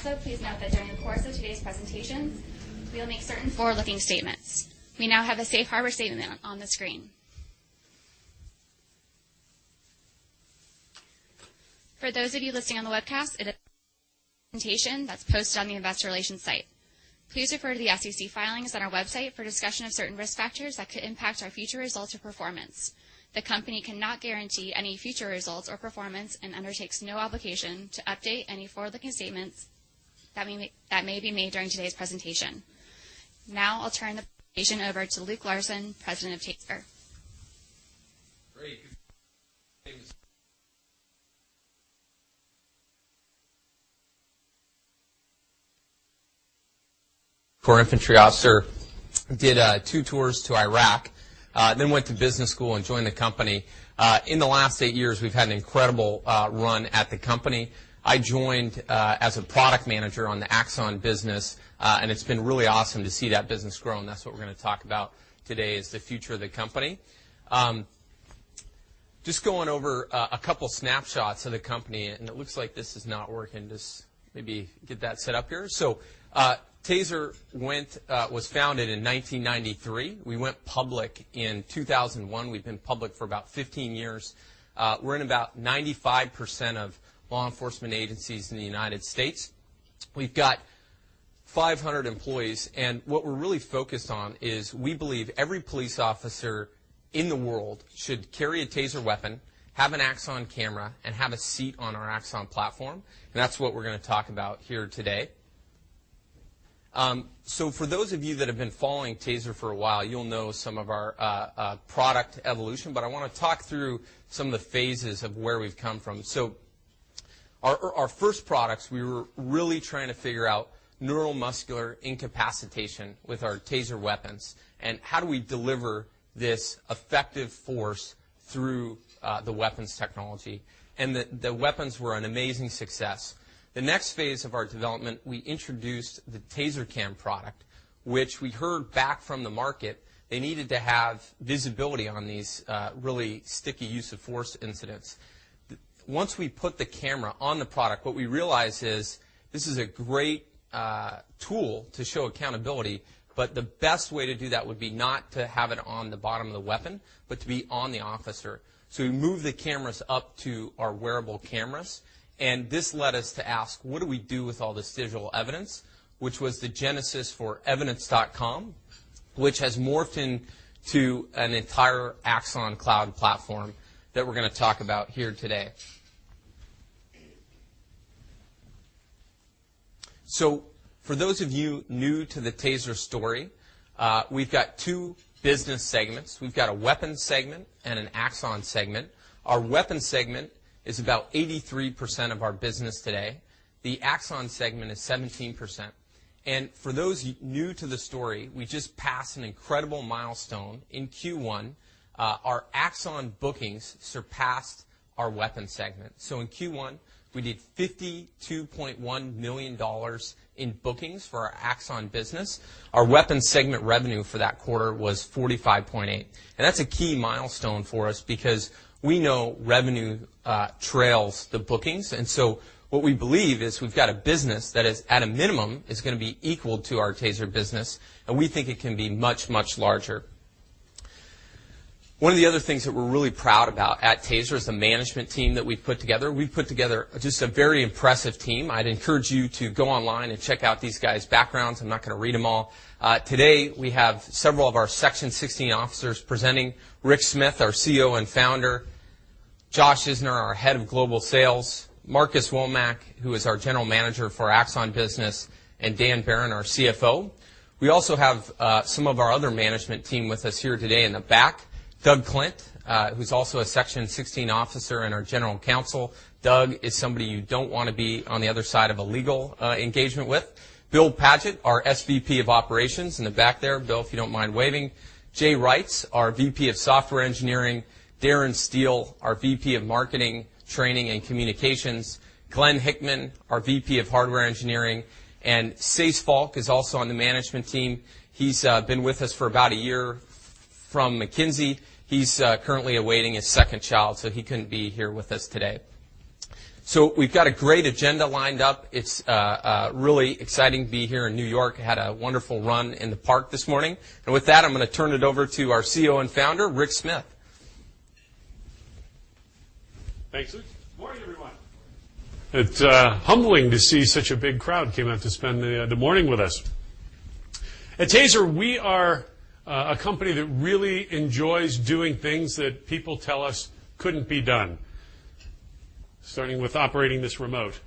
Session today regarding specific deals that we have in our pipeline. As the presentation is being webcast, please ask all questions via the microphone that we'll be providing. Also, please note that during the course of today's presentation, we'll make certain forward-looking statements. We now have a safe harbor statement on the screen. For those of you listening on the webcast, it is a presentation that's posted on the Investor Relations site. Please refer to the SEC filings on our website for discussion of certain risk factors that could impact our future results or performance. The company cannot guarantee any future results or performance and undertakes no obligation to update any forward-looking statements that may be made during today's presentation. Now, I'll turn the presentation over to Luke Larson, President of TASER. Great. Thanks. Corps infantry officer, did 2 tours to Iraq, then went to business school and joined the company. In the last 8 years, we've had an incredible run at the company. I joined as a product manager on the Axon business, and it's been really awesome to see that business grow, and that's what we're gonna talk about today, is the future of the company. Just going over a couple snapshots of the company, and it looks like this is not working. Just maybe get that set up here. So, TASER went... was founded in 1993. We went public in 2001. We've been public for about 15 years. We're in about 95% of law enforcement agencies in the United States. We've got 500 employees, and what we're really focused on is, we believe every police officer in the world should carry a TASER weapon, have an Axon camera, and have a seat on our Axon platform, and that's what we're gonna talk about here today. So for those of you that have been following TASER for a while, you'll know some of our product evolution, but I wanna talk through some of the phases of where we've come from. So our first products, we were really trying to figure out neuromuscular incapacitation with our TASER weapons, and how do we deliver this effective force through the weapons technology? And the weapons were an amazing success. The next phase of our development, we introduced the TASER Cam product, which we heard back from the market. They needed to have visibility on these, really sticky use-of-force incidents. Once we put the camera on the product, what we realized is, this is a great, tool to show accountability, but the best way to do that would be not to have it on the bottom of the weapon, but to be on the officer. So we moved the cameras up to our wearable cameras, and this led us to ask, "What do we do with all this digital evidence?" Which was the genesis for Evidence.com, which has morphed into an entire Axon cloud platform that we're gonna talk about here today. So for those of you new to the TASER story, we've got two business segments. We've got a weapons segment and an Axon segment. Our weapons segment is about 83% of our business today. The Axon segment is 17%, and for those new to the story, we just passed an incredible milestone in Q1. Our Axon bookings surpassed our weapons segment. So in Q1, we did $52.1 million in bookings for our Axon business. Our weapons segment revenue for that quarter was $45.8 million, and that's a key milestone for us because we know revenue trails the bookings. And so what we believe is we've got a business that is, at a minimum, is gonna be equal to our TASER business, and we think it can be much, much larger. One of the other things that we're really proud about at TASER is the management team that we've put together. We've put together just a very impressive team. I'd encourage you to go online and check out these guys' backgrounds. I'm not gonna read them all. Today, we have several of our Section 16 officers presenting. Rick Smith, our CEO and founder, Josh Isner, our head of global sales, Marcus Womack, who is our general manager for Axon business, and Dan Behrendt, our CFO. We also have some of our other management team with us here today in the back. Doug Klint, who's also a Section 16 officer and our general counsel. Doug is somebody you don't want to be on the other side of a legal engagement with. Bill Pagel, our SVP of operations, in the back there. Bill, if you don't mind waving. Jay Reitz, our VP of software engineering. Darren Steele, our VP of marketing, training, and communications. Glenn Hickman, our VP of hardware engineering. Sid Falk is also on the management team. He's been with us for about a year from McKinsey. He's currently awaiting his second child, so he couldn't be here with us today. We've got a great agenda lined up. It's really exciting to be here in New York. Had a wonderful run in the park this morning, and with that, I'm gonna turn it over to our CEO and founder, Rick Smith. Thanks, Luke. Good morning, everyone. It's humbling to see such a big crowd came out to spend the morning with us. At TASER, we are a company that really enjoys doing things that people tell us couldn't be done, starting with operating this remote.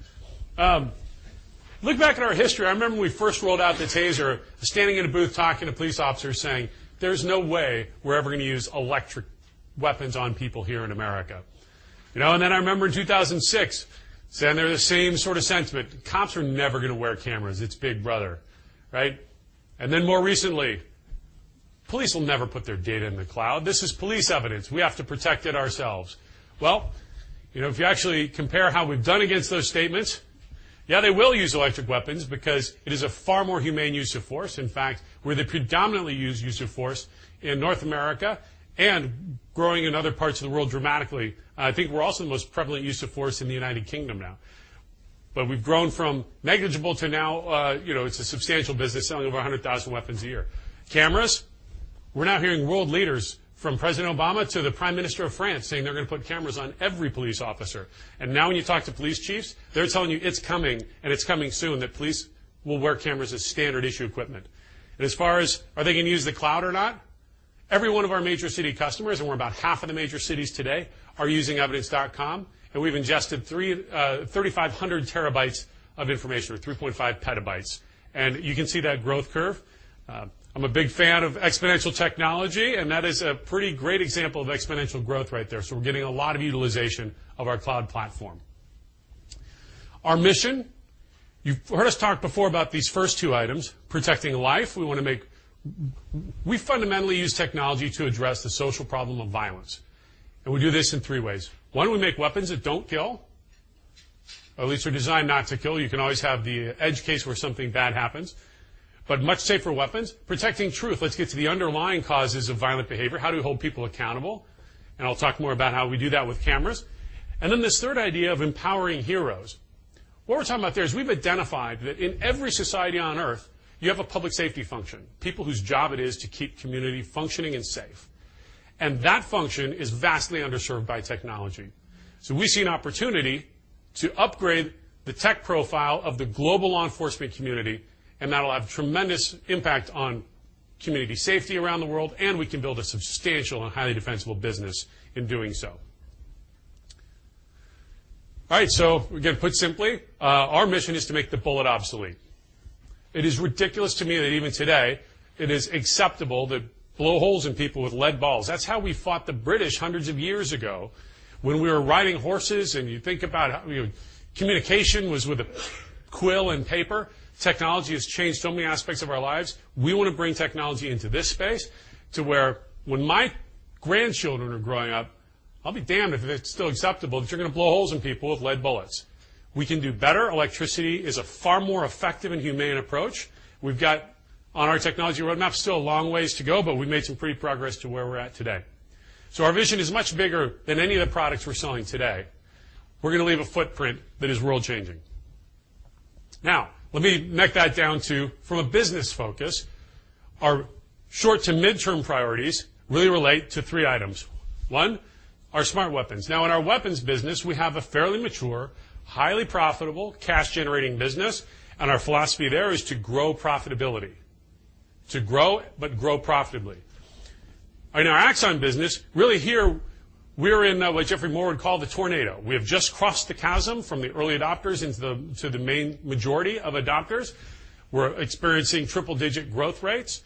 Look back at our history. I remember when we first rolled out the TASER, standing in a booth talking to police officers saying, "There's no way we're ever gonna use electric weapons on people here in America." You know, and then I remember in 2006, saying they're the same sort of sentiment. "Cops are never gonna wear cameras. It's Big Brother," right? And then more recently- ... Police will never put their data in the cloud. This is police evidence. We have to protect it ourselves. Well, you know, if you actually compare how we've done against those statements, yeah, they will use electric weapons because it is a far more humane use of force. In fact, we're the predominantly used use of force in North America and growing in other parts of the world dramatically. I think we're also the most prevalent use of force in the United Kingdom now. But we've grown from negligible to now, you know, it's a substantial business, selling over 100,000 weapons a year. Cameras, we're now hearing world leaders, from President Obama to the Prime Minister of France, saying they're gonna put cameras on every police officer. Now, when you talk to police chiefs, they're telling you it's coming, and it's coming soon, that police will wear cameras as standard-issue equipment. As far as, are they gonna use the cloud or not? Every one of our major city customers, and we're about half of the major cities today, are using Evidence.com, and we've ingested 3,500 TB of information, or 3.5 PB. You can see that growth curve. I'm a big fan of exponential technology, and that is a pretty great example of exponential growth right there, so we're getting a lot of utilization of our cloud platform. Our mission, you've heard us talk before about these first two items, protecting life, we wanna make... We fundamentally use technology to address the social problem of violence, and we do this in three ways. One, we make weapons that don't kill, or at least are designed not to kill. You can always have the edge case where something bad happens, but much safer weapons. Protecting truth, let's get to the underlying causes of violent behavior. How do we hold people accountable? I'll talk more about how we do that with cameras. This third idea of empowering heroes. What we're talking about there is, we've identified that in every society on Earth, you have a public safety function, people whose job it is to keep community functioning and safe, and that function is vastly underserved by technology. So we see an opportunity to upgrade the tech profile of the global law enforcement community, and that'll have tremendous impact on community safety around the world, and we can build a substantial and highly defensible business in doing so. All right, so again, put simply, our mission is to make the bullet obsolete. It is ridiculous to me that even today, it is acceptable to blow holes in people with lead balls. That's how we fought the British hundreds of years ago when we were riding horses, and you think about how, you know, communication was with a quill and paper. Technology has changed so many aspects of our lives. We want to bring technology into this space to where when my grandchildren are growing up, I'll be damned if it's still acceptable that you're gonna blow holes in people with lead bullets. We can do better. Electricity is a far more effective and humane approach. We've got, on our technology roadmap, still a long ways to go, but we've made some pretty progress to where we're at today. So our vision is much bigger than any of the products we're selling today. We're gonna leave a footprint that is world-changing. Now, let me break that down to, from a business focus, our short to mid-term priorities really relate to three items. One, our smart weapons. Now, in our weapons business, we have a fairly mature, highly profitable, cash-generating business, and our philosophy there is to grow profitability. To grow, but grow profitably. In our Axon business, really here, we're in what Geoffrey Moore would call the tornado. We have just crossed the chasm from the early adopters into the main majority of adopters. We're experiencing triple-digit growth rates.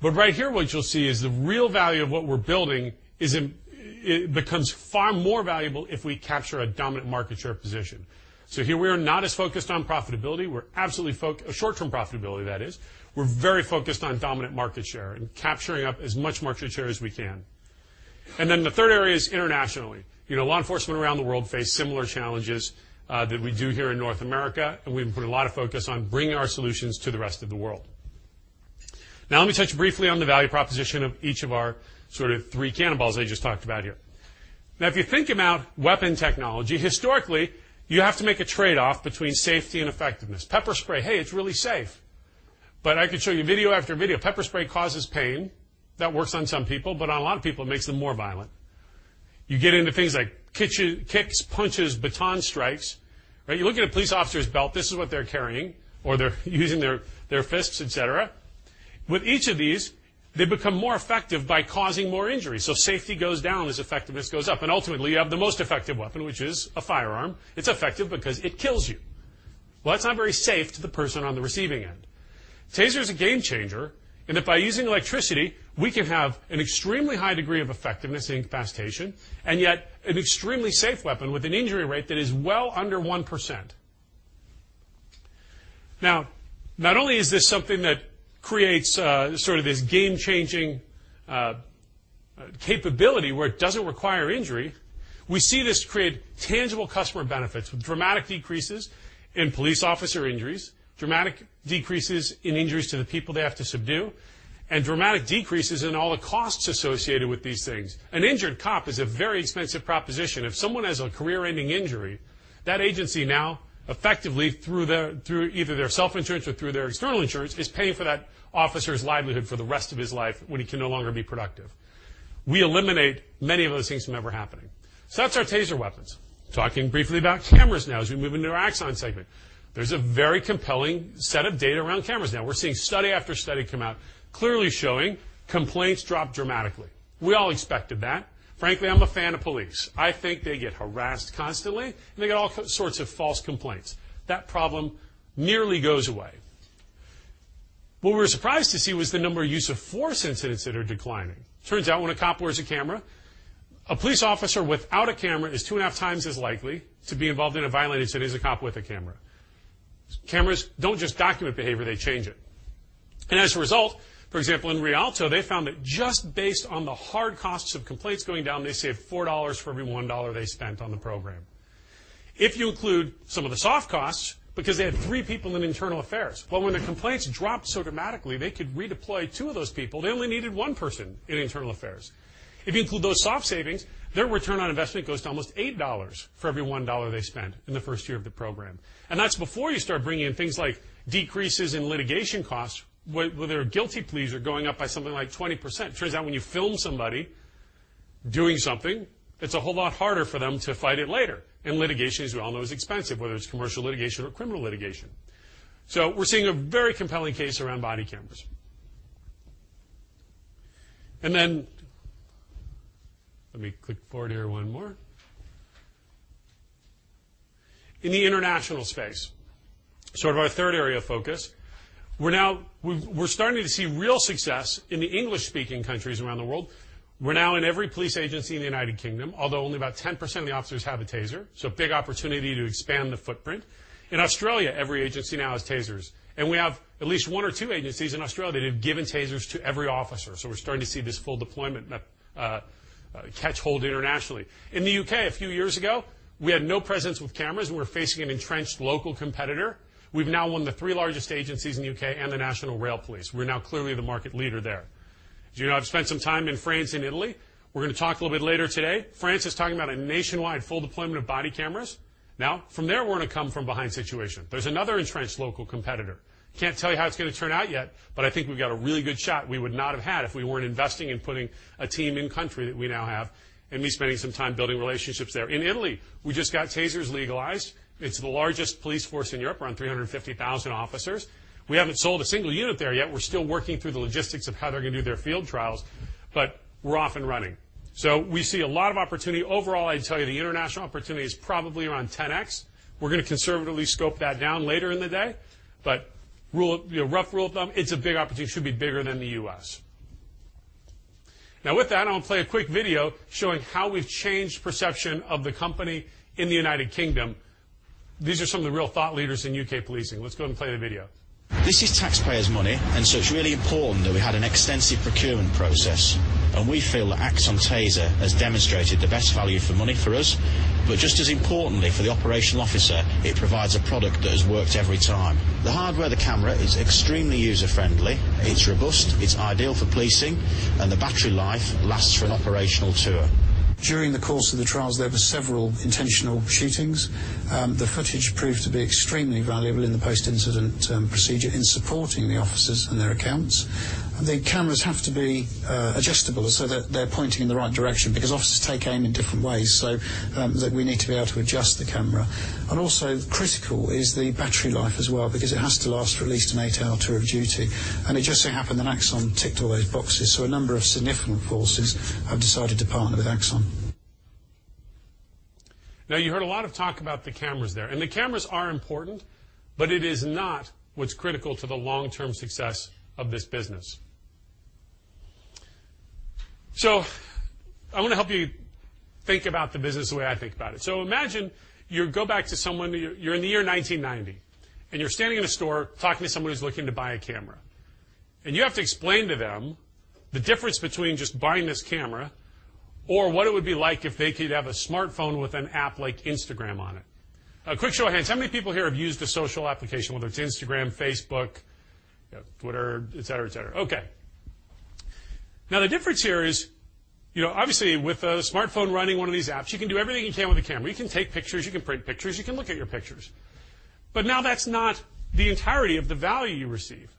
But right here, what you'll see is the real value of what we're building is it becomes far more valuable if we capture a dominant market share position. So here, we are not as focused on profitability. We're absolutely focused on short-term profitability, that is. We're very focused on dominant market share and capturing up as much market share as we can. Then, the third area is internationally. You know, law enforcement around the world face similar challenges that we do here in North America, and we've put a lot of focus on bringing our solutions to the rest of the world. Now, let me touch briefly on the value proposition of each of our sort of three cannonballs I just talked about here. Now, if you think about weapon technology, historically, you have to make a trade-off between safety and effectiveness. Pepper spray, hey, it's really safe, but I could show you video after video, pepper spray causes pain. That works on some people, but on a lot of people, it makes them more violent. You get into things like kicks, punches, baton strikes. Right? You look at a police officer's belt, this is what they're carrying, or they're using their, their fists, et cetera. With each of these, they become more effective by causing more injury, so safety goes down as effectiveness goes up, and ultimately, you have the most effective weapon, which is a firearm. It's effective because it kills you. Well, that's not very safe to the person on the receiving end. TASER is a game changer in that by using electricity, we can have an extremely high degree of effectiveness in incapacitation and yet an extremely safe weapon with an injury rate that is well under 1%. Now, not only is this something that creates, sort of this game-changing, capability where it doesn't require injury, we see this create tangible customer benefits with dramatic decreases in police officer injuries, dramatic decreases in injuries to the people they have to subdue, and dramatic decreases in all the costs associated with these things. An injured cop is a very expensive proposition. If someone has a career-ending injury, that agency now, effectively, through their, through either their self-insurance or through their external insurance, is paying for that officer's livelihood for the rest of his life when he can no longer be productive. We eliminate many of those things from ever happening. So that's our Taser weapons. Talking briefly about cameras now, as we move into our Axon segment. There's a very compelling set of data around cameras. Now, we're seeing study after study come out, clearly showing complaints dropped dramatically. We all expected that. Frankly, I'm a fan of police. I think they get harassed constantly, and they get all sorts of false complaints. That problem nearly goes away. What we were surprised to see was the number of use-of-force incidents that are declining. Turns out, when a cop wears a camera, a police officer without a camera is 2.5 times as likely to be involved in a violent incident as a cop with a camera. Cameras don't just document behavior, they change it. And as a result, for example, in Rialto, they found that just based on the hard costs of complaints going down, they saved $4 for every $1 they spent on the program. If you include some of the soft costs, because they had 3 people in internal affairs, but when the complaints dropped so dramatically, they could redeploy 2 of those people. They only needed 1 person in internal affairs. If you include those soft savings, their return on investment goes to almost $8 for every $1 they spent in the first year of the program, and that's before you start bringing in things like decreases in litigation costs, where their guilty pleas are going up by something like 20%. Turns out, when you film somebody doing something, it's a whole lot harder for them to fight it later, and litigation, as we all know, is expensive, whether it's commercial litigation or criminal litigation. So we're seeing a very compelling case around body cameras. And then, let me click forward here one more. In the international space, sort of our third area of focus, we're now—we're starting to see real success in the English-speaking countries around the world. We're now in every police agency in the United Kingdom, although only about 10% of the officers have a TASER, so big opportunity to expand the footprint. In Australia, every agency now has TASERs, and we have at least one or two agencies in Australia that have given TASERS to every officer, so we're starting to see this full deployment catch hold internationally. In the U.K., a few years ago, we had no presence with cameras. We were facing an entrenched local competitor. We've now won the three largest agencies in the U.K. and the British Transport Police. We're now clearly the market leader there. As you know, I've spent some time in France and Italy. We're gonna talk a little bit later today. France is talking about a nationwide full deployment of body cameras. Now, from there, we're in a come-from-behind situation. There's another entrenched local competitor. Can't tell you how it's gonna turn out yet, but I think we've got a really good shot we would not have had if we weren't investing in putting a team in-country that we now have and me spending some time building relationships there. In Italy, we just got TASERs legalized. It's the largest police force in Europe, around 350,000 officers. We haven't sold a single unit there yet. We're still working through the logistics of how they're gonna do their field trials, but we're off and running. So we see a lot of opportunity. Overall, I'd tell you, the international opportunity is probably around 10x. We're gonna conservatively scope that down later in the day, but rule... You know, rough rule of thumb, it's a big opportunity. Should be bigger than the U.S. Now, with that, I want to play a quick video showing how we've changed perception of the company in the United Kingdom. These are some of the real thought leaders in UK policing. Let's go and play the video. This is taxpayers' money, and so it's really important that we had an extensive procurement process, and we feel that Axon TASER has demonstrated the best value for money for us. But just as importantly, for the operational officer, it provides a product that has worked every time. The hardware of the camera is extremely user-friendly. It's robust, it's ideal for policing, and the battery life lasts for an operational tour. During the course of the trials, there were several intentional shootings. The footage proved to be extremely valuable in the post-incident procedure in supporting the officers and their accounts. The cameras have to be adjustable so that they're pointing in the right direction, because officers take aim in different ways, so that we need to be able to adjust the camera. And also, critical is the battery life as well, because it has to last for at least an eight-hour tour of duty, and it just so happened that Axon ticked all those boxes, so a number of significant forces have decided to partner with Axon. Now, you heard a lot of talk about the cameras there, and the cameras are important, but it is not what's critical to the long-term success of this business. So I want to help you think about the business the way I think about it. So imagine you go back to someone. You're in the year 1990, and you're standing in a store talking to someone who's looking to buy a camera, and you have to explain to them the difference between just buying this camera or what it would be like if they could have a smartphone with an app like Instagram on it. A quick show of hands, how many people here have used a social application, whether it's Instagram, Facebook, Twitter, et cetera, et cetera? Okay. Now, the difference here is, you know, obviously, with a smartphone running one of these apps, you can do everything you can with a camera. You can take pictures, you can print pictures, you can look at your pictures. But now, that's not the entirety of the value you receive.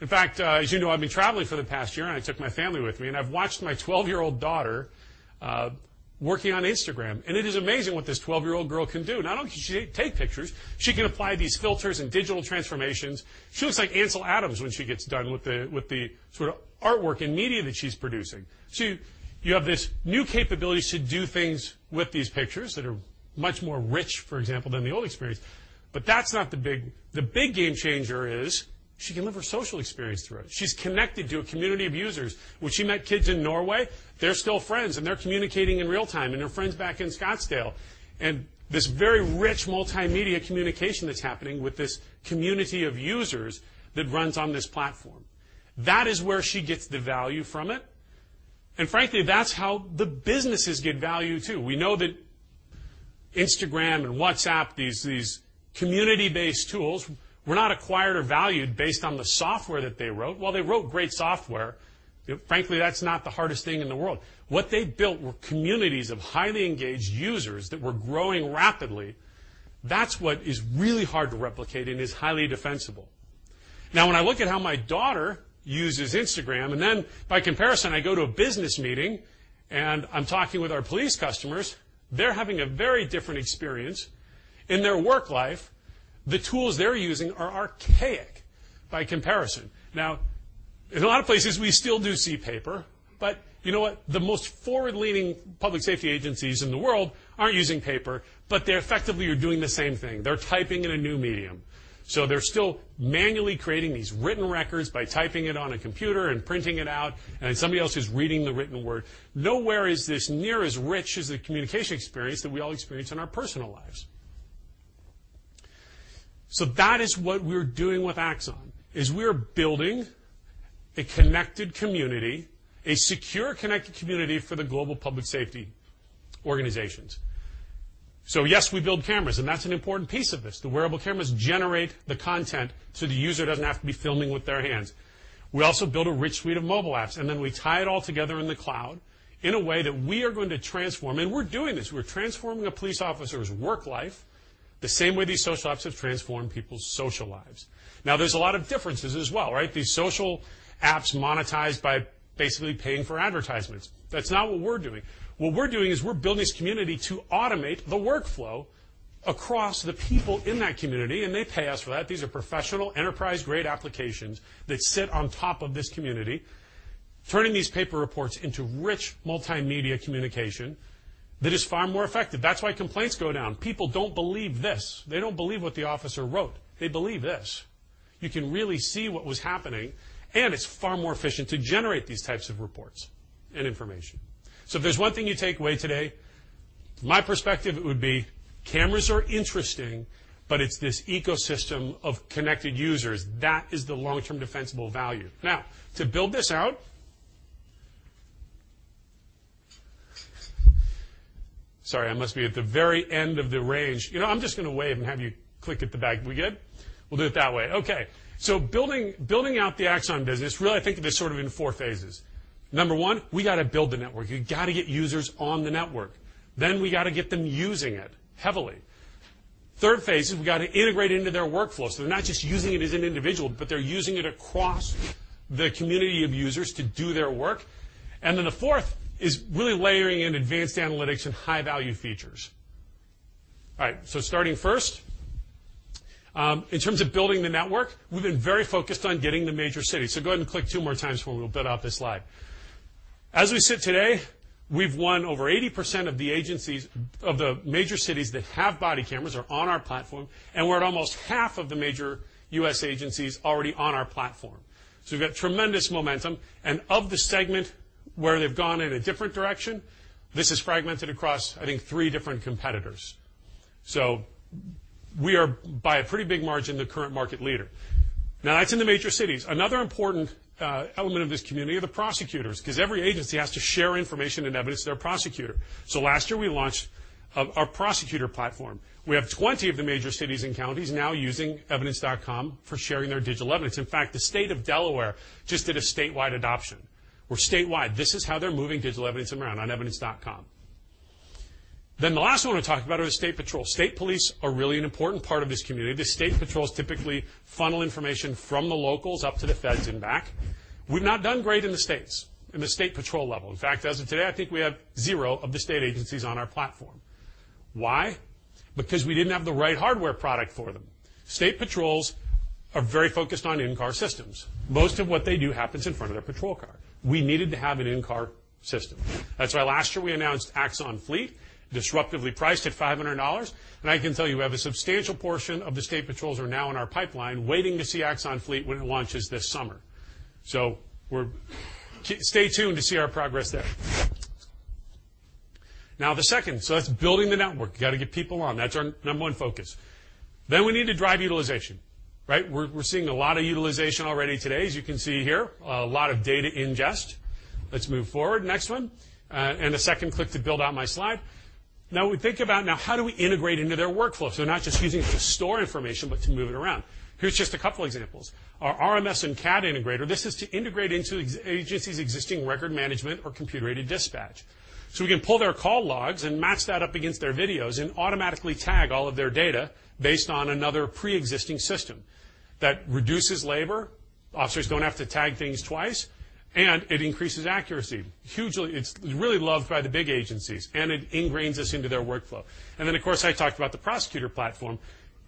In fact, as you know, I've been traveling for the past year, and I took my family with me, and I've watched my 12-year-old daughter working on Instagram, and it is amazing what this 12-year-old girl can do. Not only can she take pictures, she can apply these filters and digital transformations. She looks like Ansel Adams when she gets done with the sort of artwork and media that she's producing. So you have this new capability to do things with these pictures that are much more rich, for example, than the old experience. But that's not the big... The big game changer is she can live her social experience through it. She's connected to a community of users. When she met kids in Norway, they're still friends, and they're communicating in real time, and her friends back in Scottsdale. And this very rich multimedia communication that's happening with this community of users that runs on this platform, that is where she gets the value from it, and frankly, that's how the businesses get value, too. We know that Instagram and WhatsApp, these community-based tools, were not acquired or valued based on the software that they wrote. While they wrote great software, frankly, that's not the hardest thing in the world. What they built were communities of highly engaged users that were growing rapidly. That's what is really hard to replicate and is highly defensible. Now, when I look at how my daughter uses Instagram, and then by comparison, I go to a business meeting, and I'm talking with our police customers, they're having a very different experience. In their work life, the tools they're using are archaic by comparison. Now, in a lot of places, we still do see paper, but you know what? The most forward-leaning public safety agencies in the world aren't using paper, but they effectively are doing the same thing. They're typing in a new medium. So they're still manually creating these written records by typing it on a computer and printing it out, and then somebody else is reading the written word. Nowhere is this near as rich as the communication experience that we all experience in our personal lives.... So that is what we're doing with Axon, is we're building a connected community, a secure, connected community for the global public safety organizations. So yes, we build cameras, and that's an important piece of this. The wearable cameras generate the content, so the user doesn't have to be filming with their hands. We also build a rich suite of mobile apps, and then we tie it all together in the cloud in a way that we are going to transform, and we're doing this. We're transforming a police officer's work life, the same way these social apps have transformed people's social lives. Now, there's a lot of differences as well, right? These social apps monetized by basically paying for advertisements. That's not what we're doing. What we're doing is we're building this community to automate the workflow across the people in that community, and they pay us for that. These are professional, enterprise-grade applications that sit on top of this community, turning these paper reports into rich multimedia communication that is far more effective. That's why complaints go down. People don't believe this. They don't believe what the officer wrote. They believe this. You can really see what was happening, and it's far more efficient to generate these types of reports and information. So if there's one thing you take away today, my perspective, it would be, cameras are interesting, but it's this ecosystem of connected users. That is the long-term defensible value. Now, to build this out... Sorry, I must be at the very end of the range. You know, I'm just gonna wave and have you click at the back. We good? We'll do it that way. Okay, so building out the Axon business, really, I think of it sort of in four phases. Number 1, we gotta build the network. You gotta get users on the network. Then we gotta get them using it, heavily. Third phase is we gotta integrate into their workflow, so they're not just using it as an individual, but they're using it across the community of users to do their work. And then the fourth is really layering in advanced analytics and high-value features. All right, so starting first, in terms of building the network, we've been very focused on getting the major cities. So go ahead and click 2 more times for me. We'll build out this slide. As we sit today, we've won over 80% of the agencies, of the major cities that have body cameras are on our platform, and we're at almost half of the major U.S. agencies already on our platform. So we've got tremendous momentum, and of the segment where they've gone in a different direction, this is fragmented across, I think, three different competitors. So we are, by a pretty big margin, the current market leader. Now, that's in the major cities. Another important element of this community are the prosecutors, because every agency has to share information and evidence to their prosecutor. So last year, we launched our prosecutor platform. We have 20 of the major cities and counties now using Evidence.com for sharing their digital evidence. In fact, the State of Delaware just did a statewide adoption, where statewide, this is how they're moving digital evidence around, on Evidence.com. Then the last one I want to talk about is state patrol. State police are really an important part of this community. The state patrols typically funnel information from the locals up to the feds and back. We've not done great in the states, in the state patrol level. In fact, as of today, I think we have zero of the state agencies on our platform. Why? Because we didn't have the right hardware product for them. State patrols are very focused on in-car systems. Most of what they do happens in front of their patrol car. We needed to have an in-car system. That's why last year we announced Axon Fleet, disruptively priced at $500, and I can tell you, we have a substantial portion of the state patrols are now in our pipeline, waiting to see Axon Fleet when it launches this summer. So we're. Stay tuned to see our progress there. Now, the second, so that's building the network. You gotta get people on. That's our number one focus. Then we need to drive utilization, right? We're, we're seeing a lot of utilization already today, as you can see here, a lot of data ingest. Let's move forward, next one, and a second click to build out my slide. Now, we think about now, how do we integrate into their workflows? They're not just using it to store information, but to move it around. Here's just a couple examples. Our RMS and CAD integrator, this is to integrate into an agency's existing record management or computer-aided dispatch. So we can pull their call logs and match that up against their videos and automatically tag all of their data based on another pre-existing system. That reduces labor, officers don't have to tag things twice, and it increases accuracy. Hugely, it's really loved by the big agencies, and it ingrains us into their workflow. Then, of course, I talked about the prosecutor platform,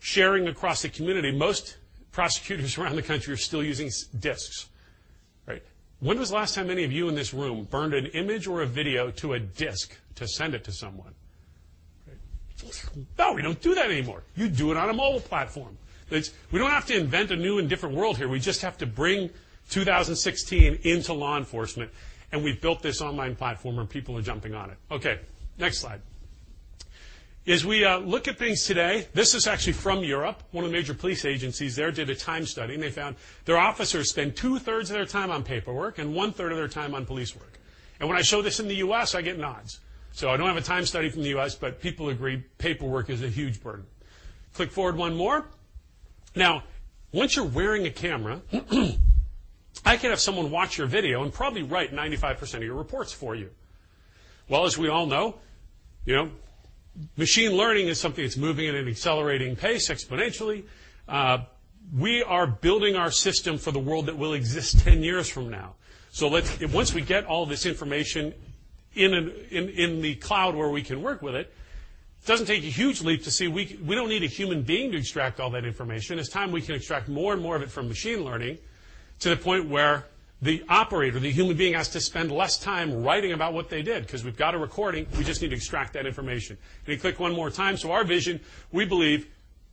sharing across the community. Most prosecutors around the country are still using CDs. Right? When was the last time any of you in this room burned an image or a video to a disk to send it to someone? No, we don't do that anymore. You do it on a mobile platform. It's. We don't have to invent a new and different world here. We just have to bring 2016 into law enforcement, and we've built this online platform, and people are jumping on it. Okay, next slide. As we look at things today, this is actually from Europe. One of the major police agencies there did a time study, and they found their officers spend two-thirds of their time on paperwork and one-third of their time on police work. When I show this in the U.S., I get nods. So I don't have a time study from the U.S., but people agree paperwork is a huge burden. Click forward 1 more. Now, once you're wearing a camera, I can have someone watch your video and probably write 95% of your reports for you. Well, as we all know, you know, machine learning is something that's moving at an accelerating pace exponentially. We are building our system for the world that will exist 10 years from now. So let's... Once we get all this information in the cloud where we can work with it, doesn't take a huge leap to see we don't need a human being to extract all that information. As time, we can extract more and more of it from machine learning to the point where the operator, the human being, has to spend less time writing about what they did. Because we've got a recording, we just need to extract that information. Can you click one more time? So our vision, we believe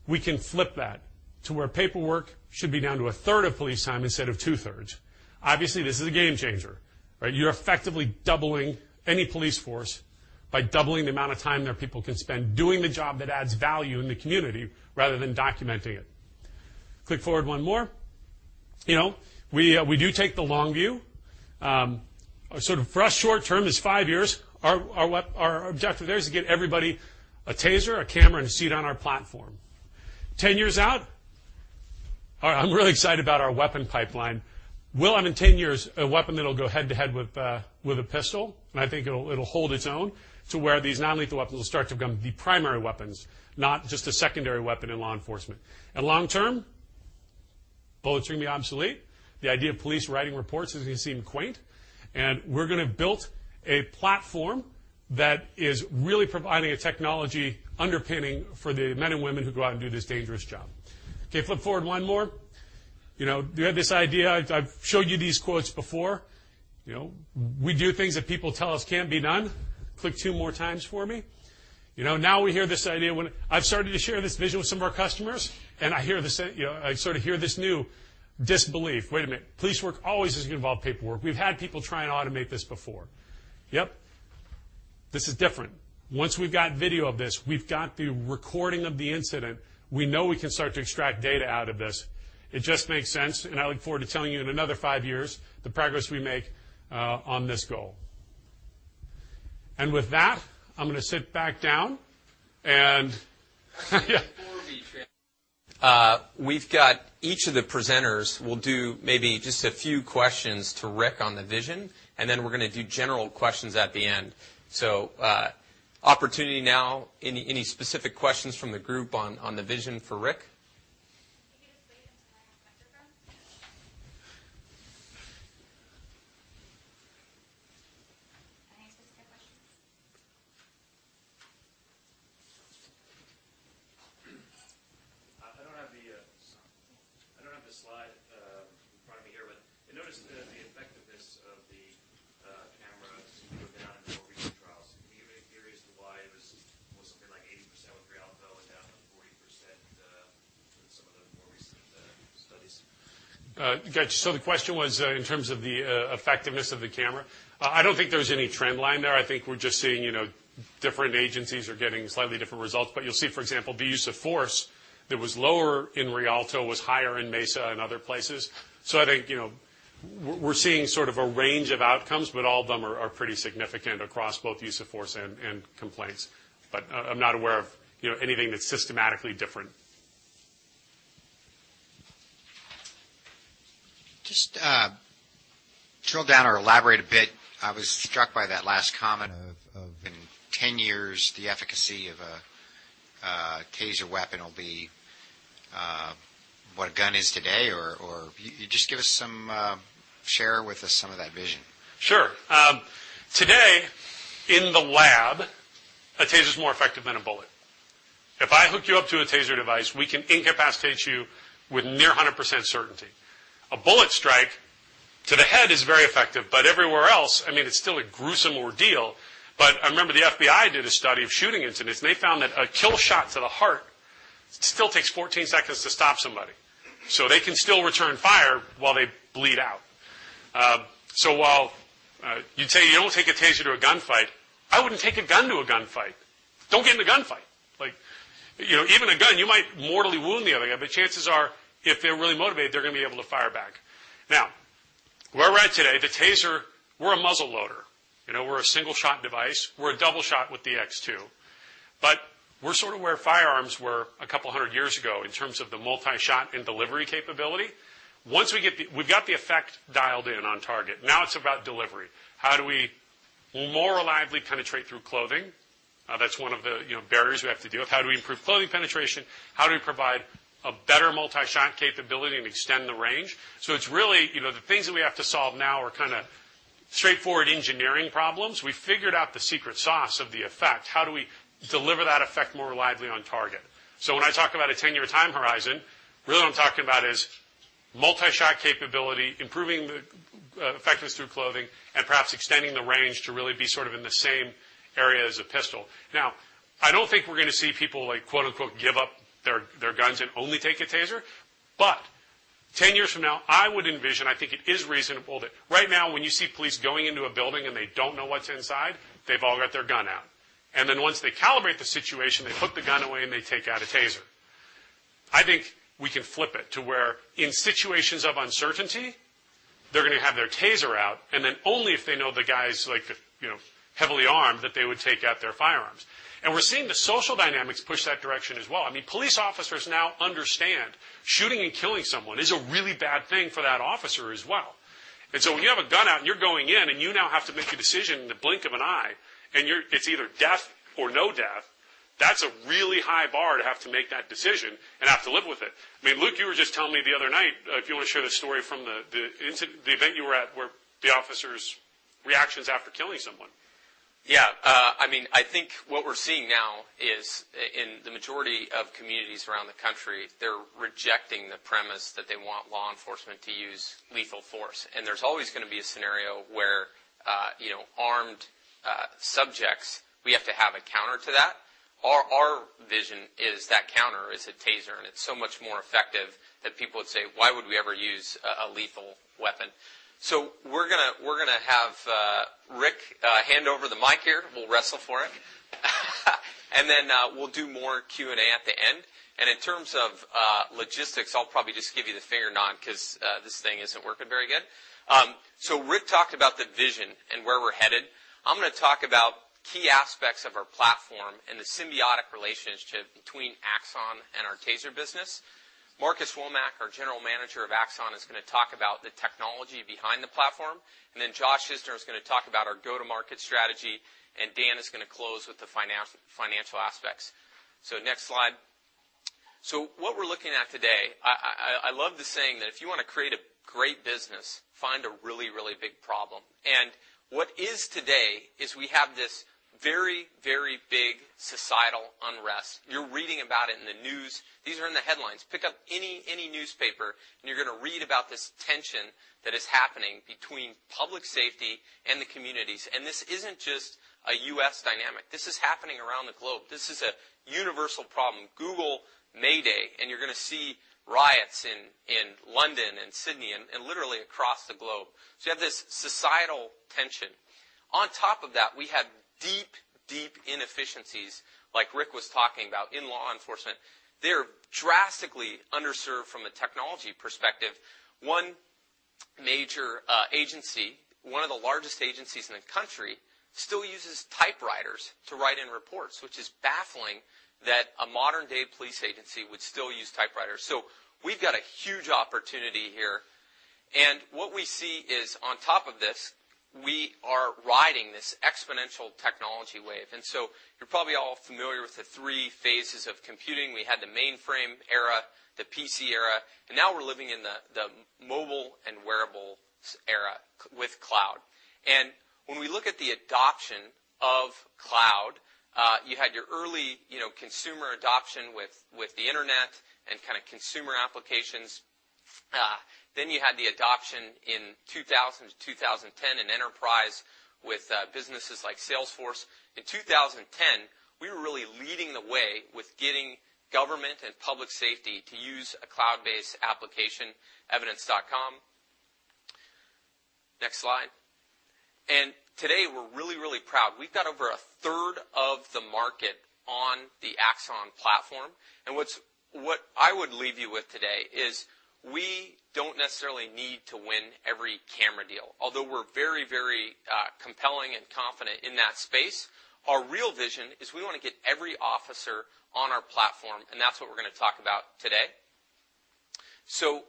we can flip that to where paperwork should be down to a third of police time instead of two-thirds. Obviously, this is a game changer, right? You're effectively doubling any police force by doubling the amount of time their people can spend doing the job that adds value in the community rather than documenting it. Click forward one more. You know, we do take the long view. Sort of for us, short term is five years. Our objective there is to get everybody a TASER, a camera, and a seat on our platform. 10 years out, I'm really excited about our weapon pipeline. We'll have in 10 years, a weapon that'll go head-to-head with a pistol, and I think it'll hold its own, to where these non-lethal weapons will start to become the primary weapons, not just a secondary weapon in law enforcement. And long term, bullets are gonna be obsolete. The idea of police writing reports is gonna seem quaint, and we're gonna have built a platform that is really providing a technology underpinning for the men and women who go out and do this dangerous job. Okay, flip forward one more. You know, we had this idea... I've showed you these quotes before. You know, we do things that people tell us can't be done. Click two more times for me. You know, now we hear this idea when—I've started to share this vision with some of our customers, and I hear the same. You know, I sort of hear this new disbelief. "Wait a minute. Police work always has involved paperwork. We've had people try and automate this before." Yep, this is different. Once we've got video of this, we've got the recording of the incident, we know we can start to extract data out of this. It just makes sense, and I look forward to telling you in another five years, the progress we make on this goal. And with that, I'm gonna sit back down, and yeah. We've got each of the presenters will do maybe just a few questions to Rick on the vision, and then we're gonna do general questions at the end. Opportunity now, any specific questions from the group on the vision for Rick? Can you just wait until I get the microphone? Any specific questions? I don't have the slide in front of me here, but I noticed that the effectiveness of the cameras went down in more recent trials. Can you give any theories to why it was something like 80% with Rialto and down to 40% in some of the more recent studies? Got you. So the question was, in terms of the, effectiveness of the camera? I don't think there's any trend line there. I think we're just seeing, you know, different agencies are getting slightly different results. But you'll see, for example, the use of force that was lower in Rialto was higher in Mesa and other places. So I think, you know, we're seeing sort of a range of outcomes, but all of them are, are pretty significant across both use of force and, and complaints. But I'm not aware of, you know, anything that's systematically different. Just, drill down or elaborate a bit. I was struck by that last comment of in 10 years, the efficacy of a TASER weapon will be what a gun is today, or... Just give us some, share with us some of that vision. Sure. Today, in the lab, a TASER is more effective than a bullet. If I hook you up to a TASER device, we can incapacitate you with near 100% certainty. A bullet strike to the head is very effective, but everywhere else, I mean, it's still a gruesome ordeal. But I remember the FBI did a study of shooting incidents, and they found that a kill shot to the heart still takes 14 seconds to stop somebody. So they can still return fire while they bleed out. So while, you'd say you don't take a TASER to a gunfight, I wouldn't take a gun to a gunfight. Don't get in a gunfight. Like, you know, even a gun, you might mortally wound the other guy, but chances are, if they're really motivated, they're gonna be able to fire back. Now, where we're at today, the TASER, we're a muzzle loader. You know, we're a single-shot device. We're a double shot with the X2. But we're sort of where firearms were a couple of hundred years ago in terms of the multi-shot and delivery capability. Once we've got the effect dialed in on target. Now it's about delivery. How do we more reliably penetrate through clothing? That's one of the, you know, barriers we have to deal with. How do we improve clothing penetration? How do we provide a better multi-shot capability and extend the range? So it's really, you know, the things that we have to solve now are kind of straightforward engineering problems. We figured out the secret sauce of the effect. How do we deliver that effect more reliably on target? So when I talk about a 10-year time horizon, really, what I'm talking about is multi-shot capability, improving the effectiveness through clothing, and perhaps extending the range to really be sort of in the same area as a pistol. Now, I don't think we're gonna see people like, quote, unquote, "give up their, their guns and only take a TASER," but 10 years from now, I would envision, I think it is reasonable that right now, when you see police going into a building, and they don't know what's inside, they've all got their gun out. And then once they calibrate the situation, they put the gun away, and they take out a TASER. I think we can flip it to where, in situations of uncertainty, they're gonna have their TASER out, and then only if they know the guy's like, you know, heavily armed, that they would take out their firearms. We're seeing the social dynamics push that direction as well. I mean, police officers now understand shooting and killing someone is a really bad thing for that officer as well. So when you have a gun out, and you're going in, and you now have to make a decision in the blink of an eye, and you're, it's either death or no death, that's a really high bar to have to make that decision and have to live with it. I mean, Luke, you were just telling me the other night, if you want to share the story from the incident, the event you were at, where the officer's reactions after killing someone. Yeah. I mean, I think what we're seeing now is in the majority of communities around the country, they're rejecting the premise that they want law enforcement to use lethal force, and there's always gonna be a scenario where, you know, armed subjects, we have to have a counter to that.... Our vision is that counter is a TASER, and it's so much more effective that people would say, "Why would we ever use a lethal weapon?" So we're gonna have Rick hand over the mic here. We'll wrestle for it. And then, we'll do more Q&A at the end. And in terms of logistics, I'll probably just give you the finger nod 'cause this thing isn't working very good. So Rick talked about the vision and where we're headed. I'm gonna talk about key aspects of our platform and the symbiotic relationship between Axon and our TASER business. Marcus Womack, our General Manager of Axon, is gonna talk about the technology behind the platform, and then Josh Isner is gonna talk about our go-to-market strategy, and Dan is gonna close with the financial aspects. So next slide. So what we're looking at today, I love the saying that if you wanna create a great business, find a really, really big problem. And what is today is we have this very, very big societal unrest. You're reading about it in the news. These are in the headlines. Pick up any newspaper, and you're gonna read about this tension that is happening between public safety and the communities, and this isn't just a U.S. dynamic. This is happening around the globe. This is a universal problem. Google May Day, and you're gonna see riots in London and Sydney and literally across the globe. So you have this societal tension. On top of that, we have deep, deep inefficiencies, like Rick was talking about, in law enforcement. They're drastically underserved from a technology perspective. One major agency, one of the largest agencies in the country, still uses typewriters to write in reports, which is baffling that a modern-day police agency would still use typewriters. So we've got a huge opportunity here, and what we see is, on top of this, we are riding this exponential technology wave. And so you're probably all familiar with the three phases of computing. We had the mainframe era, the PC era, and now we're living in the mobile and wearables era with cloud. And when we look at the adoption of cloud, you had your early, you know, consumer adoption with, with the internet and kinda consumer applications. Then you had the adoption in 2000 to 2010 in enterprise with, businesses like Salesforce. In 2010, we were really leading the way with getting government and public safety to use a cloud-based application, Evidence.com. Next slide. And today, we're really, really proud. We've got over a third of the market on the Axon platform, and what I would leave you with today is we don't necessarily need to win every camera deal, although we're very, very, compelling and confident in that space. Our real vision is we wanna get every officer on our platform, and that's what we're gonna talk about today. So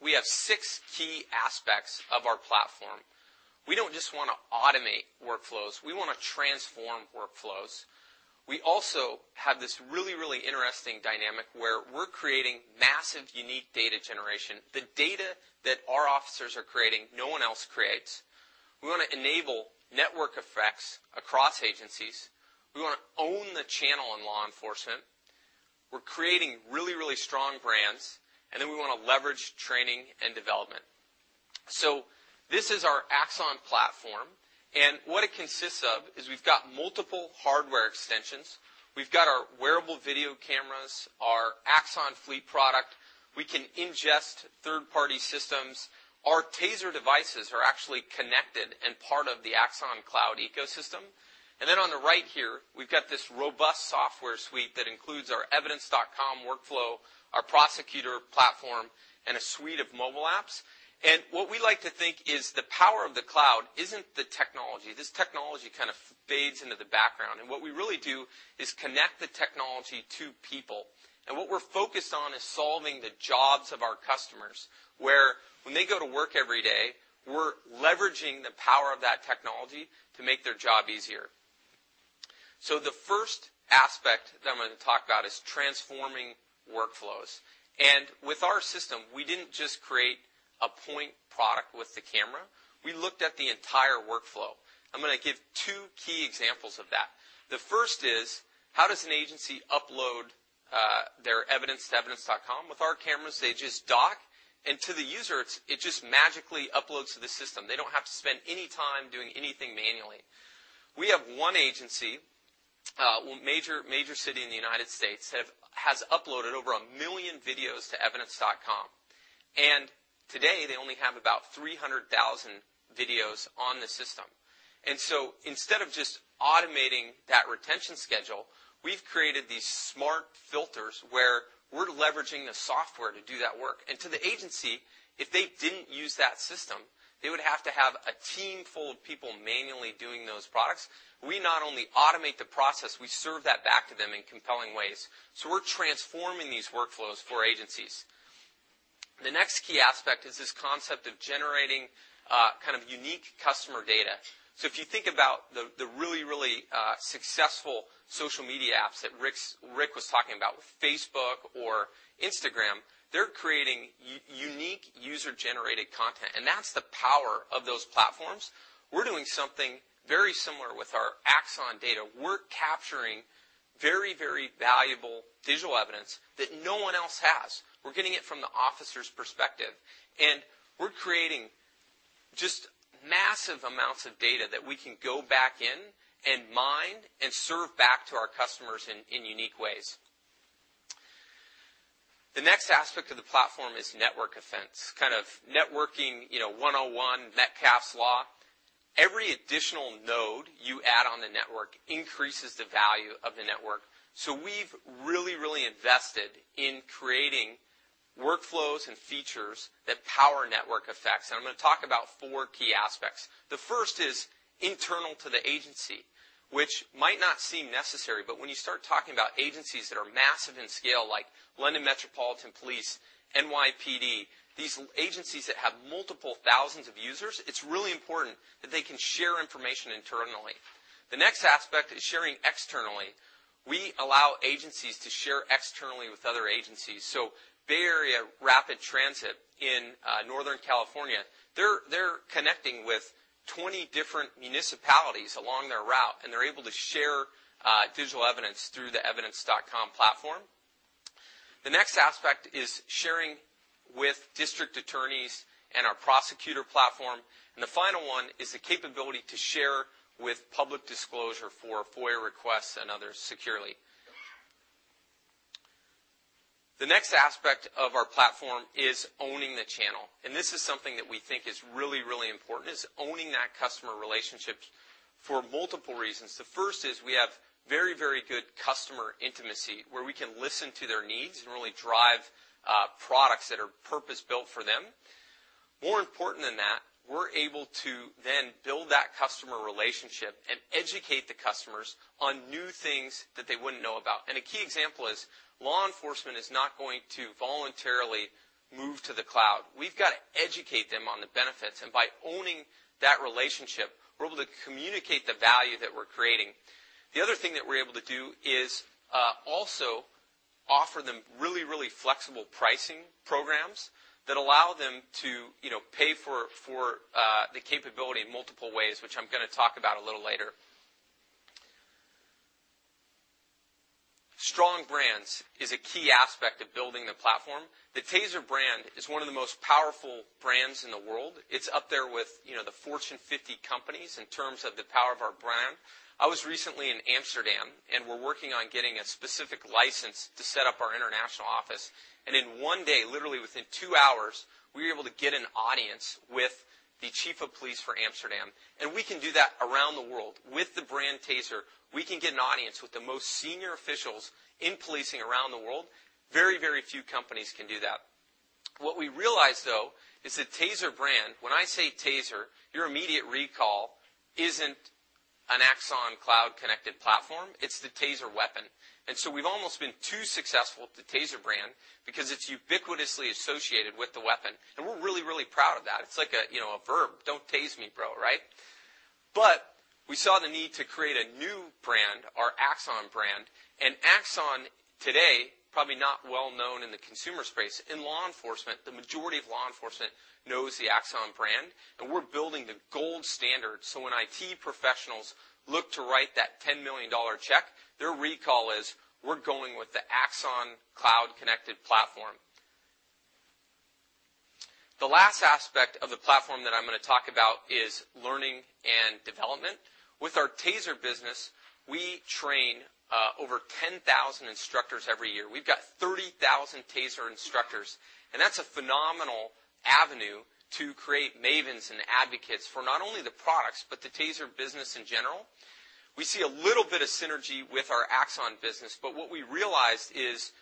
we have six key aspects of our platform. We don't just wanna automate workflows, we wanna transform workflows. We also have this really, really interesting dynamic where we're creating massive, unique data generation. The data that our officers are creating, no one else creates. We wanna enable network effects across agencies. We wanna own the channel in law enforcement. We're creating really, really strong brands, and then we wanna leverage training and development. So this is our Axon platform, and what it consists of is we've got multiple hardware extensions. We've got our wearable video cameras, our Axon Fleet product. We can ingest third-party systems. Our TASER devices are actually connected and part of the Axon cloud ecosystem. And then on the right here, we've got this robust software suite that includes our Evidence.com workflow, our prosecutor platform, and a suite of mobile apps. What we like to think is the power of the cloud isn't the technology. This technology kind of fades into the background, and what we really do is connect the technology to people. What we're focused on is solving the jobs of our customers, where when they go to work every day, we're leveraging the power of that technology to make their job easier. The first aspect that I'm gonna talk about is transforming workflows. With our system, we didn't just create a point product with the camera, we looked at the entire workflow. I'm gonna give two key examples of that. The first is, how does an agency upload their evidence to Evidence.com? With our cameras, they just dock, and to the user, it's, it just magically uploads to the system. They don't have to spend any time doing anything manually. We have one agency, one major, major city in the United States, has uploaded over 1 million videos to Evidence.com, and today they only have about 300,000 videos on the system. So instead of just automating that retention schedule, we've created these smart filters where we're leveraging the software to do that work. And to the agency, if they didn't use that system, they would have to have a team full of people manually doing those products. We not only automate the process, we serve that back to them in compelling ways, so we're transforming these workflows for agencies. The next key aspect is this concept of generating, kind of unique customer data. So if you think about the really, really successful social media apps that Rick was talking about, with Facebook or Instagram, they're creating unique user-generated content, and that's the power of those platforms. We're doing something very similar with our Axon data. We're capturing very, very valuable digital evidence that no one else has. We're getting it from the officer's perspective, and we're creating just massive amounts of data that we can go back in and mine and serve back to our customers in unique ways. The next aspect of the platform is network effects, kind of networking, you know, 101, Metcalfe's Law. Every additional node you add on the network increases the value of the network. So we've really, really invested in creating workflows and features that power network effects. And I'm gonna talk about four key aspects. The first is internal to the agency, which might not seem necessary, but when you start talking about agencies that are massive in scale, like London Metropolitan Police, NYPD, these agencies that have multiple thousands of users, it's really important that they can share information internally. The next aspect is sharing externally. We allow agencies to share externally with other agencies. So Bay Area Rapid Transit in Northern California, they're connecting with 20 different municipalities along their route, and they're able to share digital evidence through the Evidence.com platform. The next aspect is sharing with district attorneys and our prosecutor platform, and the final one is the capability to share with public disclosure for FOIA requests and others securely. The next aspect of our platform is owning the channel, and this is something that we think is really, really important, is owning that customer relationship for multiple reasons. The first is we have very, very good customer intimacy, where we can listen to their needs and really drive products that are purpose-built for them. More important than that, we're able to then build that customer relationship and educate the customers on new things that they wouldn't know about. A key example is law enforcement is not going to voluntarily move to the cloud. We've got to educate them on the benefits, and by owning that relationship, we're able to communicate the value that we're creating. The other thing that we're able to do is also offer them really, really flexible pricing programs that allow them to, you know, pay for for the capability in multiple ways, which I'm gonna talk about a little later. Strong brands is a key aspect of building the platform. The TASER brand is one of the most powerful brands in the world. It's up there with, you know, the Fortune 50companies in terms of the power of our brand. I was recently in Amsterdam, and we're working on getting a specific license to set up our international office. In one day, literally within two hours, we were able to get an audience with the chief of police for Amsterdam, and we can do that around the world. With the TASER brand, we can get an audience with the most senior officials in policing around the world. Very, very few companies can do that. What we realized, though, is the TASER brand, when I say TASER, your immediate recall isn't an Axon cloud-connected platform, it's the TASER weapon. So we've almost been too successful with the TASER brand because it's ubiquitously associated with the weapon, and we're really, really proud of that. It's like a, you know, a verb, "Don't tase me, bro," right? But we saw the need to create a new brand, our Axon brand. Axon today, probably not well known in the consumer space. In law enforcement, the majority of law enforcement knows the Axon brand, and we're building the gold standard so when IT professionals look to write that $10 million check, their recall is, "We're going with the Axon cloud-connected platform." The last aspect of the platform that I'm gonna talk about is learning and development. With our TASER business, we train over 10,000 instructors every year. We've got 30,000 TASER instructors, and that's a phenomenal avenue to create mavens and advocates for not only the products, but the TASER business in general. We see a little bit of synergy with our Axon business, but what we realized is,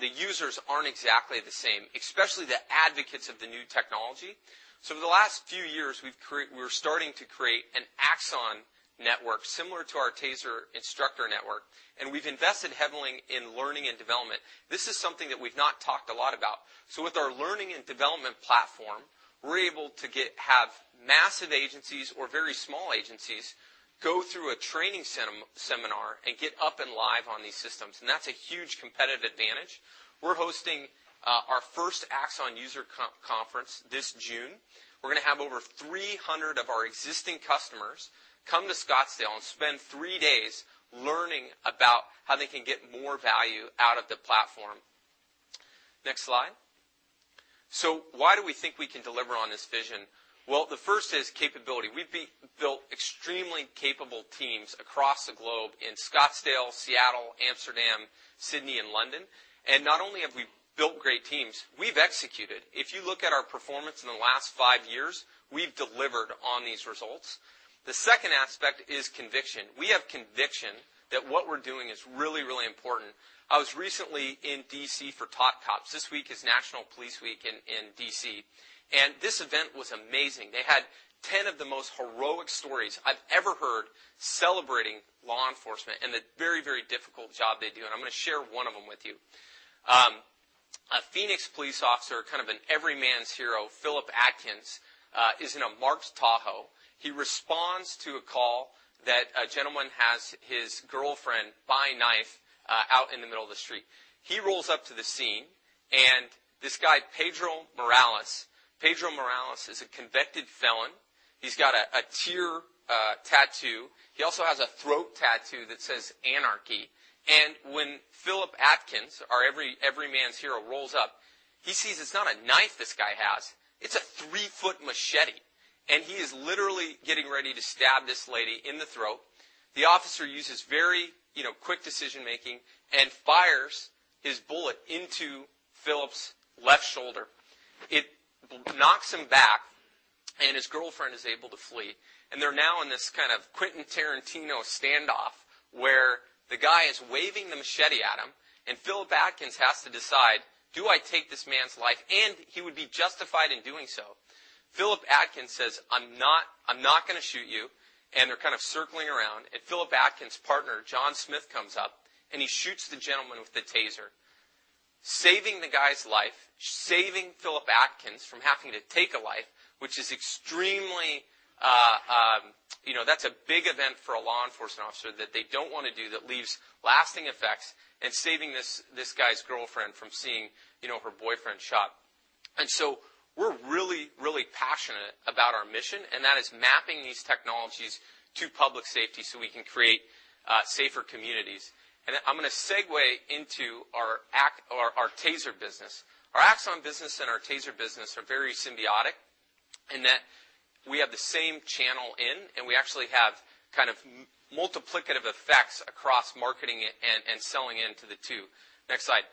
the users aren't exactly the same, especially the advocates of the new technology. So over the last few years, we're starting to create an Axon network similar to our TASER instructor network, and we've invested heavily in learning and development. This is something that we've not talked a lot about. So with our learning and development platform, we're able to have massive agencies or very small agencies go through a training seminar and get up and live on these systems, and that's a huge competitive advantage. We're hosting our first Axon user conference this June. We're gonna have over 300 of our existing customers come to Scottsdale and spend 3 days learning about how they can get more value out of the platform. Next slide. So why do we think we can deliver on this vision? Well, the first is capability. We've built extremely capable teams across the globe in Scottsdale, Seattle, Amsterdam, Sydney, and London. And not only have we built great teams, we've executed. If you look at our performance in the last 5 years, we've delivered on these results. The second aspect is conviction. We have conviction that what we're doing is really, really important. I was recently in D.C. for TOP COPS. This week is National Police Week in D.C., and this event was amazing. They had 10 of the most heroic stories I've ever heard celebrating law enforcement and the very, very difficult job they do, and I'm gonna share one of them with you. A Phoenix police officer, kind of an every man's hero, Philip Atkins is in a marked Tahoe. He responds to a call that a gentleman has his girlfriend by knife out in the middle of the street. He rolls up to the scene, and this guy, Pedro Morales. Pedro Morales is a convicted felon. He's got a tear tattoo. He also has a throat tattoo that says, "Anarchy." And when Philip Atkins, our every man's hero, rolls up, he sees it's not a knife this guy has, it's a 3-foot machete, and he is literally getting ready to stab this lady in the throat. The officer uses very, you know, quick decision-making, and fires his bullet into Philip's left shoulder. It knocks him back, and his girlfriend is able to flee, and they're now in this kind of Quentin Tarantino standoff, where the guy is waving the machete at him, and Philip Atkins has to decide: Do I take this man's life? And he would be justified in doing so. Philip Atkins says, "I'm not, I'm not gonna shoot you," and they're kind of circling around, and Philip Atkins' partner, John Smith, comes up, and he shoots the gentleman with the TASER, saving the guy's life, saving Philip Atkins from having to take a life, which is extremely, you know, that's a big event for a law enforcement officer that they don't want to do, that leaves lasting effects, and saving this, this guy's girlfriend from seeing, you know, her boyfriend shot. And so we're really, really passionate about our mission, and that is mapping these technologies to public safety, so we can create safer communities. I'm gonna segue into our Axon- our TASER business. Our Axon business and our TASER business are very symbiotic in that we have the same channel in, and we actually have kind of multiplicative effects across marketing it and, and selling into the two. Next slide.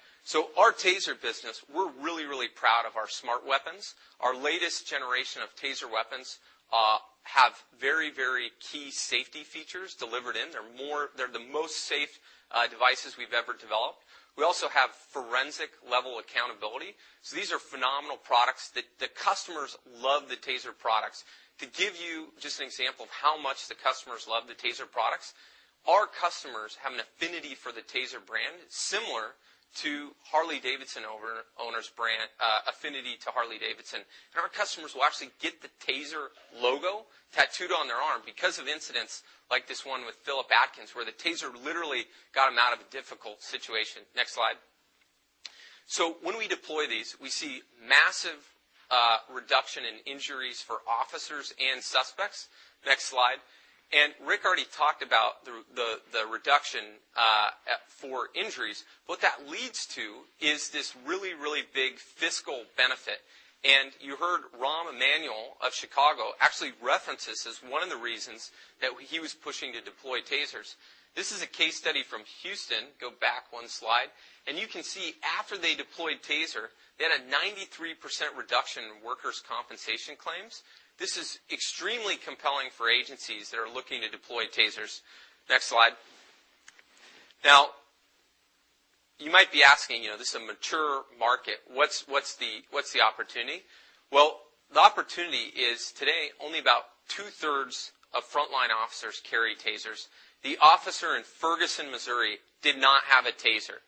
Our TASER business, we're really, really proud of our smart weapons. Our latest generation of TASER weapons have very, very key safety features delivered in. They're the most safe devices we've ever developed. We also have forensic-level accountability, so these are phenomenal products. The customers love the TASER products. To give you just an example of how much the customers love the TASER products, our customers have an affinity for the TASER brand, similar to Harley-Davidson owner, owner's brand affinity to Harley-Davidson. And our customers will actually get the TASER logo tattooed on their arm because of incidents like this one with Philip Atkins, where the TASER literally got him out of a difficult situation. Next slide. So when we deploy these, we see massive reduction in injuries for officers and suspects. Next slide. And Rick already talked about the reduction for injuries. What that leads to is this really, really big fiscal benefit. And you heard Rahm Emanuel of Chicago actually reference this as one of the reasons that he was pushing to deploy TASERs. This is a case study from Houston. Go back one slide. You can see after they deployed TASER, they had a 93% reduction in workers' compensation claims. This is extremely compelling for agencies that are looking to deploy TASERs. Next slide. Now, you might be asking, you know, this is a mature market, what's the opportunity? Well, the opportunity is today, only about two-thirds of frontline officers carry TASERs. The officer in Ferguson, Missouri, did not have a TASER.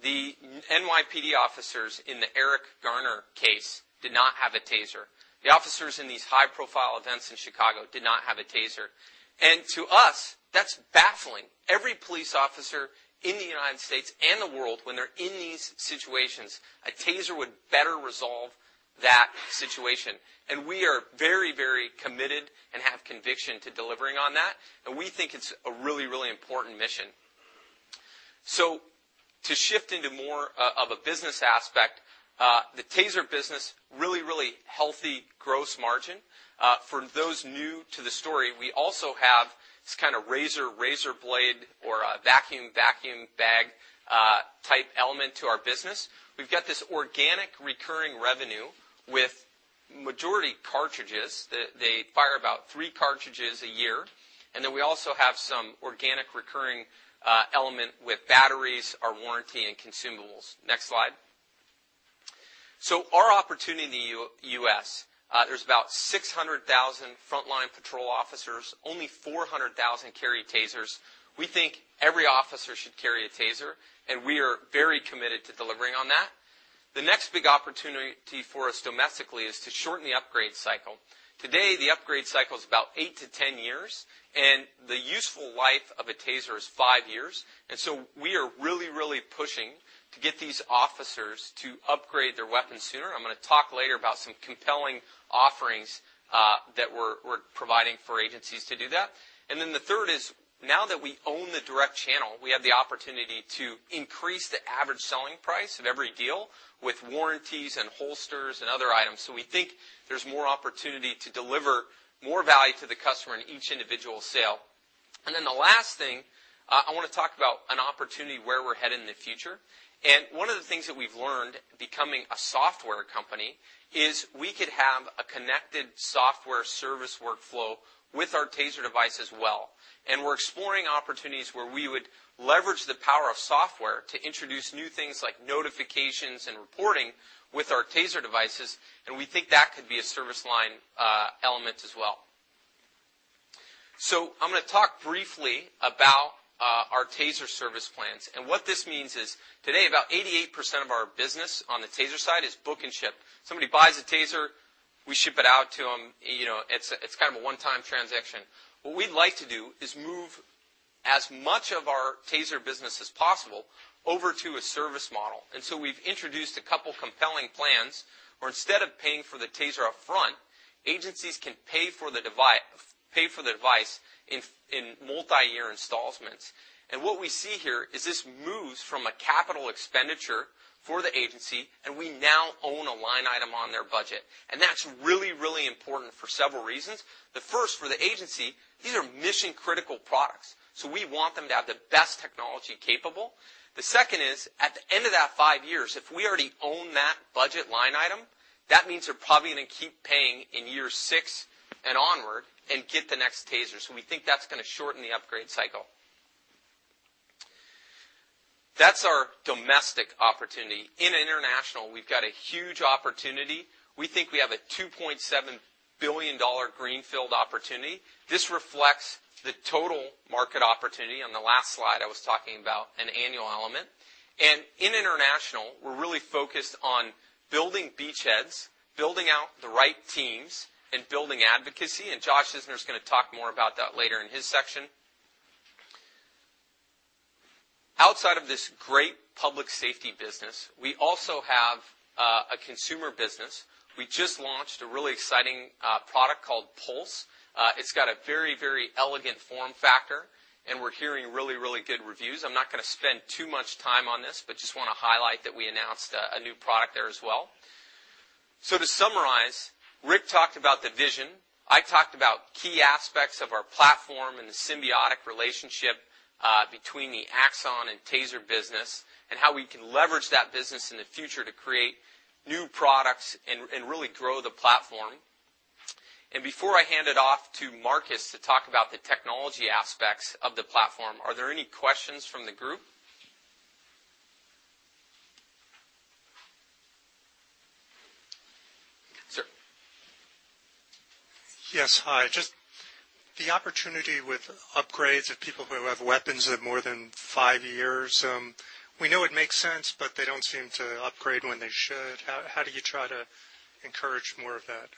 The NYPD officers in the Eric Garner case did not have a TASER. The officers in these high-profile events in Chicago did not have a TASER. And to us, that's baffling. Every police officer in the United States and the world, when they're in these situations, a TASER would better resolve that situation, and we are very, very committed and have conviction to delivering on that, and we think it's a really, really important mission. So to shift into more of a business aspect, the TASER business, really, really healthy gross margin. For those new to the story, we also have this kind of razor, razor blade, or, vacuum, vacuum bag, type element to our business. We've got this organic recurring revenue with majority cartridges. They, they fire about three cartridges a year, and then we also have some organic recurring, element with batteries, our warranty, and consumables. Next slide. So our opportunity in the U.S., there's about 600,000 frontline patrol officers. Only 400,000 carry TASERs. We think every officer should carry a TASER, and we are very committed to delivering on that. The next big opportunity for us domestically is to shorten the upgrade cycle. Today, the upgrade cycle is about 8-10 years, and the useful life of a TASER is 5 years. So we are really, really pushing to get these officers to upgrade their weapons sooner. I'm gonna talk later about some compelling offerings that we're providing for agencies to do that. Then the third is, now that we own the direct channel, we have the opportunity to increase the average selling price of every deal with warranties and holsters and other items. So we think there's more opportunity to deliver more value to the customer in each individual sale. Then the last thing I want to talk about an opportunity where we're headed in the future. One of the things that we've learned, becoming a software company, is we could have a connected software service workflow with our TASER device as well. We're exploring opportunities where we would leverage the power of software to introduce new things like notifications and reporting with our TASER devices, and we think that could be a service line, element as well. I'm gonna talk briefly about our TASER service plans. And what this means is, today, about 88% of our business on the TASER side is book and ship. Somebody buys a TASER, we ship it out to them. You know, it's kind of a one-time transaction. What we'd like to do is move as much of our TASER business as possible over to a service model. And so we've introduced a couple compelling plans, where instead of paying for the TASER upfront, agencies can pay for the device in multi-year installments. What we see here is this moves from a capital expenditure for the agency, and we now own a line item on their budget. That's really, really important for several reasons. The first, for the agency, these are mission-critical products, so we want them to have the best technology capable. The second is, at the end of that five years, if we already own that budget line item, that means they're probably gonna keep paying in year six and onward and get the next TASER. So we think that's gonna shorten the upgrade cycle. That's our domestic opportunity. In international, we've got a huge opportunity. We think we have a $2.7 billion greenfield opportunity. This reflects the total market opportunity. On the last slide, I was talking about an annual element. In international, we're really focused on building beachheads, building out the right teams, and building advocacy, and Josh Isner's gonna talk more about that later in his section. Outside of this great public safety business, we also have a consumer business. We just launched a really exciting product called Pulse. It's got a very, very elegant form factor, and we're hearing really, really good reviews. I'm not gonna spend too much time on this, but just wanna highlight that we announced a new product there as well. So to summarize, Rick talked about the vision, I talked about key aspects of our platform and the symbiotic relationship between the Axon and TASER business, and how we can leverage that business in the future to create new products and really grow the platform. Before I hand it off to Marcus to talk about the technology aspects of the platform, are there any questions from the group? Sir. Yes. Hi. Just the opportunity with upgrades of people who have weapons of more than 5 years, we know it makes sense, but they don't seem to upgrade when they should. How do you try to encourage more of that?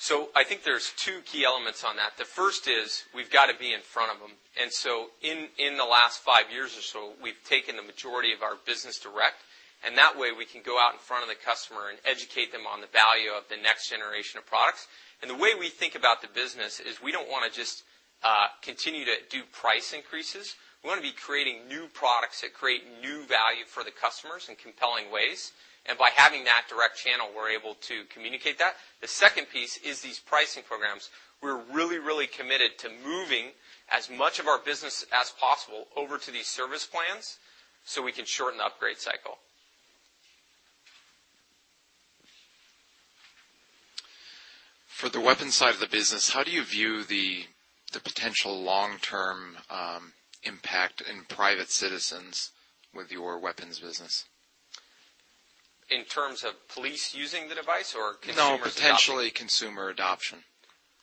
So I think there's two key elements on that. The first is, we've got to be in front of them. And so in the last five years or so, we've taken the majority of our business direct, and that way, we can go out in front of the customer and educate them on the value of the next generation of products. And the way we think about the business is, we don't wanna just continue to do price increases. We wanna be creating new products that create new value for the customers in compelling ways, and by having that direct channel, we're able to communicate that. The second piece is these pricing programs. We're really, really committed to moving as much of our business as possible over to these service plans, so we can shorten the upgrade cycle. For the weapon side of the business, how do you view the potential long-term impact in private citizens with your weapons business? In terms of police using the device or consumer- No, potentially consumer adoption.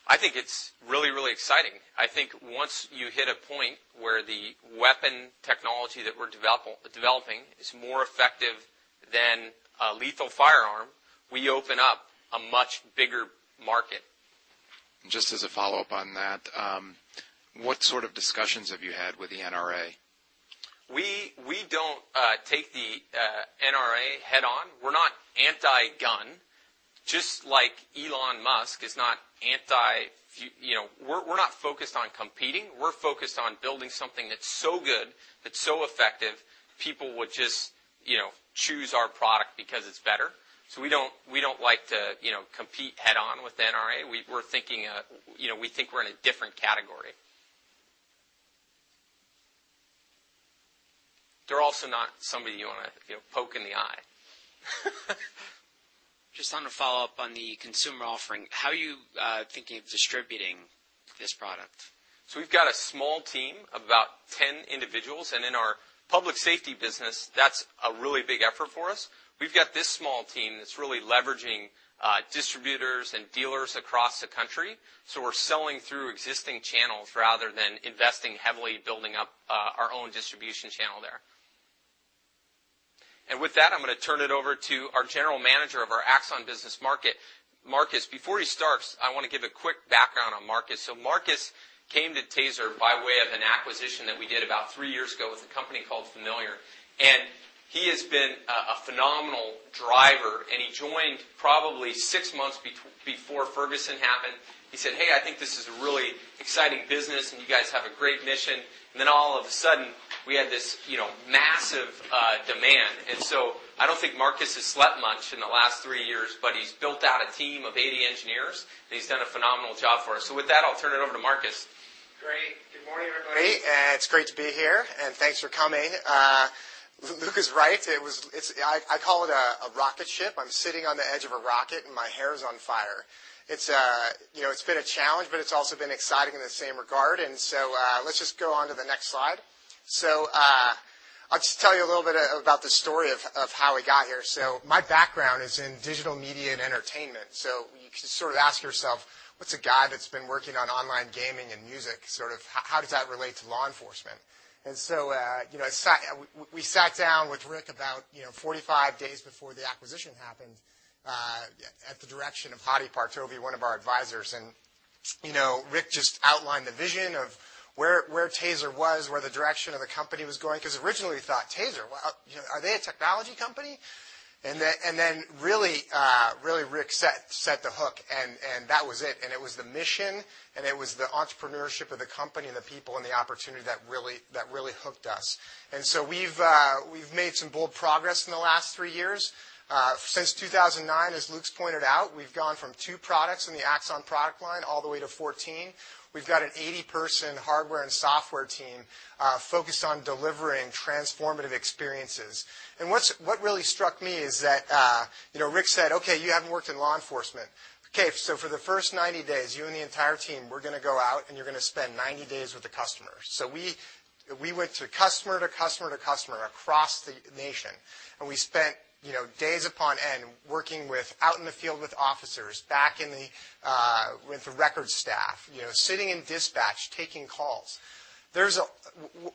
I think it's really, really exciting. I think once you hit a point where the weapon technology that we're developing is more effective than a lethal firearm, we open up a much bigger market. Just as a follow-up on that, what sort of discussions have you had with the NRA? We don't take the NRA head-on. We're not anti-gun, just like Elon Musk is not anti... You know, we're not focused on competing. We're focused on building something that's so good, that's so effective, people would just, you know, choose our product because it's better. So we don't like to, you know, compete head-on with the NRA. We're thinking, you know, we think we're in a different category. They're also not somebody you wanna, you know, poke in the eye. Just on a follow-up on the consumer offering, how are you thinking of distributing this product? So we've got a small team of about 10 individuals, and in our public safety business, that's a really big effort for us. We've got this small team that's really leveraging distributors and dealers across the country. So we're selling through existing channels rather than investing heavily building up our own distribution channel there. And with that, I'm gonna turn it over to our general manager of our Axon business market, Marcus. Before he starts, I wanna give a quick background on Marcus. So Marcus came to TASER by way of an acquisition that we did about three years ago with a company called Familiar, and he has been a phenomenal driver, and he joined probably six months before Ferguson happened. He said: Hey, I think this is a really exciting business, and you guys have a great mission. Then, all of a sudden, we had this, you know, massive demand. And so I don't think Marcus has slept much in the last 3 years, but he's built out a team of 80 engineers, and he's done a phenomenal job for us. So with that, I'll turn it over to Marcus. Great. Good morning, everybody. It's great to be here, and thanks for coming. Luke is right. It's—I call it a rocket ship. I'm sitting on the edge of a rocket, and my hair is on fire. You know, it's been a challenge, but it's also been exciting in the same regard. So let's just go on to the next slide. I'll just tell you a little bit about the story of how we got here. My background is in digital media and entertainment. You can sort of ask yourself: What's a guy that's been working on online gaming and music, sort of, how does that relate to law enforcement?... We sat down with Rick about 45 days before the acquisition happened, at the direction of Hadi Partovi, one of our advisors. You know, Rick just outlined the vision of where TASER was, where the direction of the company was going, because originally, we thought, TASER? Well, you know, are they a technology company? And then really, Rick set the hook, and that was it. And it was the mission, and it was the entrepreneurship of the company, and the people, and the opportunity that really hooked us. And so we've made some bold progress in the last 3 years. Since 2009, as Luke's pointed out, we've gone from 2 products in the Axon product line all the way to 14. We've got an 80-person hardware and software team, focused on delivering transformative experiences. What really struck me is that, you know, Rick said, "Okay, you haven't worked in law enforcement. Okay, so for the first 90 days, you and the entire team, we're gonna go out, and you're gonna spend 90 days with the customers." We went to customer to customer to customer across the nation, and we spent, you know, days upon end working with... out in the field with officers, back in the with the record staff, you know, sitting in dispatch, taking calls.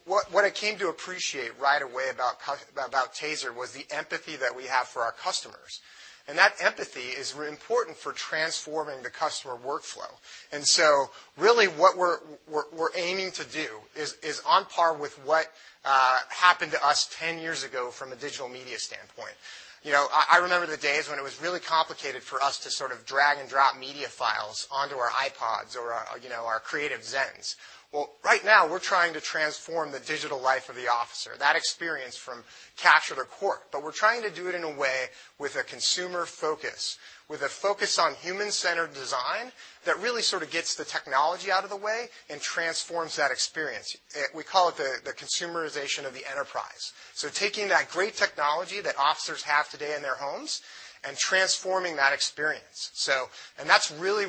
What I came to appreciate right away about Taser was the empathy that we have for our customers, and that empathy is important for transforming the customer workflow. And so really, what we're aiming to do is on par with what happened to us ten years ago from a digital media standpoint. You know, I remember the days when it was really complicated for us to sort of drag and drop media files onto our iPods or our, you know, our Creative Zens. Well, right now, we're trying to transform the digital life of the officer, that experience from capture to court. But we're trying to do it in a way with a consumer focus, with a focus on human-centered design, that really sort of gets the technology out of the way and transforms that experience. We call it the consumerization of the enterprise. So taking that great technology that officers have today in their homes and transforming that experience. So... That's really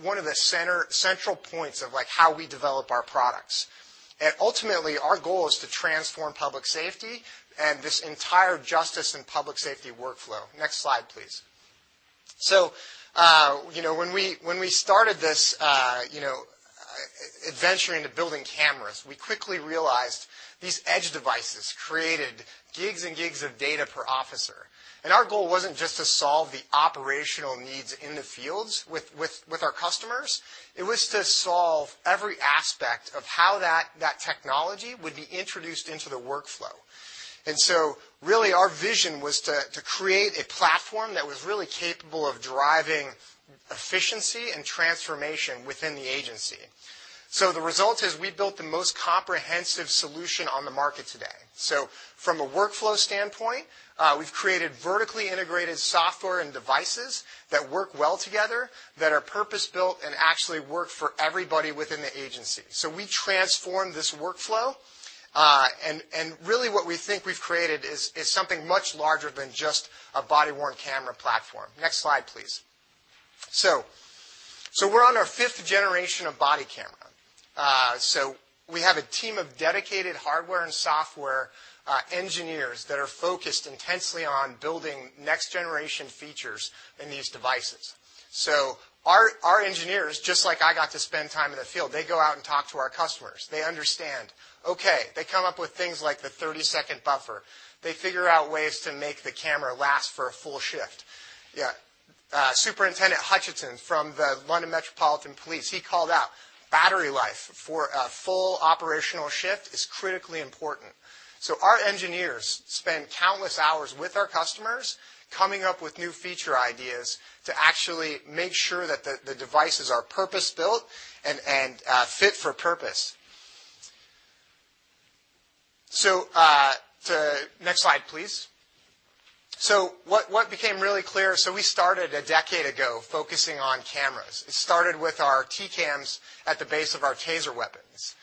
one of the central points of, like, how we develop our products. Ultimately, our goal is to transform public safety and this entire justice and public safety workflow. Next slide, please. So, you know, when we started this, you know, adventure into building cameras, we quickly realized these edge devices created gigs and gigs of data per officer. Our goal wasn't just to solve the operational needs in the fields with our customers, it was to solve every aspect of how that technology would be introduced into the workflow. So really, our vision was to create a platform that was really capable of driving efficiency and transformation within the agency. The result is we built the most comprehensive solution on the market today. So from a workflow standpoint, we've created vertically integrated software and devices that work well together, that are purpose-built and actually work for everybody within the agency. So we transformed this workflow, and really what we think we've created is something much larger than just a body-worn camera platform. Next slide, please. So we're on our 5th generation of body camera. So we have a team of dedicated hardware and software engineers that are focused intensely on building next-generation features in these devices. So our engineers, just like I got to spend time in the field, they go out and talk to our customers. They understand, okay, they come up with things like the 30-second buffer. They figure out ways to make the camera last for a full shift. Yeah, Superintendent Hutchison from the London Metropolitan Police, he called out, battery life for a full operational shift is critically important. So our engineers spend countless hours with our customers, coming up with new feature ideas to actually make sure that the devices are purpose-built and fit for purpose. Next slide, please. So what became really clear, we started a decade ago focusing on cameras. It started with our T-Cams at the base of our TASER weapons.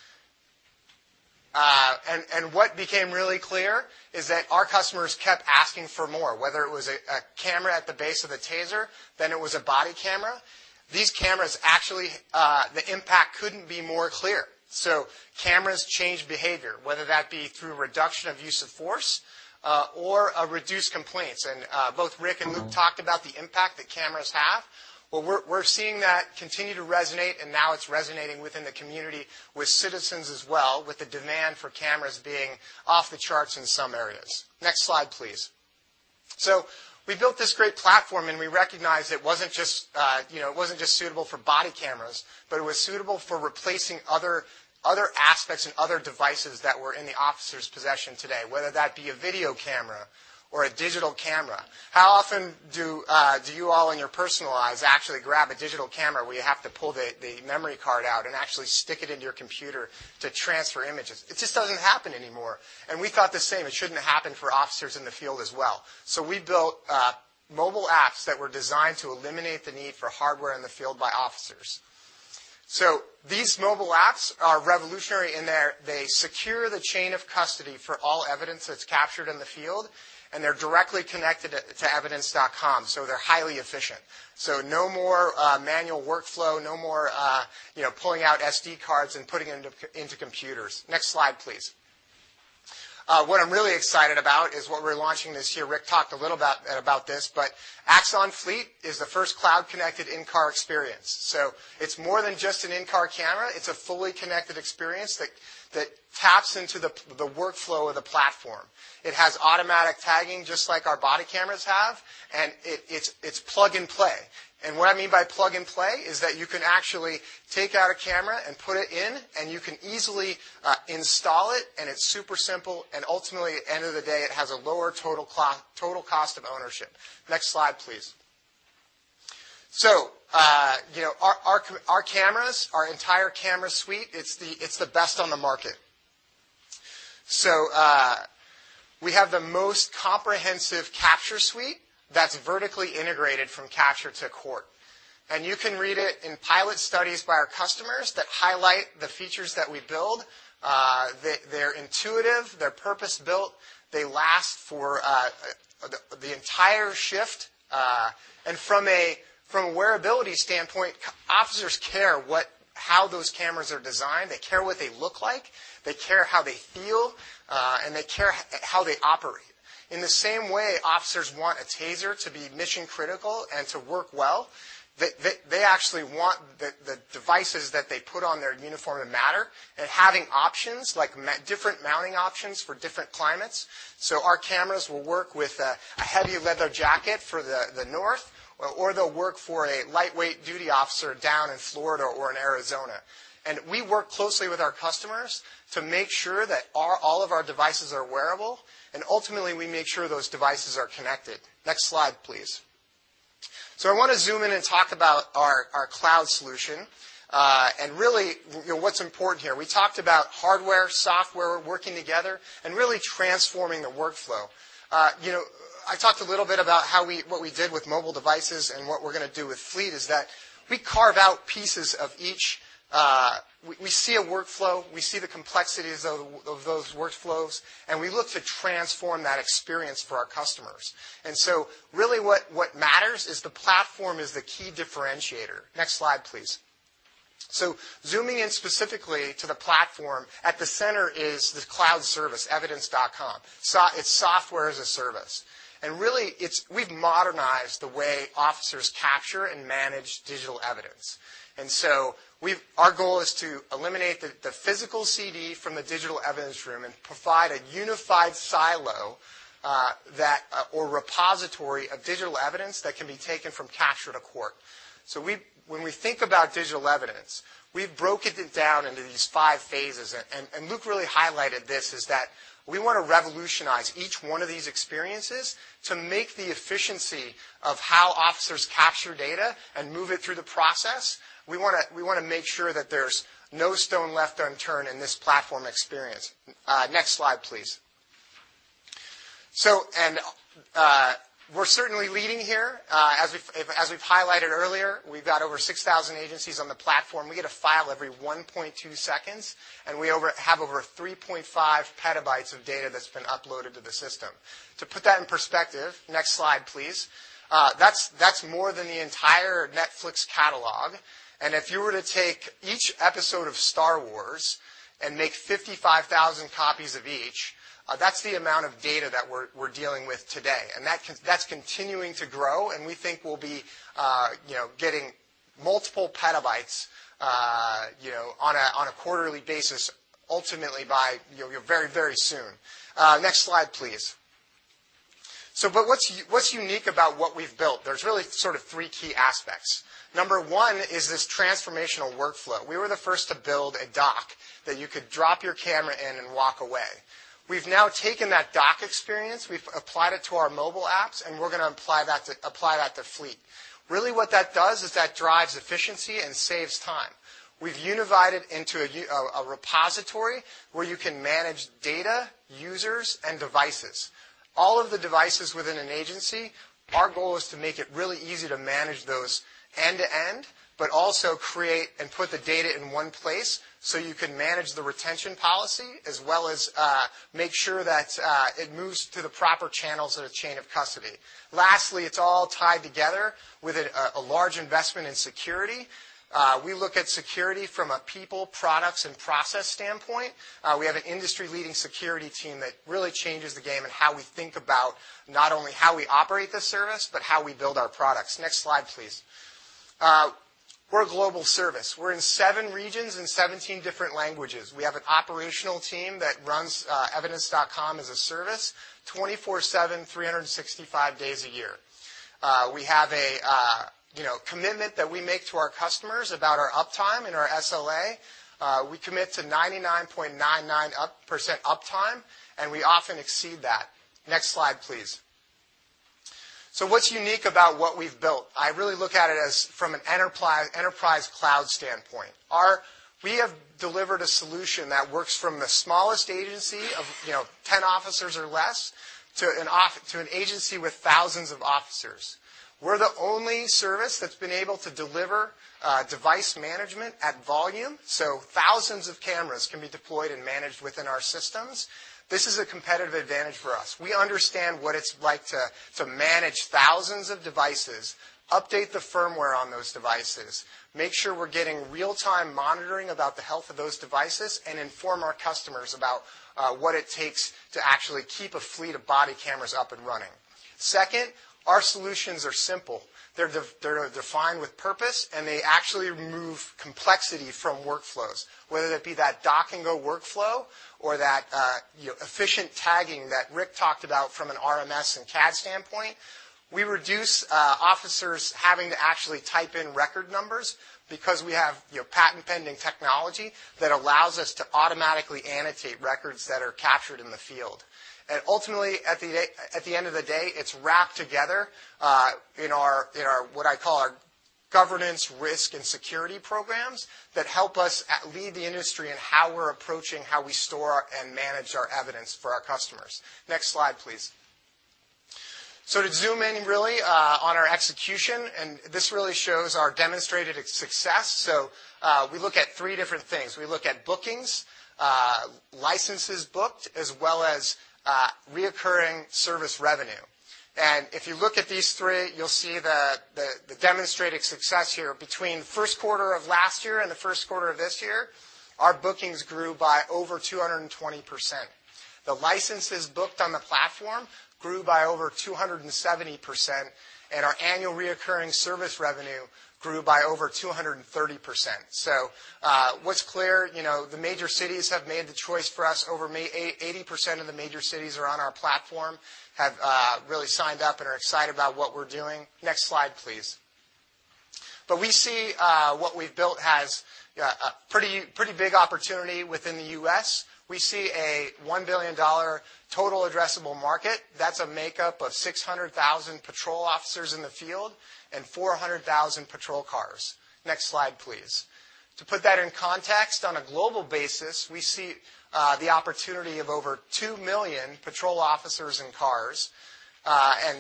And what became really clear is that our customers kept asking for more, whether it was a camera at the base of the TASER, then it was a body camera. These cameras, actually, the impact couldn't be more clear. So cameras change behavior, whether that be through reduction of use of force, or reduced complaints. Both Rick and Luke talked about the impact that cameras have. Well, we're seeing that continue to resonate, and now it's resonating within the community with citizens as well, with the demand for cameras being off the charts in some areas. Next slide, please. So we built this great platform, and we recognized it wasn't just, you know, it wasn't just suitable for body cameras, but it was suitable for replacing other aspects and other devices that were in the officer's possession today, whether that be a video camera or a digital camera. How often do you all in your personal lives actually grab a digital camera, where you have to pull the memory card out and actually stick it into your computer to transfer images? It just doesn't happen anymore. We thought the same, it shouldn't happen for officers in the field as well. So we built mobile apps that were designed to eliminate the need for hardware in the field by officers. So these mobile apps are revolutionary in that they secure the chain of custody for all evidence that's captured in the field, and they're directly connected to Evidence.com, so they're highly efficient. So no more manual workflow, no more you know, pulling out SD cards and putting them into computers. Next slide, please. What I'm really excited about is what we're launching this year. Rick talked a little about this, but Axon Fleet is the first cloud-connected in-car experience. So it's more than just an in-car camera, it's a fully connected experience that taps into the workflow of the platform. It has automatic tagging, just like our body cameras have, and it's plug and play. And what I mean by plug and play is that you can actually take out a camera and put it in, and you can easily install it, and it's super simple, and ultimately, at the end of the day, it has a lower total cost of ownership. Next slide, please. So, you know, our cameras, our entire camera suite, it's the best on the market. So, we have the most comprehensive capture suite that's vertically integrated from capture to court. And you can read it in pilot studies by our customers, that highlight the features that we build. They're intuitive, they're purpose-built, they last for the entire shift. And from a wearability standpoint, officers care what how those cameras are designed, they care what they look like, they care how they feel, and they care how they operate. In the same way, officers want a TASER to be mission-critical and to work well, they actually want the devices that they put on their uniform to matter, and having options, like different mounting options for different climates. So our cameras will work with a heavy leather jacket for the North, or they'll work for a lightweight duty officer down in Florida or in Arizona. And we work closely with our customers to make sure that all of our devices are wearable, and ultimately, we make sure those devices are connected. Next slide, please. So I wanna zoom in and talk about our cloud solution, and really, you know, what's important here. We talked about hardware, software working together, and really transforming the workflow. You know, I talked a little bit about how what we did with mobile devices and what we're gonna do with Fleet, is that we carve out pieces of each. We see a workflow, we see the complexities of those workflows, and we look to transform that experience for our customers. And so really, what matters is the platform is the key differentiator. Next slide, please. So zooming in specifically to the platform, at the center is the cloud service, Evidence.com. So it's software as a service. And really, it's. We've modernized the way officers capture and manage digital evidence. Our goal is to eliminate the physical CD from the digital evidence room, and provide a unified silo that or repository of digital evidence that can be taken from capture to court. When we think about digital evidence, we've broken it down into these five phases, and Luke really highlighted this, is that we wanna revolutionize each one of these experiences to make the efficiency of how officers capture data and move it through the process. We wanna make sure that there's no stone left unturned in this platform experience. Next slide, please. We're certainly leading here. As we've highlighted earlier, we've got over 6,000 agencies on the platform. We get a file every 1.2 seconds, and we have over 3.5 PB of data that's been uploaded to the system. To put that in perspective, next slide, please. That's more than the entire Netflix catalog. And if you were to take each episode of Star Wars and make 55,000 copies of each, that's the amount of data that we're dealing with today, and that's continuing to grow, and we think we'll be, you know, getting multiple petabytes, you know, on a quarterly basis, ultimately by, you know, very, very soon. Next slide, please. But what's unique about what we've built? There's really sort of three key aspects. Number one is this transformational workflow. We were the first to build a dock, that you could drop your camera in and walk away. We've now taken that dock experience, we've applied it to our mobile apps, and we're gonna apply that to Fleet. Really, what that does, is that drives efficiency and saves time. We've unified it into a repository, where you can manage data, users, and devices. All of the devices within an agency, our goal is to make it really easy to manage those end to end, but also create and put the data in one place, so you can manage the retention policy, as well as, make sure that it moves through the proper channels of the chain of custody. Lastly, it's all tied together with a large investment in security. We look at security from a people, products, and process standpoint. We have an industry-leading security team that really changes the game in how we think about not only how we operate the service, but how we build our products. Next slide, please. We're a global service. We're in 7 regions in 17 different languages. We have an operational team that runs Evidence.com as a service, 24/7, 365 days a year. We have a, you know, commitment that we make to our customers about our uptime and our SLA. We commit to 99.99% uptime, and we often exceed that. Next slide, please. So what's unique about what we've built? I really look at it as from an enterprise cloud standpoint. Our-... We have delivered a solution that works from the smallest agency of, you know, 10 officers or less, to an agency with thousands of officers. We're the only service that's been able to deliver device management at volume, so thousands of cameras can be deployed and managed within our systems. This is a competitive advantage for us. We understand what it's like to manage thousands of devices, update the firmware on those devices, make sure we're getting real-time monitoring about the health of those devices, and inform our customers about what it takes to actually keep a fleet of body cameras up and running. Second, our solutions are simple. They're defined with purpose, and they actually remove complexity from workflows, whether that be that dock-and-go workflow or that efficient tagging that Rick talked about from an RMS and CAD standpoint. We reduce, officers having to actually type in record numbers because we have, you know, patent-pending technology that allows us to automatically annotate records that are captured in the field. And ultimately, at the end of the day, it's wrapped together, in our, what I call our governance, risk and security programs that help us lead the industry in how we're approaching how we store and manage our evidence for our customers. Next slide, please. So to zoom in really, on our execution, and this really shows our demonstrated success. So, we look at three different things. We look at bookings, licenses booked, as well as, recurring service revenue. And if you look at these three, you'll see the demonstrated success here. Between the first quarter of last year and the first quarter of this year, our bookings grew by over 220%. The licenses booked on the platform grew by over 270%, and our annual recurring service revenue grew by over 230%. So, what's clear, you know, the major cities have made the choice for us. Over 80% of the major cities are on our platform, have really signed up and are excited about what we're doing. Next slide, please. But we see what we've built has a pretty big opportunity within the U.S. We see a $1 billion total addressable market. That's a makeup of 600,000 patrol officers in the field and 400,000 patrol cars. Next slide, please. To put that in context, on a global basis, we see the opportunity of over 2 million patrol officers and cars. And,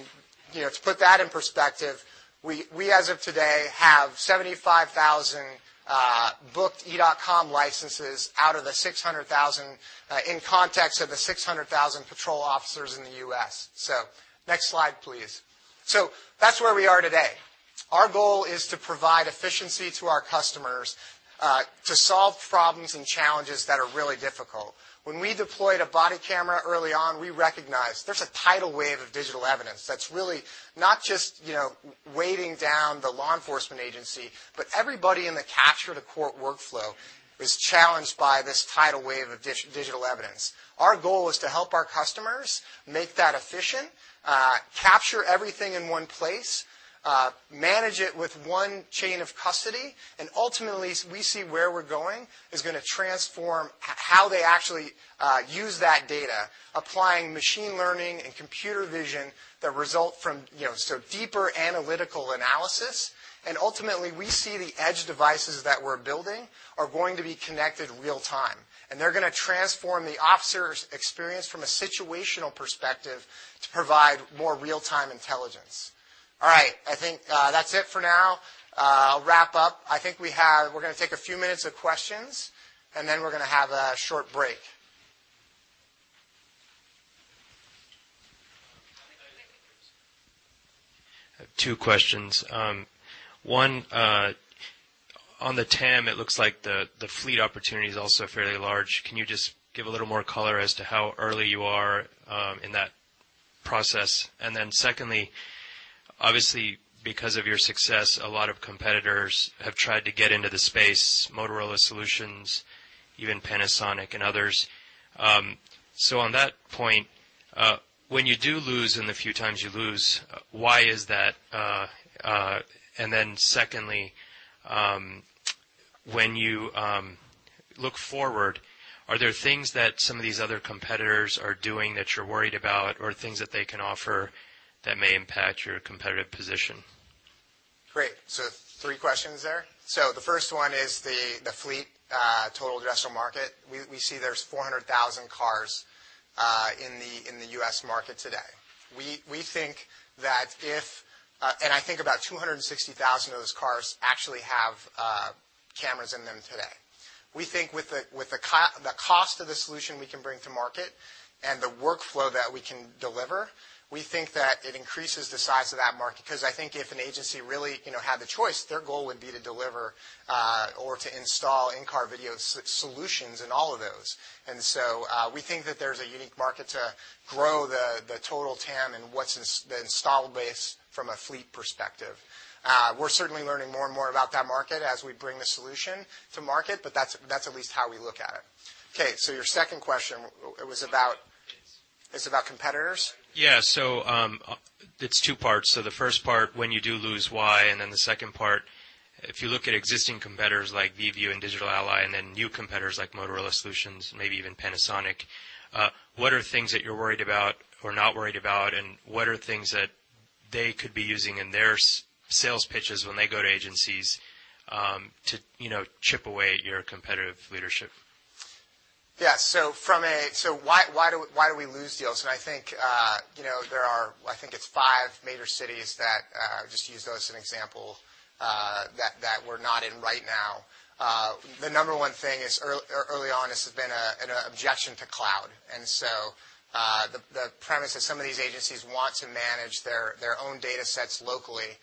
you know, to put that in perspective, we as of today have 75,000 booked Evidence.com licenses out of the 600,000, in context of the 600,000 patrol officers in the U.S. So next slide, please. So that's where we are today. Our goal is to provide efficiency to our customers to solve problems and challenges that are really difficult. When we deployed a body camera early on, we recognized there's a tidal wave of digital evidence that's really not just, you know, weighing down the law enforcement agency, but everybody in the capture-to-court workflow is challenged by this tidal wave of digital evidence. Our goal is to help our customers make that efficient, capture everything in one place, manage it with one chain of custody, and ultimately, we see where we're going, is gonna transform how they actually use that data, applying machine learning and computer vision that result from, you know, so deeper analytical analysis. Ultimately, we see the edge devices that we're building are going to be connected real-time, and they're gonna transform the officer's experience from a situational perspective to provide more real-time intelligence. All right, I think that's it for now. I'll wrap up. I think we have. We're gonna take a few minutes of questions, and then we're gonna have a short break. I have two questions. One, on the TAM, it looks like the fleet opportunity is also fairly large. Can you just give a little more color as to how early you are in that process? And then secondly, obviously, because of your success, a lot of competitors have tried to get into the space, Motorola Solutions, even Panasonic and others. So on that point, when you do lose, and the few times you lose, why is that? And then secondly, when you look forward, are there things that some of these other competitors are doing that you're worried about or things that they can offer that may impact your competitive position? Great. So three questions there. So the first one is the fleet total addressable market. We see there's 400,000 cars in the U.S. market today. We think that if... And I think about 260,000 of those cars actually have cameras in them today. We think with the cost of the solution we can bring to market and the workflow that we can deliver, we think that it increases the size of that market, 'cause I think if an agency really, you know, had the choice, their goal would be to deliver or to install in-car video solutions in all of those. And so, we think that there's a unique market to grow the total TAM and what's the installed base from a fleet perspective. We're certainly learning more and more about that market as we bring the solution to market, but that's, that's at least how we look at it. Okay, so your second question, it was about- Competitors. It's about competitors? Yeah. So, it's two parts. So the first part, when you do lose, why? And then the second part, if you look at existing competitors like VIEVU and Digital Ally, and then new competitors like Motorola Solutions, maybe even Panasonic, what are things that you're worried about or not worried about, and what are things that-... they could be using in their sales pitches when they go to agencies, to, you know, chip away at your competitive leadership? Yeah. So why do we lose deals? And I think, you know, there are, I think it's five major cities that just use those as an example, that we're not in right now. The number one thing is early on, this has been an objection to cloud. And so, the premise is some of these agencies want to manage their own data sets locally.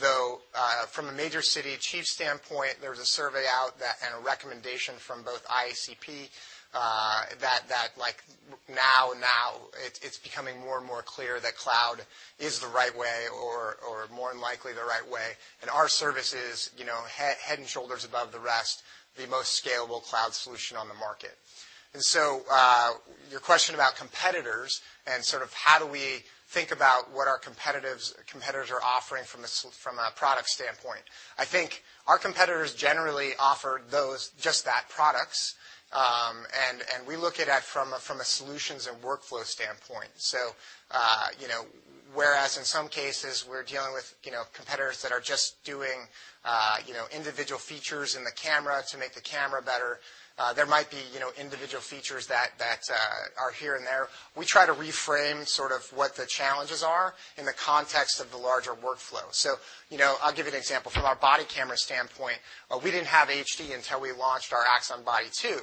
Though, from a major city chief standpoint, there's a survey out that, and a recommendation from both IACP, that, like, now it's becoming more and more clear that cloud is the right way or more than likely the right way. And our service is, you know, head and shoulders above the rest, the most scalable cloud solution on the market. And so, your question about competitors and sort of how do we think about what our competitors are offering from a product standpoint. I think our competitors generally offer those, just that, products, and we look at that from a solutions and workflow standpoint. So, you know, whereas in some cases, we're dealing with, you know, competitors that are just doing, you know, individual features in the camera to make the camera better, there might be, you know, individual features that are here and there. We try to reframe sort of what the challenges are in the context of the larger workflow. So, you know, I'll give you an example. From our body camera standpoint, we didn't have HD until we launched our Axon Body 2,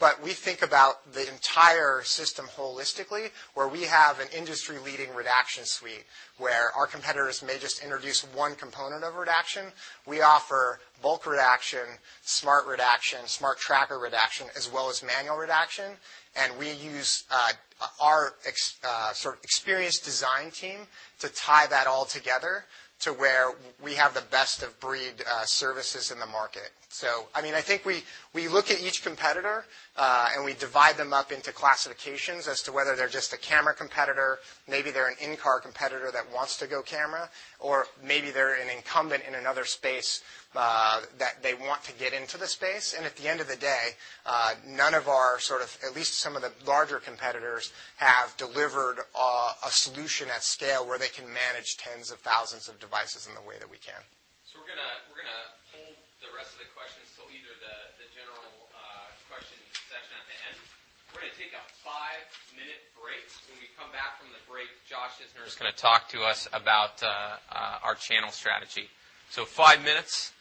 but we think about the entire system holistically, where we have an industry-leading redaction suite, where our competitors may just introduce one component of redaction. We offer bulk redaction, smart redaction, smart tracker redaction, as well as manual redaction, and we use our sort of experienced design team to tie that all together to where we have the best of breed services in the market. So I mean, I think we look at each competitor, and we divide them up into classifications as to whether they're just a camera competitor, maybe they're an in-car competitor that wants to go camera, or maybe they're an incumbent in another space that they want to get into the space. At the end of the day, none of our sort of, at least some of the larger competitors, have delivered a solution at scale where they can manage tens of thousands of devices in the way that we can. So we're gonna, we're gonna hold the rest of the questions till either the, the general, question session at the end. We're gonna take a five-minute break. When we come back from the break, Josh Isner is gonna talk to us about, our channel strategy. So five minutes.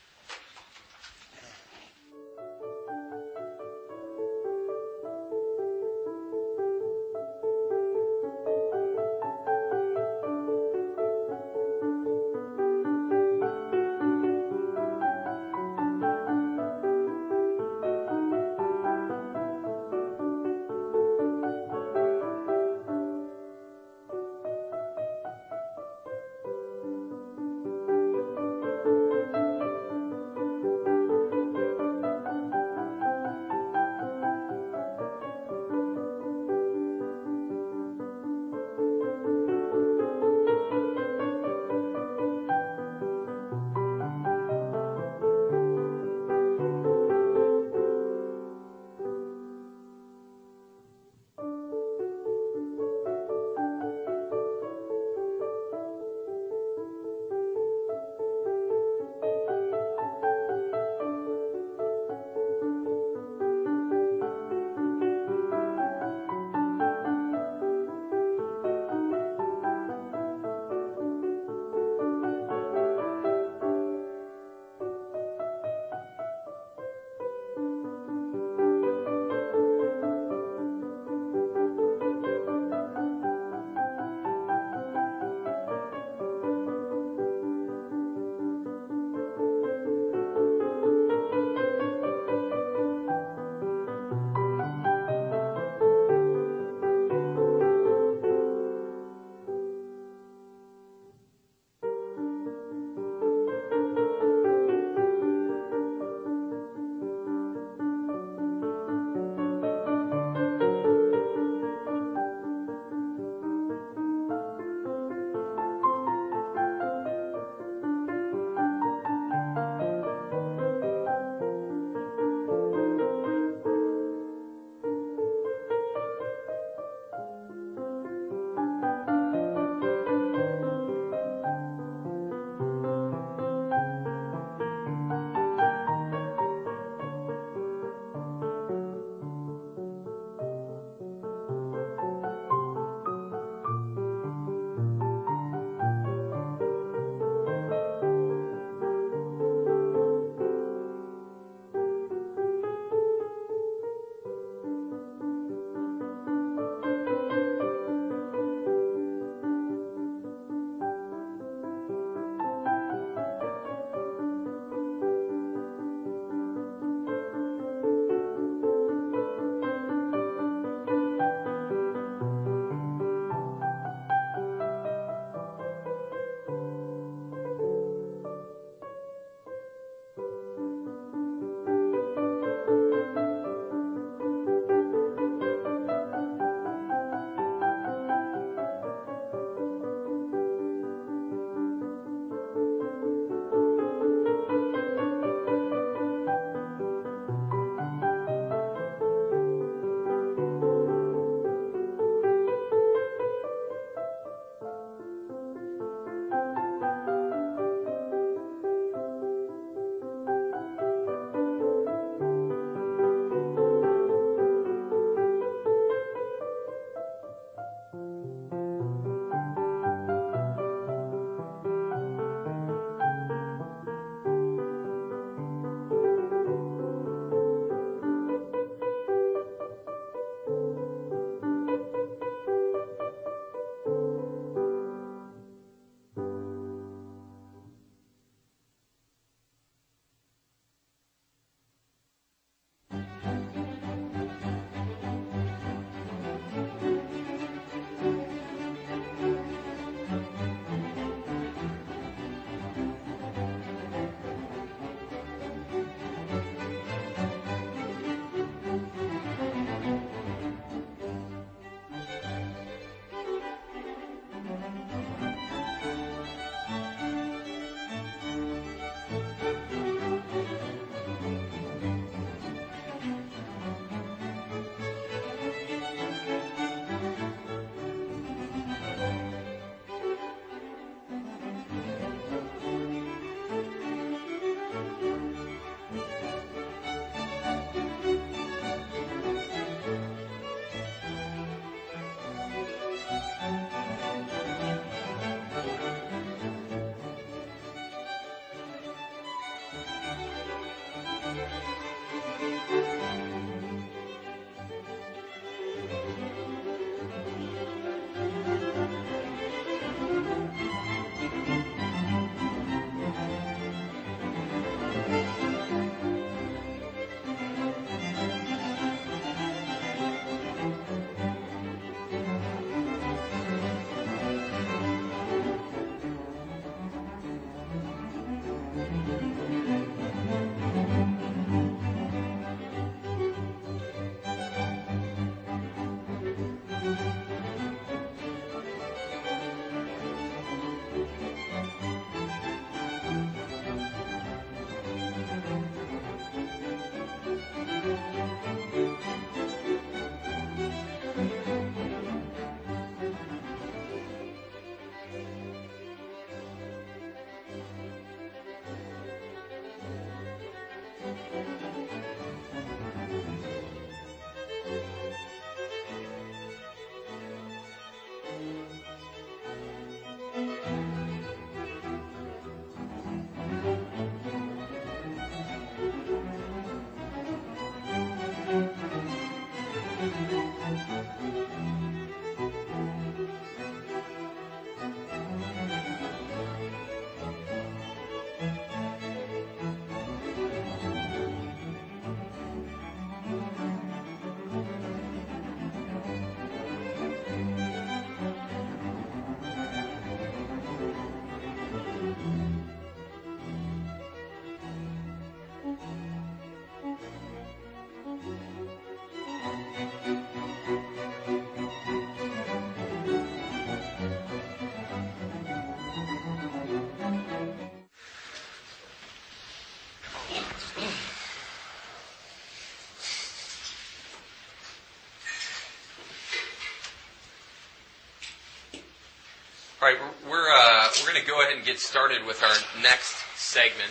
All right. We're, we're gonna go ahead and get started with our next segment.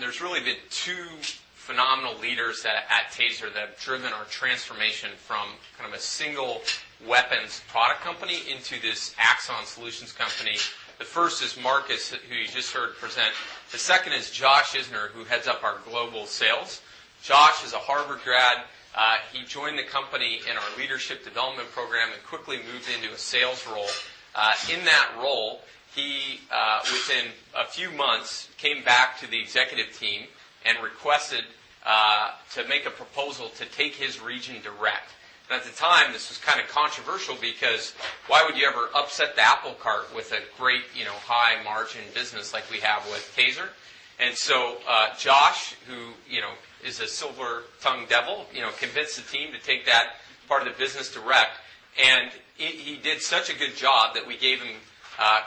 There's really been two phenomenal leaders at, at Taser that have driven our transformation from kind of a single weapons product company into this Axon solutions company. The first is Marcus, who you just heard present. The second is Josh Isner, who heads up our global sales. Josh is a Harvard grad. He joined the company in our leadership development program and quickly moved into a sales role. In that role, he, within a few months, came back to the executive team and requested to make a proposal to take his region direct. And at the time, this was kind of controversial because why would you ever upset the apple cart with a great, you know, high-margin business like we have with TASER? And so, Josh, who, you know, is a silver-tongued devil, you know, convinced the team to take that part of the business direct. And he did such a good job that we gave him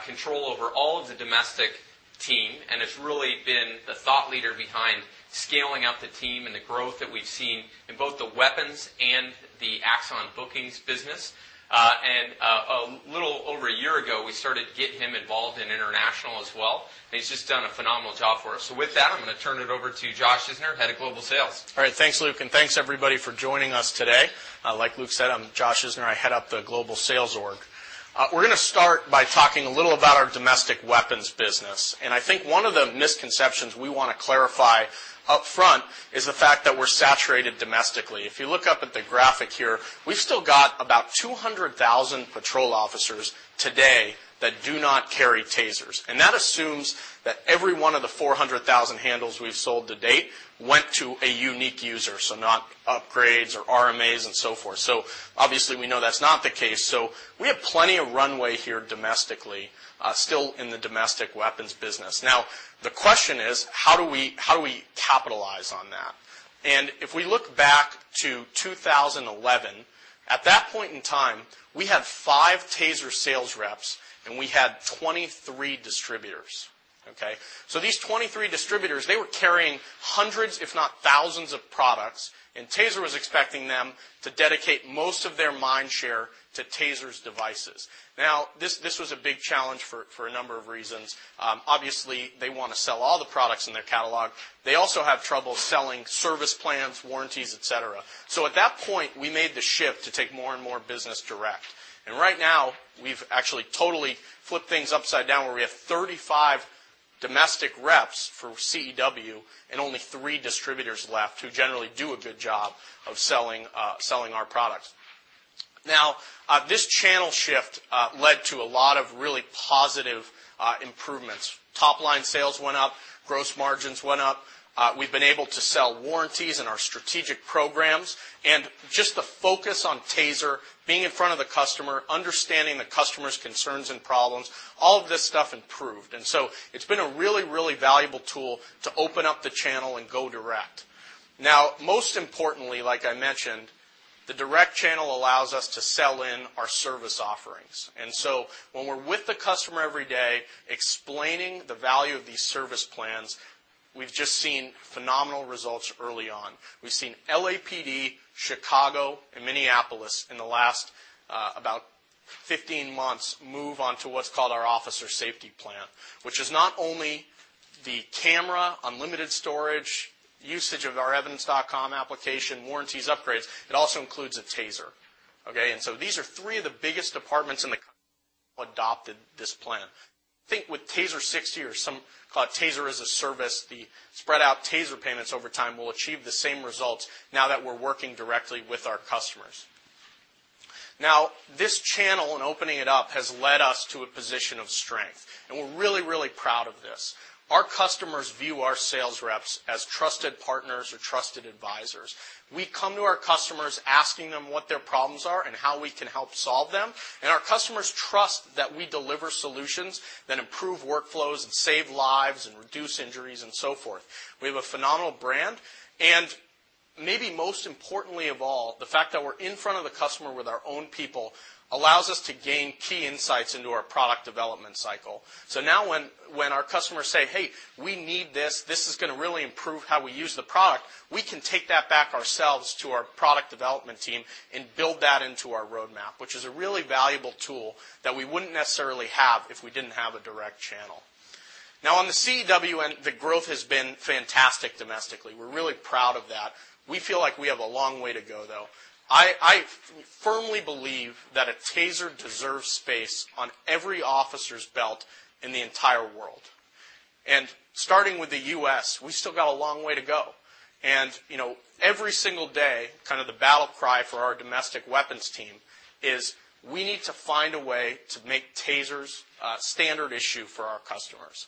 control over all of the domestic team, and has really been the thought leader behind scaling up the team and the growth that we've seen in both the weapons and the Axon bookings business. A little over a year ago, we started getting him involved in international as well, and he's just done a phenomenal job for us. So with that, I'm going to turn it over to Josh Isner, Head of Global Sales. All right. Thanks, Luke, and thanks, everybody, for joining us today. Like Luke said, I'm Josh Isner. I head up the global sales org. We're gonna start by talking a little about our domestic weapons business, and I think one of the misconceptions we wanna clarify upfront is the fact that we're saturated domestically. If you look up at the graphic here, we've still got about 200,000 patrol officers today that do not carry TASERs, and that assumes that every one of the 400,000 handles we've sold to date went to a unique user, so not upgrades or RMAs and so forth. So obviously, we know that's not the case, so we have plenty of runway here domestically, still in the domestic weapons business. Now, the question is: How do we, how do we capitalize on that? If we look back to 2011, at that point in time, we had five TASER sales reps, and we had 23 distributors. Okay, so these 23 distributors, they were carrying hundreds, if not thousands, of products, and TASER was expecting them to dedicate most of their mind share to TASER's devices. Now, this was a big challenge for a number of reasons. Obviously, they want to sell all the products in their catalog. They also have trouble selling service plans, warranties, et cetera. So at that point, we made the shift to take more and more business direct. And right now, we've actually totally flipped things upside down, where we have 35 domestic reps for CEW and only three distributors left, who generally do a good job of selling our products. Now, this channel shift led to a lot of really positive improvements. Top-line sales went up, gross margins went up. We've been able to sell warranties and our strategic programs, and just the focus on TASER, being in front of the customer, understanding the customer's concerns and problems, all of this stuff improved. And so it's been a really, really valuable tool to open up the channel and go direct. Now, most importantly, like I mentioned, the direct channel allows us to sell in our service offerings. And so when we're with the customer every day, explaining the value of these service plans, we've just seen phenomenal results early on. We've seen LAPD, Chicago, and Minneapolis, in the last about 15 months, move on to what's called our Officer Safety Plan, which is not only the camera, unlimited storage, usage of our Evidence.com application, warranties, upgrades, it also includes a TASER, okay? And so these are three of the biggest departments in the... adopted this plan. Think with TASER 60 or some call it TASER as a Service, the spread-out TASER payments over time will achieve the same results now that we're working directly with our customers. Now, this channel and opening it up has led us to a position of strength, and we're really, really proud of this. Our customers view our sales reps as trusted partners or trusted advisors. We come to our customers asking them what their problems are and how we can help solve them, and our customers trust that we deliver solutions that improve workflows and save lives and reduce injuries and so forth. We have a phenomenal brand, and maybe most importantly of all, the fact that we're in front of the customer with our own people allows us to gain key insights into our product development cycle. So now when our customers say, "Hey, we need this, this is gonna really improve how we use the product," we can take that back ourselves to our product development team and build that into our roadmap, which is a really valuable tool that we wouldn't necessarily have if we didn't have a direct channel. Now, on the CEW, the growth has been fantastic domestically. We're really proud of that. We feel like we have a long way to go, though. I, I firmly believe that a TASER deserves space on every officer's belt in the entire world. And starting with the U.S., we still got a long way to go. And, you know, every single day, kind of the battle cry for our domestic weapons team is, we need to find a way to make TASERs a standard issue for our customers.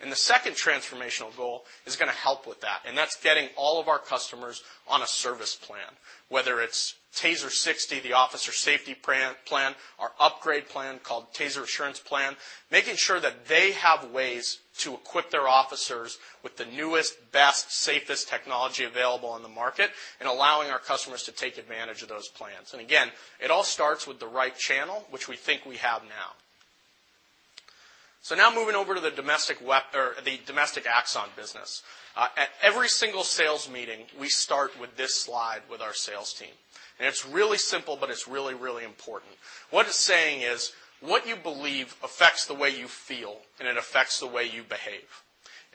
And the second transformational goal is gonna help with that, and that's getting all of our customers on a service plan, whether it's TASER 60, the Officer Safety Plan, our upgrade plan called TASER Assurance Plan, making sure that they have ways to equip their officers with the newest, best, safest technology available on the market and allowing our customers to take advantage of those plans. And again, it all starts with the right channel, which we think we have now. So now moving over to the domestic or the domestic Axon business. At every single sales meeting, we start with this slide with our sales team, and it's really simple, but it's really, really important. What it's saying is, what you believe affects the way you feel, and it affects the way you behave.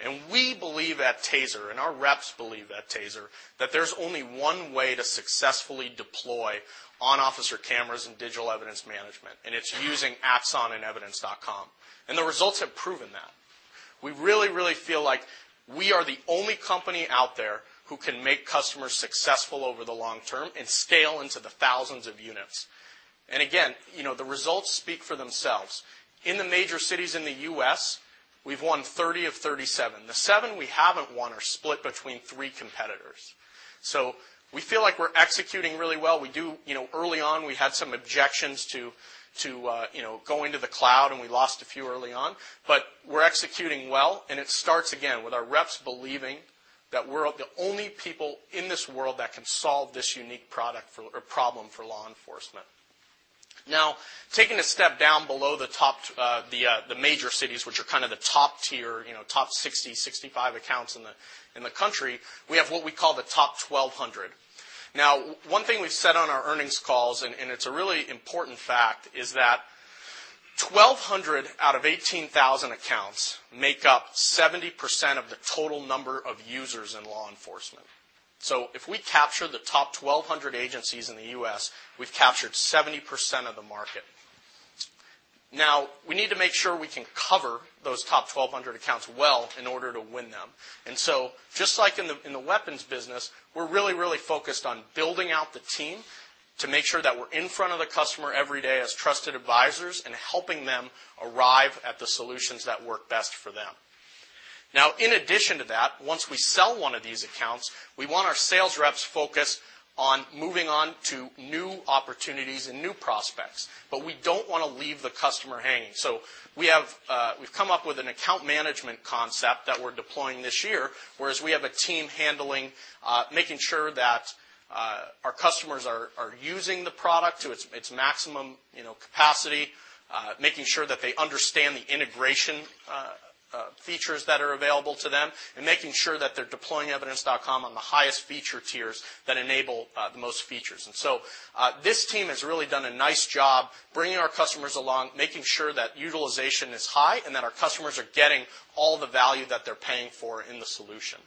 And we believe at TASER, and our reps believe at TASER, that there's only one way to successfully deploy on-officer cameras and digital evidence management, and it's using Axon and Evidence.com, and the results have proven that. We really, really feel like we are the only company out there who can make customers successful over the long term and scale into the thousands of units. And again, you know, the results speak for themselves. In the major cities in the U.S., we've won 30 of 37. The 7 we haven't won are split between three competitors. So we feel like we're executing really well. You know, early on, we had some objections to, you know, going to the cloud, and we lost a few early on, but we're executing well, and it starts again with our reps believing that we're the only people in this world that can solve this unique product for or problem for law enforcement. Now, taking a step down below the top major cities, which are kind of the top tier, you know, top 60, 65 accounts in the country, we have what we call the top 1,200. Now, one thing we've said on our earnings calls, and it's a really important fact, is that 1,200 out of 18,000 accounts make up 70% of the total number of users in law enforcement. So if we capture the top 1,200 agencies in the US, we've captured 70% of the market. Now, we need to make sure we can cover those top 1,200 accounts well in order to win them. And so, just like in the weapons business, we're really, really focused on building out the team to make sure that we're in front of the customer every day as trusted advisors and helping them arrive at the solutions that work best for them. Now, in addition to that, once we sell one of these accounts, we want our sales reps focused on moving on to new opportunities and new prospects, but we don't want to leave the customer hanging. So we have, we've come up with an account management concept that we're deploying this year, whereas we have a team handling making sure that our customers are using the product to its maximum, you know, capacity. Making sure that they understand the integration features that are available to them, and making sure that they're deploying Evidence.com on the highest feature tiers that enable the most features. And so, this team has really done a nice job bringing our customers along, making sure that utilization is high, and that our customers are getting all the value that they're paying for in the solution.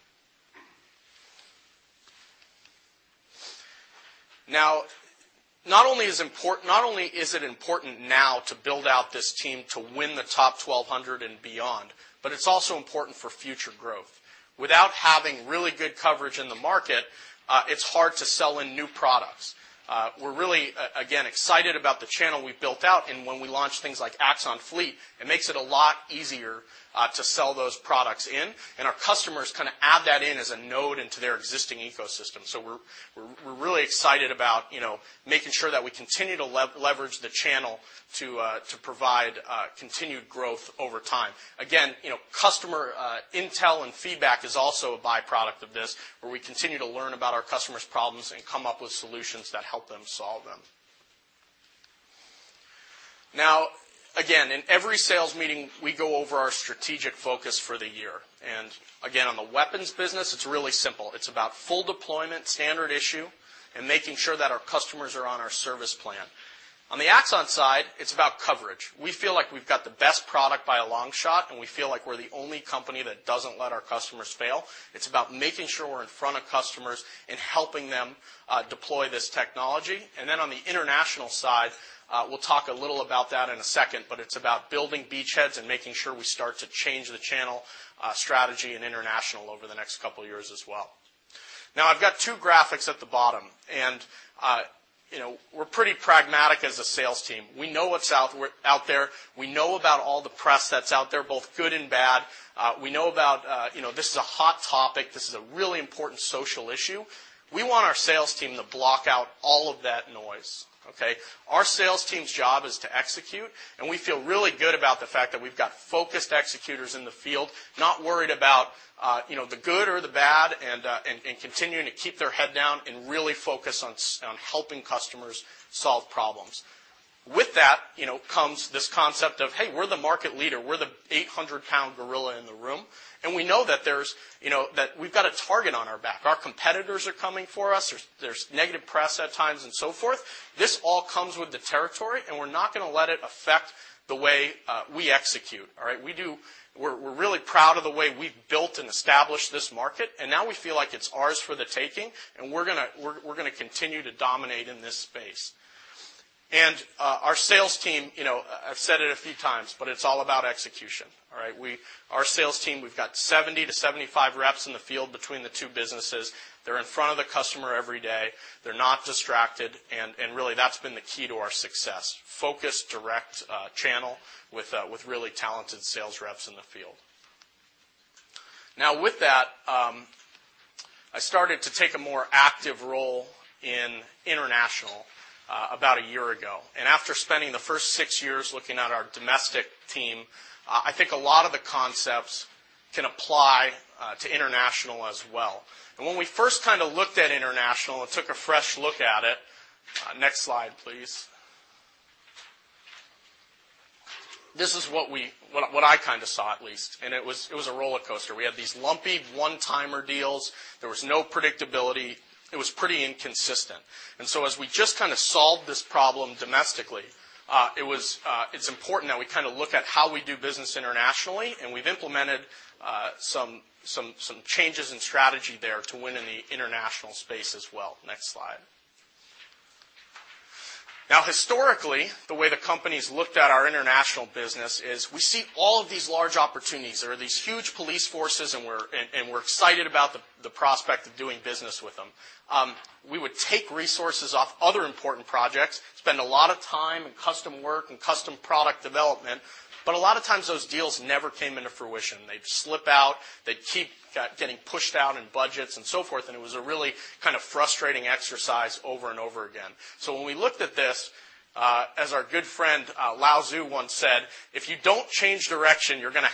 Now, not only is it important now to build out this team to win the top 1,200 and beyond, but it's also important for future growth. Without having really good coverage in the market, it's hard to sell in new products. We're really, again, excited about the channel we've built out, and when we launch things like Axon Fleet, it makes it a lot easier to sell those products in, and our customers kind of add that in as a node into their existing ecosystem. So we're really excited about, you know, making sure that we continue to leverage the channel to provide continued growth over time. Again, you know, customer intel and feedback is also a byproduct of this, where we continue to learn about our customers' problems and come up with solutions that help them solve them. Now, again, in every sales meeting, we go over our strategic focus for the year. Again, on the weapons business, it's really simple. It's about full deployment, standard issue, and making sure that our customers are on our service plan. On the Axon side, it's about coverage. We feel like we've got the best product by a long shot, and we feel like we're the only company that doesn't let our customers fail. It's about making sure we're in front of customers and helping them deploy this technology. And then on the international side, we'll talk a little about that in a second, but it's about building beachheads and making sure we start to change the channel strategy in international over the next couple of years as well. Now, I've got two graphics at the bottom, and, you know, we're pretty pragmatic as a sales team. We know what's out there. We know about all the press that's out there, both good and bad. We know about, you know, this is a hot topic. This is a really important social issue. We want our sales team to block out all of that noise, okay? Our sales team's job is to execute, and we feel really good about the fact that we've got focused executors in the field, not worried about, you know, the good or the bad, and, and continuing to keep their head down and really focus on on helping customers solve problems. With that, you know, comes this concept of, hey, we're the market leader. We're the 800-pound gorilla in the room, and we know that there's, you know, that we've got a target on our back. Our competitors are coming for us. There's negative press at times and so forth. This all comes with the territory, and we're not gonna let it affect the way we execute. All right? We're really proud of the way we've built and established this market, and now we feel like it's ours for the taking, and we're gonna continue to dominate in this space. Our sales team, you know, I've said it a few times, but it's all about execution. All right? Our sales team, we've got 70-75 reps in the field between the two businesses. They're in front of the customer every day. They're not distracted, and really, that's been the key to our success. Focused, direct channel with really talented sales reps in the field. Now, with that, I started to take a more active role in international about a year ago. After spending the first six years looking at our domestic team, I think a lot of the concepts can apply to international as well. When we first kind of looked at international and took a fresh look at it... Next slide, please. This is what I kind of saw, at least, and it was a rollercoaster. We had these lumpy one-timer deals. There was no predictability. It was pretty inconsistent. So as we just kind of solved this problem domestically, it's important that we kind of look at how we do business internationally, and we've implemented some changes in strategy there to win in the international space as well. Next slide. Now, historically, the way the company's looked at our international business is we see all of these large opportunities. There are these huge police forces, and we're excited about the prospect of doing business with them. We would take resources off other important projects, spend a lot of time in custom work and custom product development, but a lot of times those deals never came into fruition. They'd slip out, they'd keep getting pushed out in budgets and so forth, and it was a really kind of frustrating exercise over and over again. So when we looked at this, as our good friend Lao Tzu once said, "If you don't change direction, you're gonna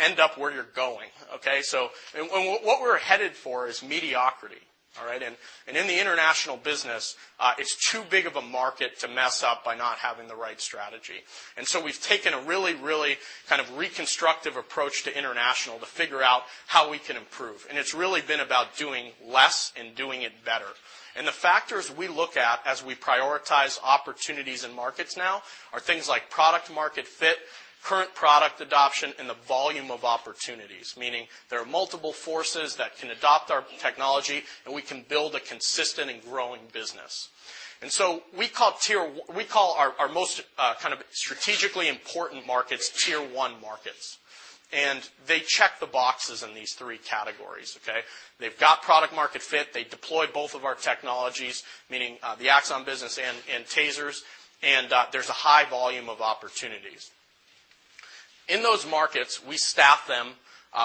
end up where you're going." Okay? So what we're headed for is mediocrity, all right? And in the international business, it's too big of a market to mess up by not having the right strategy. We've taken a really, really kind of reconstructive approach to international to figure out how we can improve, and it's really been about doing less and doing it better. The factors we look at as we prioritize opportunities in markets now are things like product-market fit, current product adoption, and the volume of opportunities, meaning there are multiple forces that can adopt our technology, and we can build a consistent and growing business. So we call our most kind of strategically important markets Tier One markets, and they check the boxes in these three categories, okay? They've got product-market fit. They deploy both of our technologies, meaning the Axon business and TASERs, and there's a high volume of opportunities. In those markets, we staff them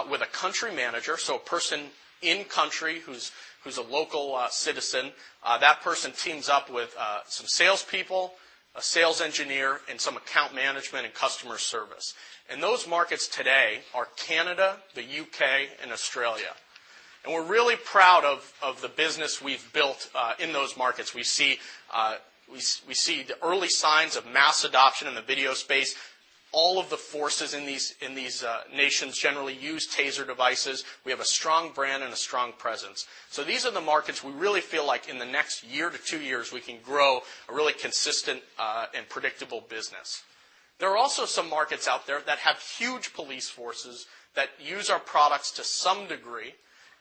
with a country manager, so a person in country who's a local citizen. That person teams up with some salespeople, a sales engineer, and some account management and customer service. Those markets today are Canada, the U.K., and Australia. We're really proud of the business we've built in those markets. We see the early signs of mass adoption in the video space. All of the forces in these nations generally use TASER devices. We have a strong brand and a strong presence. So these are the markets we really feel like in the next year to 2 years, we can grow a really consistent and predictable business. There are also some markets out there that have huge police forces that use our products to some degree,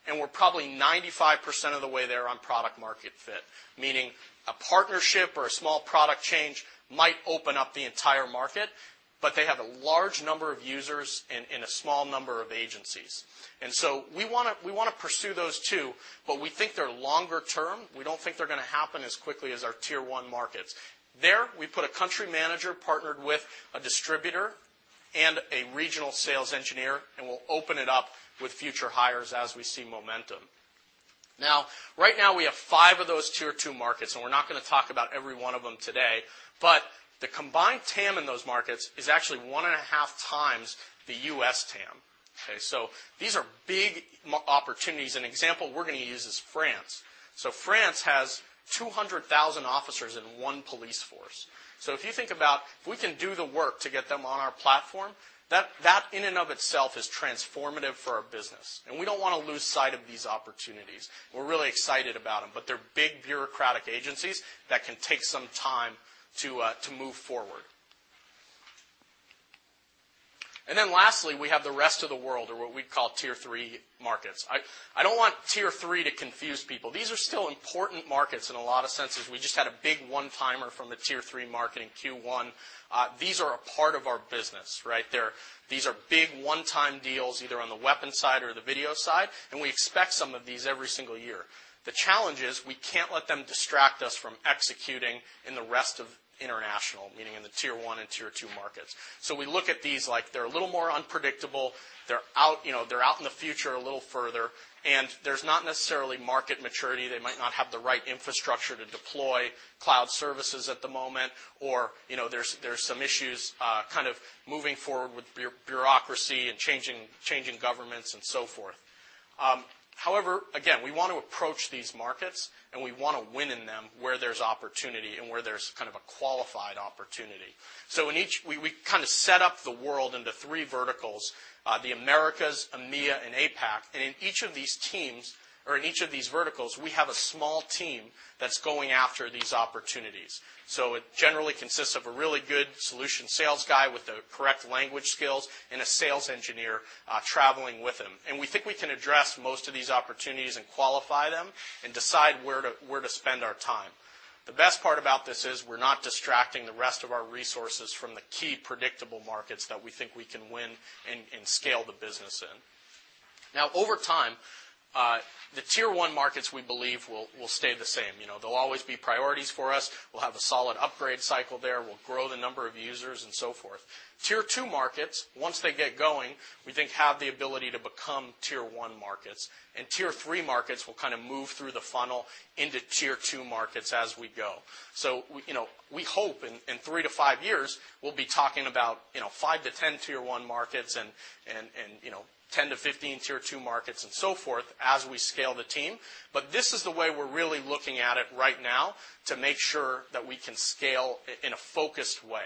and we're probably 95% of the way there on product-market fit, meaning a partnership or a small product change might open up the entire market, but they have a large number of users in a small number of agencies. And so we wanna pursue those, too, but we think they're longer term. We don't think they're gonna happen as quickly as our Tier One markets. There, we put a country manager partnered with a distributor and a regional sales engineer, and we'll open it up with future hires as we see momentum. Now, right now, we have 5 of those Tier Two markets, and we're not gonna talk about every one of them today, but the combined TAM in those markets is actually 1.5 times the US TAM, okay? So these are big opportunities. An example we're gonna use is France. So France has 200,000 officers in one police force. So if you think about, if we can do the work to get them on our platform, that, that in and of itself is transformative for our business, and we don't wanna lose sight of these opportunities. We're really excited about them, but they're big bureaucratic agencies that can take some time to, to move forward. And then lastly, we have the rest of the world, or what we'd call Tier Three markets. I, I don't want Tier Three to confuse people. These are still important markets in a lot of senses. We just had a big one-timer from a Tier 3 market in Q1. These are a part of our business, right? These are big one-time deals, either on the weapon side or the video side, and we expect some of these every single year. The challenge is, we can't let them distract us from executing in the rest of international, meaning in the Tier 1 and Tier 2 markets. So we look at these like they're a little more unpredictable, they're out, you know, they're out in the future a little further, and there's not necessarily market maturity. They might not have the right infrastructure to deploy cloud services at the moment, or, you know, there's some issues, kind of moving forward with bureaucracy and changing governments and so forth. However, again, we want to approach these markets, and we want to win in them where there's opportunity and where there's kind of a qualified opportunity. So in each... We kind of set up the world into three verticals, the Americas, EMEA, and APAC. And in each of these teams, or in each of these verticals, we have a small team that's going after these opportunities. So it generally consists of a really good solution sales guy with the correct language skills and a sales engineer traveling with him. And we think we can address most of these opportunities and qualify them and decide where to, where to spend our time. The best part about this is we're not distracting the rest of our resources from the key predictable markets that we think we can win and scale the business in. Now, over time, the Tier One markets, we believe, will stay the same. You know, they'll always be priorities for us. We'll have a solid upgrade cycle there. We'll grow the number of users and so forth. Tier Two markets, once they get going, we think have the ability to become Tier One markets, and Tier Three markets will kind of move through the funnel into Tier Two markets as we go. So we, you know, we hope in 3 to 5 years, we'll be talking about, you know, 5-10 Tier One markets and, and, you know, 10-15 Tier Two markets and so forth as we scale the team. But this is the way we're really looking at it right now to make sure that we can scale in a focused way.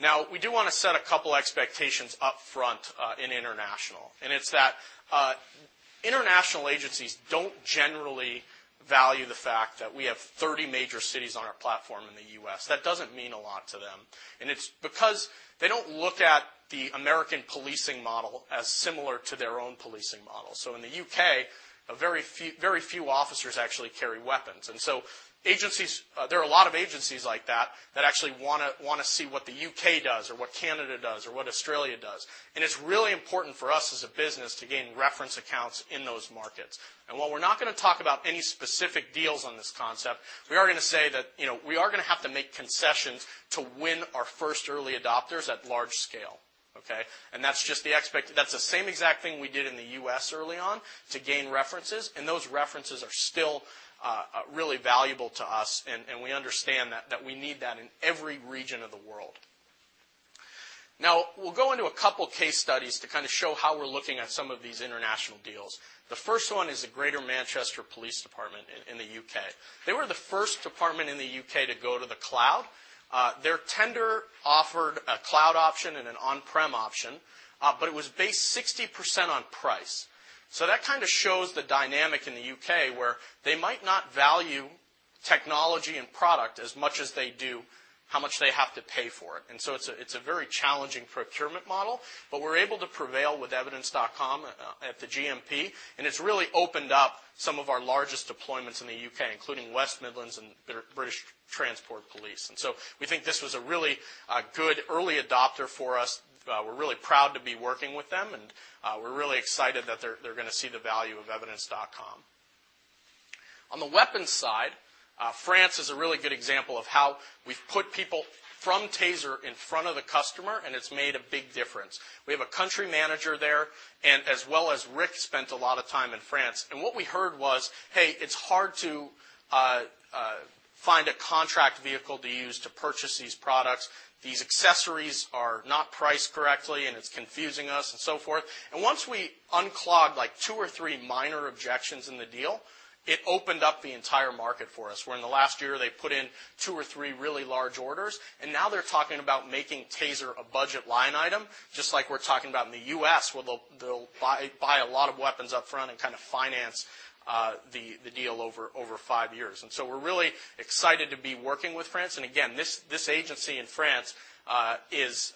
Now, we do want to set a couple expectations up front, in international, and it's that, international agencies don't generally value the fact that we have 30 major cities on our platform in the US. That doesn't mean a lot to them, and it's because they don't look at the American policing model as similar to their own policing model. So in the UK, very few officers actually carry weapons. And so agencies... There are a lot of agencies like that, that actually wanna see what the UK does or what Canada does or what Australia does, and it's really important for us as a business to gain reference accounts in those markets. While we're not gonna talk about any specific deals on this concept, we are gonna say that, you know, we are gonna have to make concessions to win our first early adopters at large scale, okay? That's the same exact thing we did in the U.S. early on to gain references, and those references are still really valuable to us, and we understand that we need that in every region of the world. Now, we'll go into a couple case studies to kind of show how we're looking at some of these international deals. The first one is the Greater Manchester Police Department in the U.K. They were the first department in the U.K. to go to the cloud. Their tender offered a cloud option and an on-prem option, but it was based 60% on price. So that kind of shows the dynamic in the U.K., where they might not value technology and product as much as they do, how much they have to pay for it. And so it's a very challenging procurement model, but we're able to prevail with Evidence.com at the GMP, and it's really opened up some of our largest deployments in the U.K., including West Midlands and British Transport Police. And so we think this was a really good early adopter for us. We're really proud to be working with them, and we're really excited that they're gonna see the value of Evidence.com. On the weapons side, France is a really good example of how we've put people from TASER in front of the customer, and it's made a big difference. We have a country manager there, and as well as Rick spent a lot of time in France, and what we heard was: "Hey, it's hard to find a contract vehicle to use to purchase these products. These accessories are not priced correctly, and it's confusing us," and so forth. And once we unclogged, like, two or three minor objections in the deal, it opened up the entire market for us, where in the last year, they put in two or three really large orders, and now they're talking about making TASER a budget line item, just like we're talking about in the U.S., where they'll buy a lot of weapons upfront and kind of finance the deal over five years. And so we're really excited to be working with France. And again, this agency in France is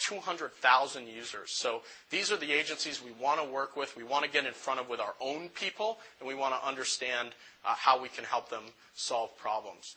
200,000 users. So these are the agencies we wanna work with, we wanna get in front of with our own people, and we wanna understand how we can help them solve problems.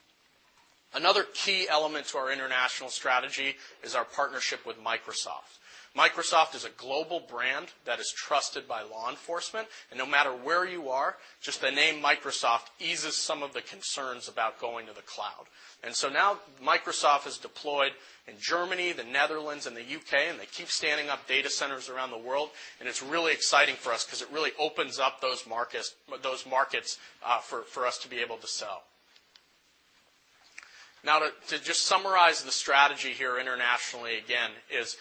Another key element to our international strategy is our partnership with Microsoft. Microsoft is a global brand that is trusted by law enforcement, and no matter where you are, just the name Microsoft eases some of the concerns about going to the cloud. And so now Microsoft is deployed in Germany, the Netherlands, and the UK, and they keep standing up data centers around the world, and it's really exciting for us because it really opens up those markets-those markets for us to be able to sell. Now, to just summarize the strategy here internationally, again, is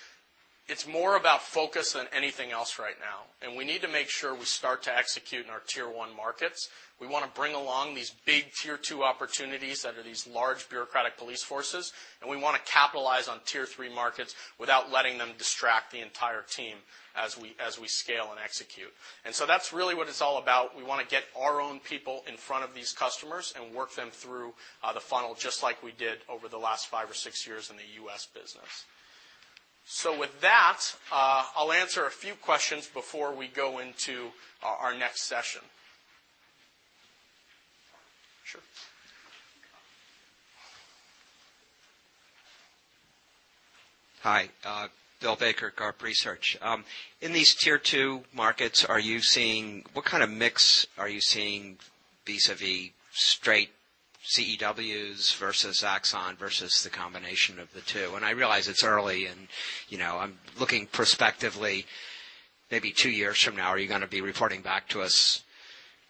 it's more about focus than anything else right now, and we need to make sure we start to execute in our Tier One markets. We wanna bring along these big Tier Two opportunities that are these large bureaucratic police forces, and we wanna capitalize on Tier Three markets without letting them distract the entire team as we scale and execute. And so that's really what it's all about. We wanna get our own people in front of these customers and work them through the funnel, just like we did over the last 5 or 6 years in the U.S. business. So with that, I'll answer a few questions before we go into our next session. Sure. Hi, Bill Baker, GARP Research. In these Tier Two markets, are you seeing... What kind of mix are you seeing vis-à-vis straight CEWs versus Axon versus the combination of the two? And I realize it's early and, you know, I'm looking perspectively, maybe two years from now, are you gonna be reporting back to us,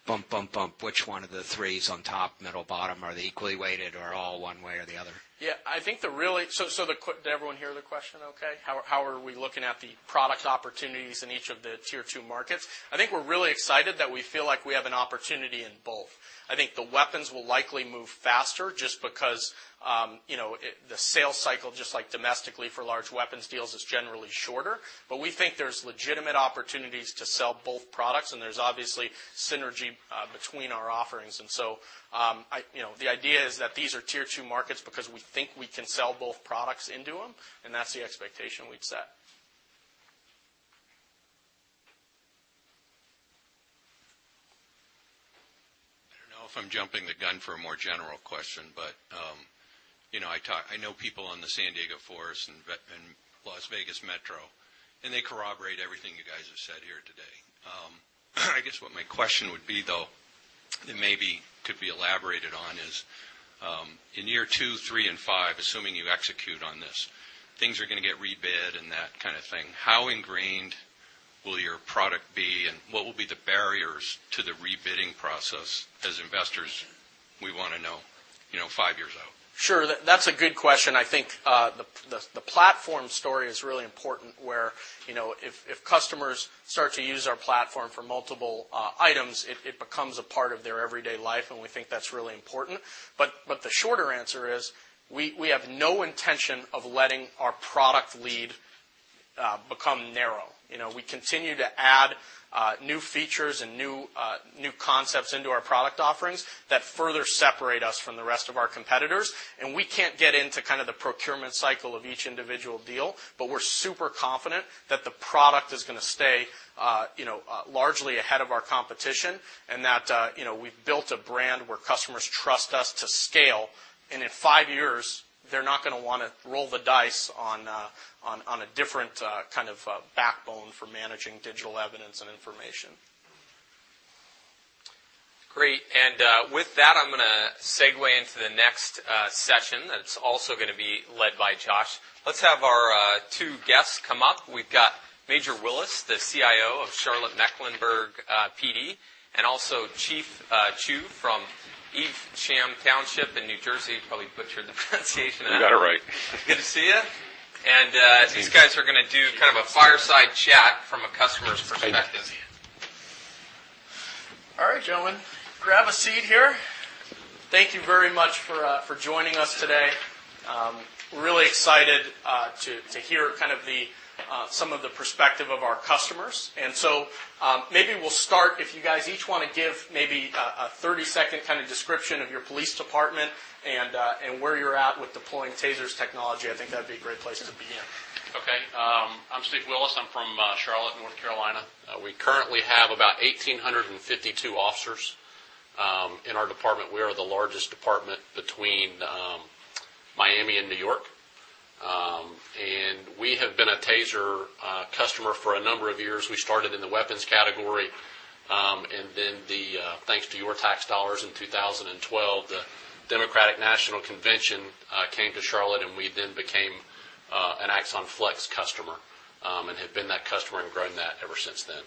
bump, bump, bump, which one of the three is on top, middle, bottom? Are they equally weighted or all one way or the other? Yeah, so did everyone hear the question okay? How are we looking at the product opportunities in each of the Tier Two markets? I think we're really excited that we feel like we have an opportunity in both. I think the weapons will likely move faster just because, you know, the sales cycle, just like domestically for large weapons deals, is generally shorter. But we think there's legitimate opportunities to sell both products, and there's obviously synergy between our offerings. And so, you know, the idea is that these are Tier Two markets because we think we can sell both products into them, and that's the expectation we've set. I don't know if I'm jumping the gun for a more general question, but, you know, I know people on the San Diego PD and LAPD and Las Vegas Metro, and they corroborate everything you guys have said here today. I guess what my question would be, though, and maybe could be elaborated on, is, in year 2, 3, and 5, assuming you execute on this, things are gonna get rebid and that kind of thing. How ingrained will your product be, and what will be the barriers to the rebidding process? As investors, we wanna know, you know, 5 years out. Sure. That's a good question. I think, the platform story is really important, where, you know, if customers start to use our platform for multiple items, it becomes a part of their everyday life, and we think that's really important. But the shorter answer is, we have no intention of letting our product lead become narrow. You know, we continue to add new features and new, new concepts into our product offerings that further separate us from the rest of our competitors, and we can't get into kind of the procurement cycle of each individual deal, but we're super confident that the product is gonna stay, you know, largely ahead of our competition, and that, you know, we've built a brand where customers trust us to scale, and in five years, they're not gonna wanna roll the dice on a, on, on a different kind of backbone for managing digital evidence and information. Great. And, with that, I'm gonna segue into the next session. That's also gonna be led by Josh. Let's have our two guests come up. We've got Major Willis, the CIO of Charlotte-Mecklenburg PD, and also Chief Chew from Evesham Township in New Jersey. Probably butchered the pronunciation of that. You got it right. Good to see you. Good to see you. - These guys are gonna do kind of a fireside chat from a customer's perspective. All right, gentlemen, grab a seat here. Thank you very much for joining us today. We're really excited to hear kind of some of the perspective of our customers. And so, maybe we'll start, if you guys each wanna give maybe a 30-second kind of description of your police department and where you're at with deploying TASERs technology. I think that'd be a great place to begin. Okay. I'm Steve Willis. I'm from, Charlotte, North Carolina. We currently have about 1,852 officers in our department. We are the largest department between Miami and New York.... We have been a TASER customer for a number of years. We started in the weapons category, and then the, thanks to your tax dollars in 2012, the Democratic National Convention came to Charlotte, and we then became an Axon Flex customer, and have been that customer and grown that ever since then.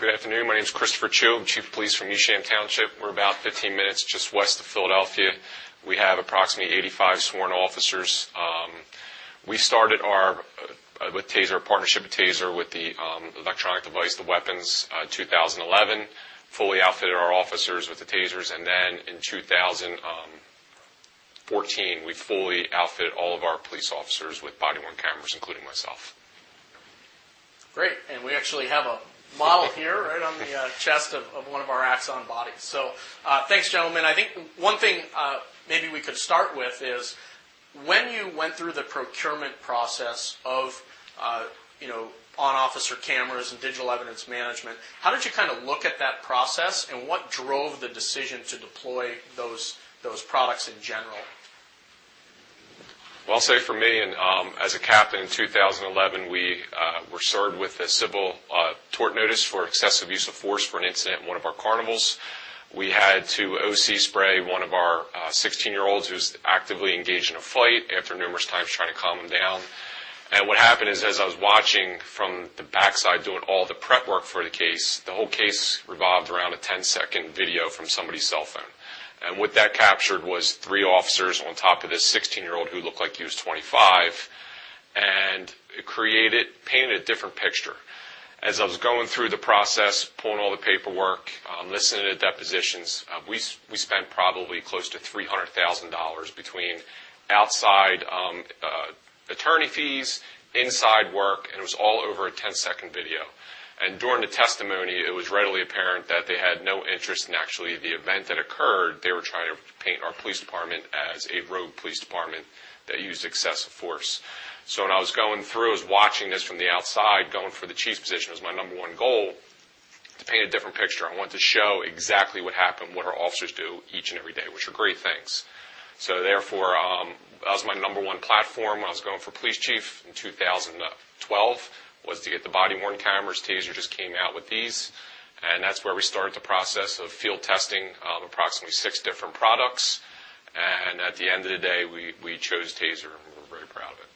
Good afternoon. My name is Christopher Chew, I'm Chief of Police from Evesham Township. We're about 15 minutes just west of Philadelphia. We have approximately 85 sworn officers. We started our partnership with TASER with the electronic device, the weapons, 2011, fully outfitted our officers with the TASERs, and then in 2014, we fully outfit all of our police officers with body-worn cameras, including myself. Great, and we actually have a model here right on the chest of one of our Axon Bodies. So, thanks, gentlemen. I think one thing, maybe we could start with is when you went through the procurement process of, you know, on-officer cameras and digital evidence management, how did you kind of look at that process, and what drove the decision to deploy those products in general? Well, I'll say for me, and, as a captain in 2011, we were served with a civil tort notice for excessive use of force for an incident in one of our carnivals. We had to OC spray one of our 16-year-olds who's actively engaged in a fight after numerous times trying to calm him down. And what happened is, as I was watching from the backside, doing all the prep work for the case, the whole case revolved around a 10-second video from somebody's cell phone. And what that captured was three officers on top of this 16-year-old, who looked like he was 25, and it created... painted a different picture. As I was going through the process, pulling all the paperwork, listening to depositions, we spent probably close to $300,000 between outside attorney fees, inside work, and it was all over a 10-second video. During the testimony, it was readily apparent that they had no interest in actually the event that occurred. They were trying to paint our police department as a rogue police department that used excessive force. When I was going through, I was watching this from the outside, going for the chief's position as my number one goal, to paint a different picture. I wanted to show exactly what happened, what our officers do each and every day, which are great things. Therefore, that was my number one platform when I was going for police chief in 2012, was to get the body-worn cameras. Taser just came out with these, and that's where we started the process of field testing approximately six different products, and at the end of the day, we chose Taser, and we're very proud of it.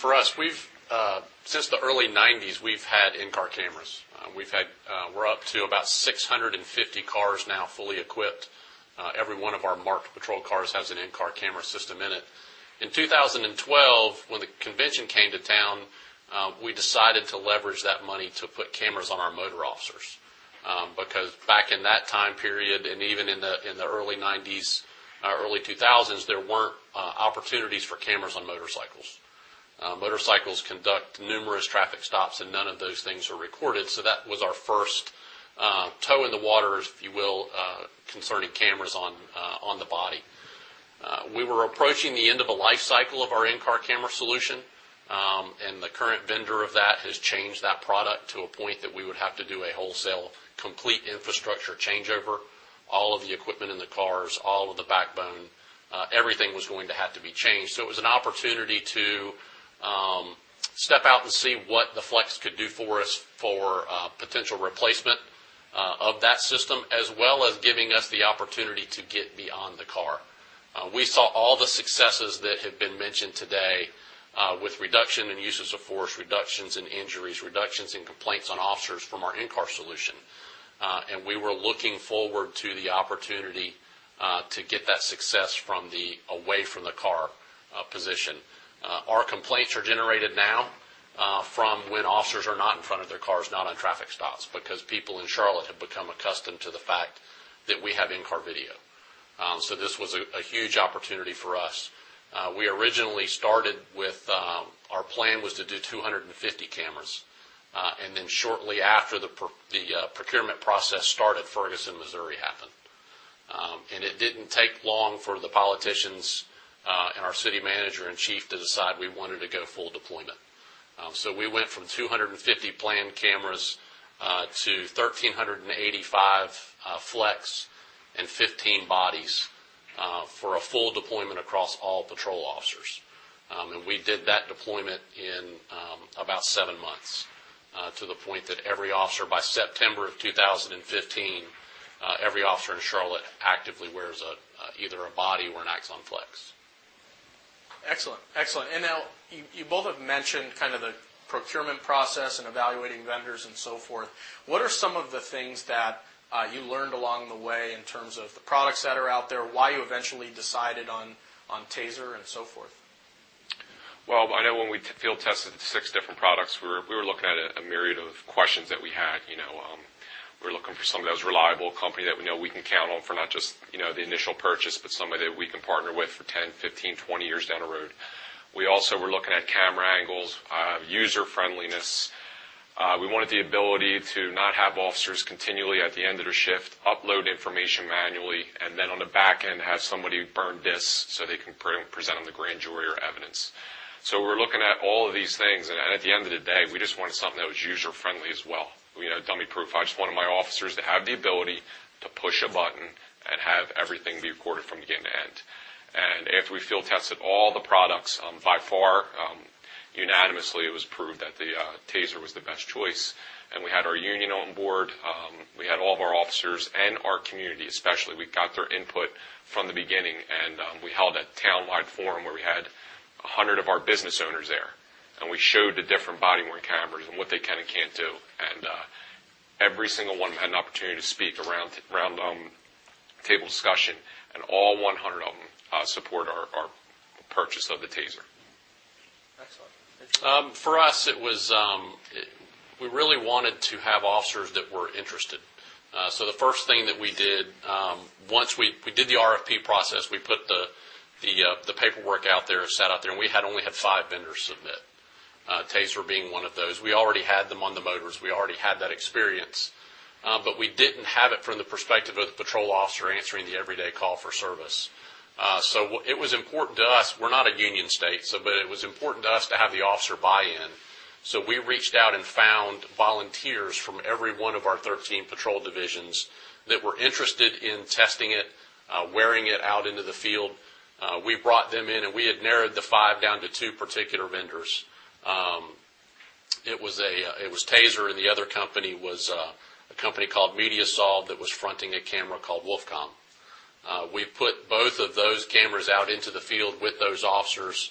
For us, we've had in-car cameras since the early 1990s. We're up to about 650 cars now, fully equipped. Every one of our marked patrol cars has an in-car camera system in it. In 2012, when the convention came to town, we decided to leverage that money to put cameras on our motor officers, because back in that time period, and even in the early 1990s, early 2000s, there weren't opportunities for cameras on motorcycles. Motorcycles conduct numerous traffic stops, and none of those things were recorded, so that was our first toe in the water, if you will, concerning cameras on the body. We were approaching the end of a life cycle of our in-car camera solution, and the current vendor of that has changed that product to a point that we would have to do a wholesale, complete infrastructure changeover, all of the equipment in the cars, all of the backbone, everything was going to have to be changed. So it was an opportunity to step out and see what the Flex could do for us for potential replacement of that system, as well as giving us the opportunity to get beyond the car. We saw all the successes that have been mentioned today, with reduction in uses of force, reductions in injuries, reductions in complaints on officers from our in-car solution, and we were looking forward to the opportunity to get that success from the away-from-the-car position. Our complaints are generated now from when officers are not in front of their cars, not on traffic stops, because people in Charlotte have become accustomed to the fact that we have in-car video. So this was a huge opportunity for us. We originally started with our plan was to do 250 cameras, and then shortly after the procurement process started, Ferguson, Missouri, happened. And it didn't take long for the politicians and our city manager and chief to decide we wanted to go full deployment. So we went from 250 planned cameras to 1,385 Flex and 15 Bodies for a full deployment across all patrol officers. And we did that deployment in about 7 months to the point that every officer by September of 2015 every officer in Charlotte actively wears a either a body or an Axon Flex. Excellent. Excellent. And now, you, you both have mentioned kind of the procurement process and evaluating vendors and so forth. What are some of the things that, you learned along the way in terms of the products that are out there, why you eventually decided on, on TASER and so forth? Well, I know when we field-tested 6 different products, we were looking at a myriad of questions that we had. You know, we were looking for somebody that was a reliable company, that we know we can count on for not just, you know, the initial purchase, but somebody that we can partner with for 10, 15, 20 years down the road. We also were looking at camera angles, user-friendliness. We wanted the ability to not have officers continually, at the end of their shift, upload information manually, and then on the back end, have somebody burn discs so they can present on the grand jury or evidence. So we're looking at all of these things, and at the end of the day, we just wanted something that was user-friendly as well. You know, dummy-proof. I just wanted my officers to have the ability to push a button and have everything be recorded from beginning to end. After we field tested all the products, by far, unanimously, it was proved that the TASER was the best choice. We had our union on board, we had all of our officers and our community, especially. We got their input from the beginning, and we held a town-wide forum where we had 100 of our business owners there, and we showed the different body-worn cameras and what they can and can't do. Every single one had an opportunity to speak around table discussion, and all 100 of them support our purchase of the TASER. Excellent. For us, it was. We really wanted to have officers that were interested. So the first thing that we did, once we did the RFP process, we put the paperwork out there, and we only had 5 vendors submit, TASER being one of those. We already had them on the motors. We already had that experience, but we didn't have it from the perspective of the patrol officer answering the everyday call for service. So it was important to us. We're not a union state, so, but it was important to us to have the officer buy in. So we reached out and found volunteers from every one of our 13 patrol divisions that were interested in testing it, wearing it out into the field. We brought them in, and we had narrowed the five down to two particular vendors. It was TASER, and the other company was a company called MediaSolv, that was fronting a camera called Wolfcom. We put both of those cameras out into the field with those officers,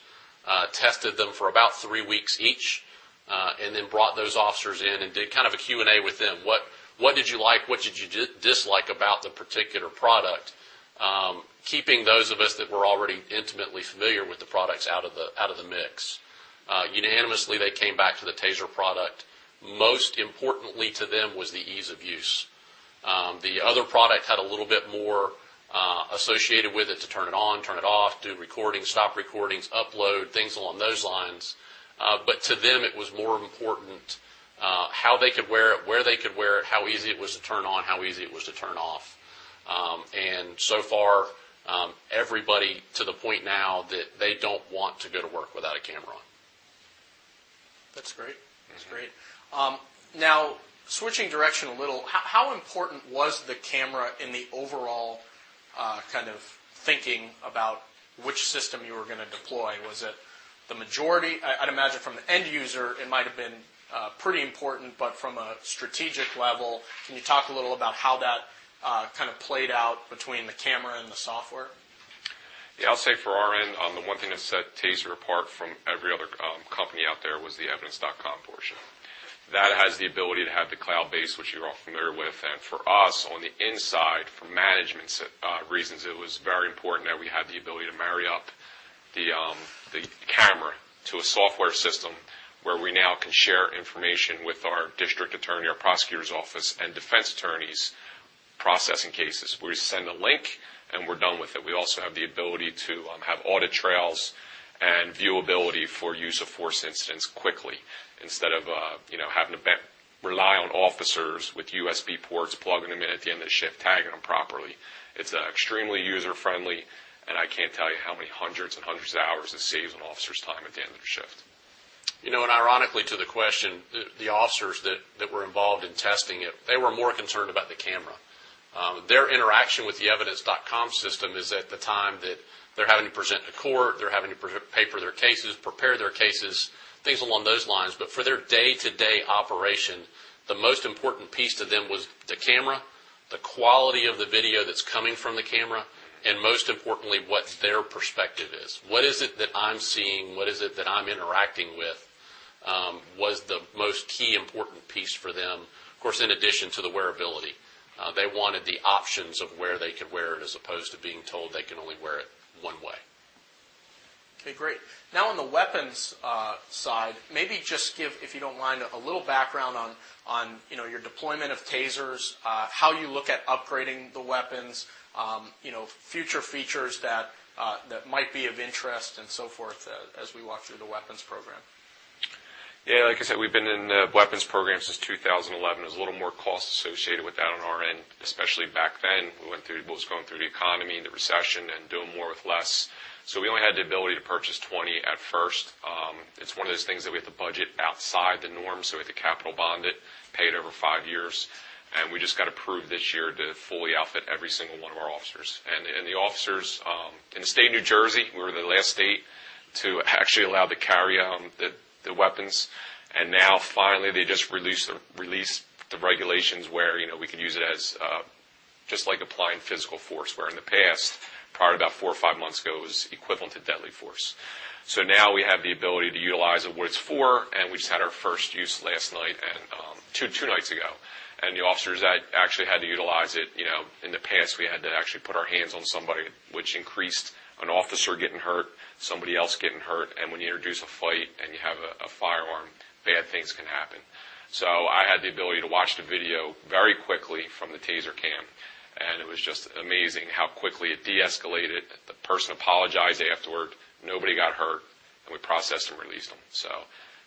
tested them for about three weeks each, and then brought those officers in and did kind of a Q&A with them. What did you like? What did you dislike about the particular product? Keeping those of us that were already intimately familiar with the products out of the mix. Unanimously, they came back to the TASER product. Most importantly to them was the ease of use. The other product had a little bit more associated with it to turn it on, turn it off, do recordings, stop recordings, upload, things along those lines. But to them, it was more important how they could wear it, where they could wear it, how easy it was to turn on, how easy it was to turn off. And so far, everybody to the point now that they don't want to go to work without a camera on. That's great. Mm-hmm. That's great. Now, switching direction a little, how important was the camera in the overall, kind of thinking about which system you were gonna deploy? Was it the majority? I'd imagine from the end user, it might have been pretty important, but from a strategic level, can you talk a little about how that kind of played out between the camera and the software? Yeah, I'll say for our end, the one thing that set TASER apart from every other company out there was the Evidence.com portion. That has the ability to have the cloud-based, which you're all familiar with, and for us on the inside, for management's reasons, it was very important that we had the ability to marry up the camera to a software system where we now can share information with our district attorney, our prosecutor's office, and defense attorneys, processing cases. We send a link, and we're done with it. We also have the ability to have audit trails and viewability for use of force incidents quickly, instead of you know having to rely on officers with USB ports, plugging them in at the end of the shift, tagging them properly. It's extremely user-friendly, and I can't tell you how many hundreds and hundreds of hours it saves an officer's time at the end of their shift. You know, and ironically, to the question, the officers that were involved in testing it, they were more concerned about the camera. Their interaction with the Evidence.com system is at the time that they're having to present to court. They're having to prepare their cases, things along those lines. But for their day-to-day operation, the most important piece to them was the camera, the quality of the video that's coming from the camera, and most importantly, what their perspective is. What is it that I'm seeing? What is it that I'm interacting with? Was the most key, important piece for them, of course, in addition to the wearability. They wanted the options of where they could wear it, as opposed to being told they can only wear it one way. Okay, great. Now, on the weapons side, maybe just give, if you don't mind, a little background on, you know, your deployment of Tasers, how you look at upgrading the weapons, you know, future features that might be of interest, and so forth, as we walk through the weapons program. Yeah, like I said, we've been in the weapons program since 2011. There's a little more cost associated with that on our end, especially back then. We went through what was going through the economy and the recession and doing more with less. So we only had the ability to purchase 20 at first. It's one of those things that we had to budget outside the norm, so we had to capital bond it, pay it over 5 years, and we just got approved this year to fully outfit every single one of our officers. And the officers in the state of New Jersey, we were the last state to actually allow to carry the weapons. Now, finally, they just released the regulations where, you know, we can use it as just like applying physical force, where in the past, probably about four or five months ago, it was equivalent to deadly force. So now we have the ability to utilize it what it's for, and we just had our first use last night and two nights ago. And the officers that actually had to utilize it, you know, in the past, we had to actually put our hands on somebody, which increased an officer getting hurt, somebody else getting hurt, and when you introduce a fight and you have a firearm, bad things can happen. So I had the ability to watch the video very quickly from the TASER Cam, and it was just amazing how quickly it de-escalated. The person apologized afterward, nobody got hurt, and we processed and released them. So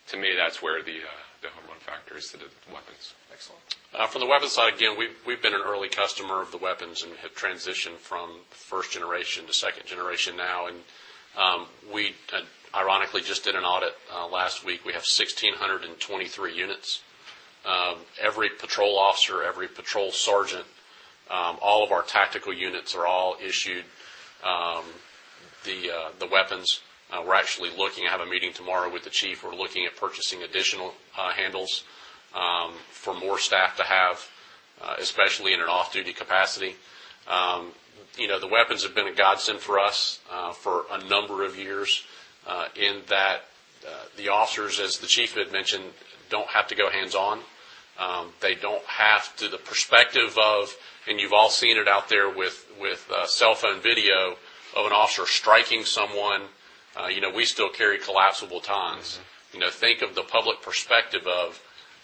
to me, that's where the home run factor is to the weapons. Excellent. From the weapons side, again, we've been an early customer of the weapons and have transitioned from first generation to second generation now. We ironically just did an audit last week. We have 1,623 units. Every patrol officer, every patrol sergeant, all of our tactical units are all issued the weapons. We're actually looking. I have a meeting tomorrow with the chief. We're looking at purchasing additional handles for more staff to have, especially in an off-duty capacity. You know, the weapons have been a godsend for us for a number of years, in that the officers, as the chief had mentioned, don't have to go hands-on. They don't have to the perspective of, and you've all seen it out there with, with, cell phone video of an officer striking someone. You know, we still carry collapsible batons. Mm-hmm. You know, think of the public perspective of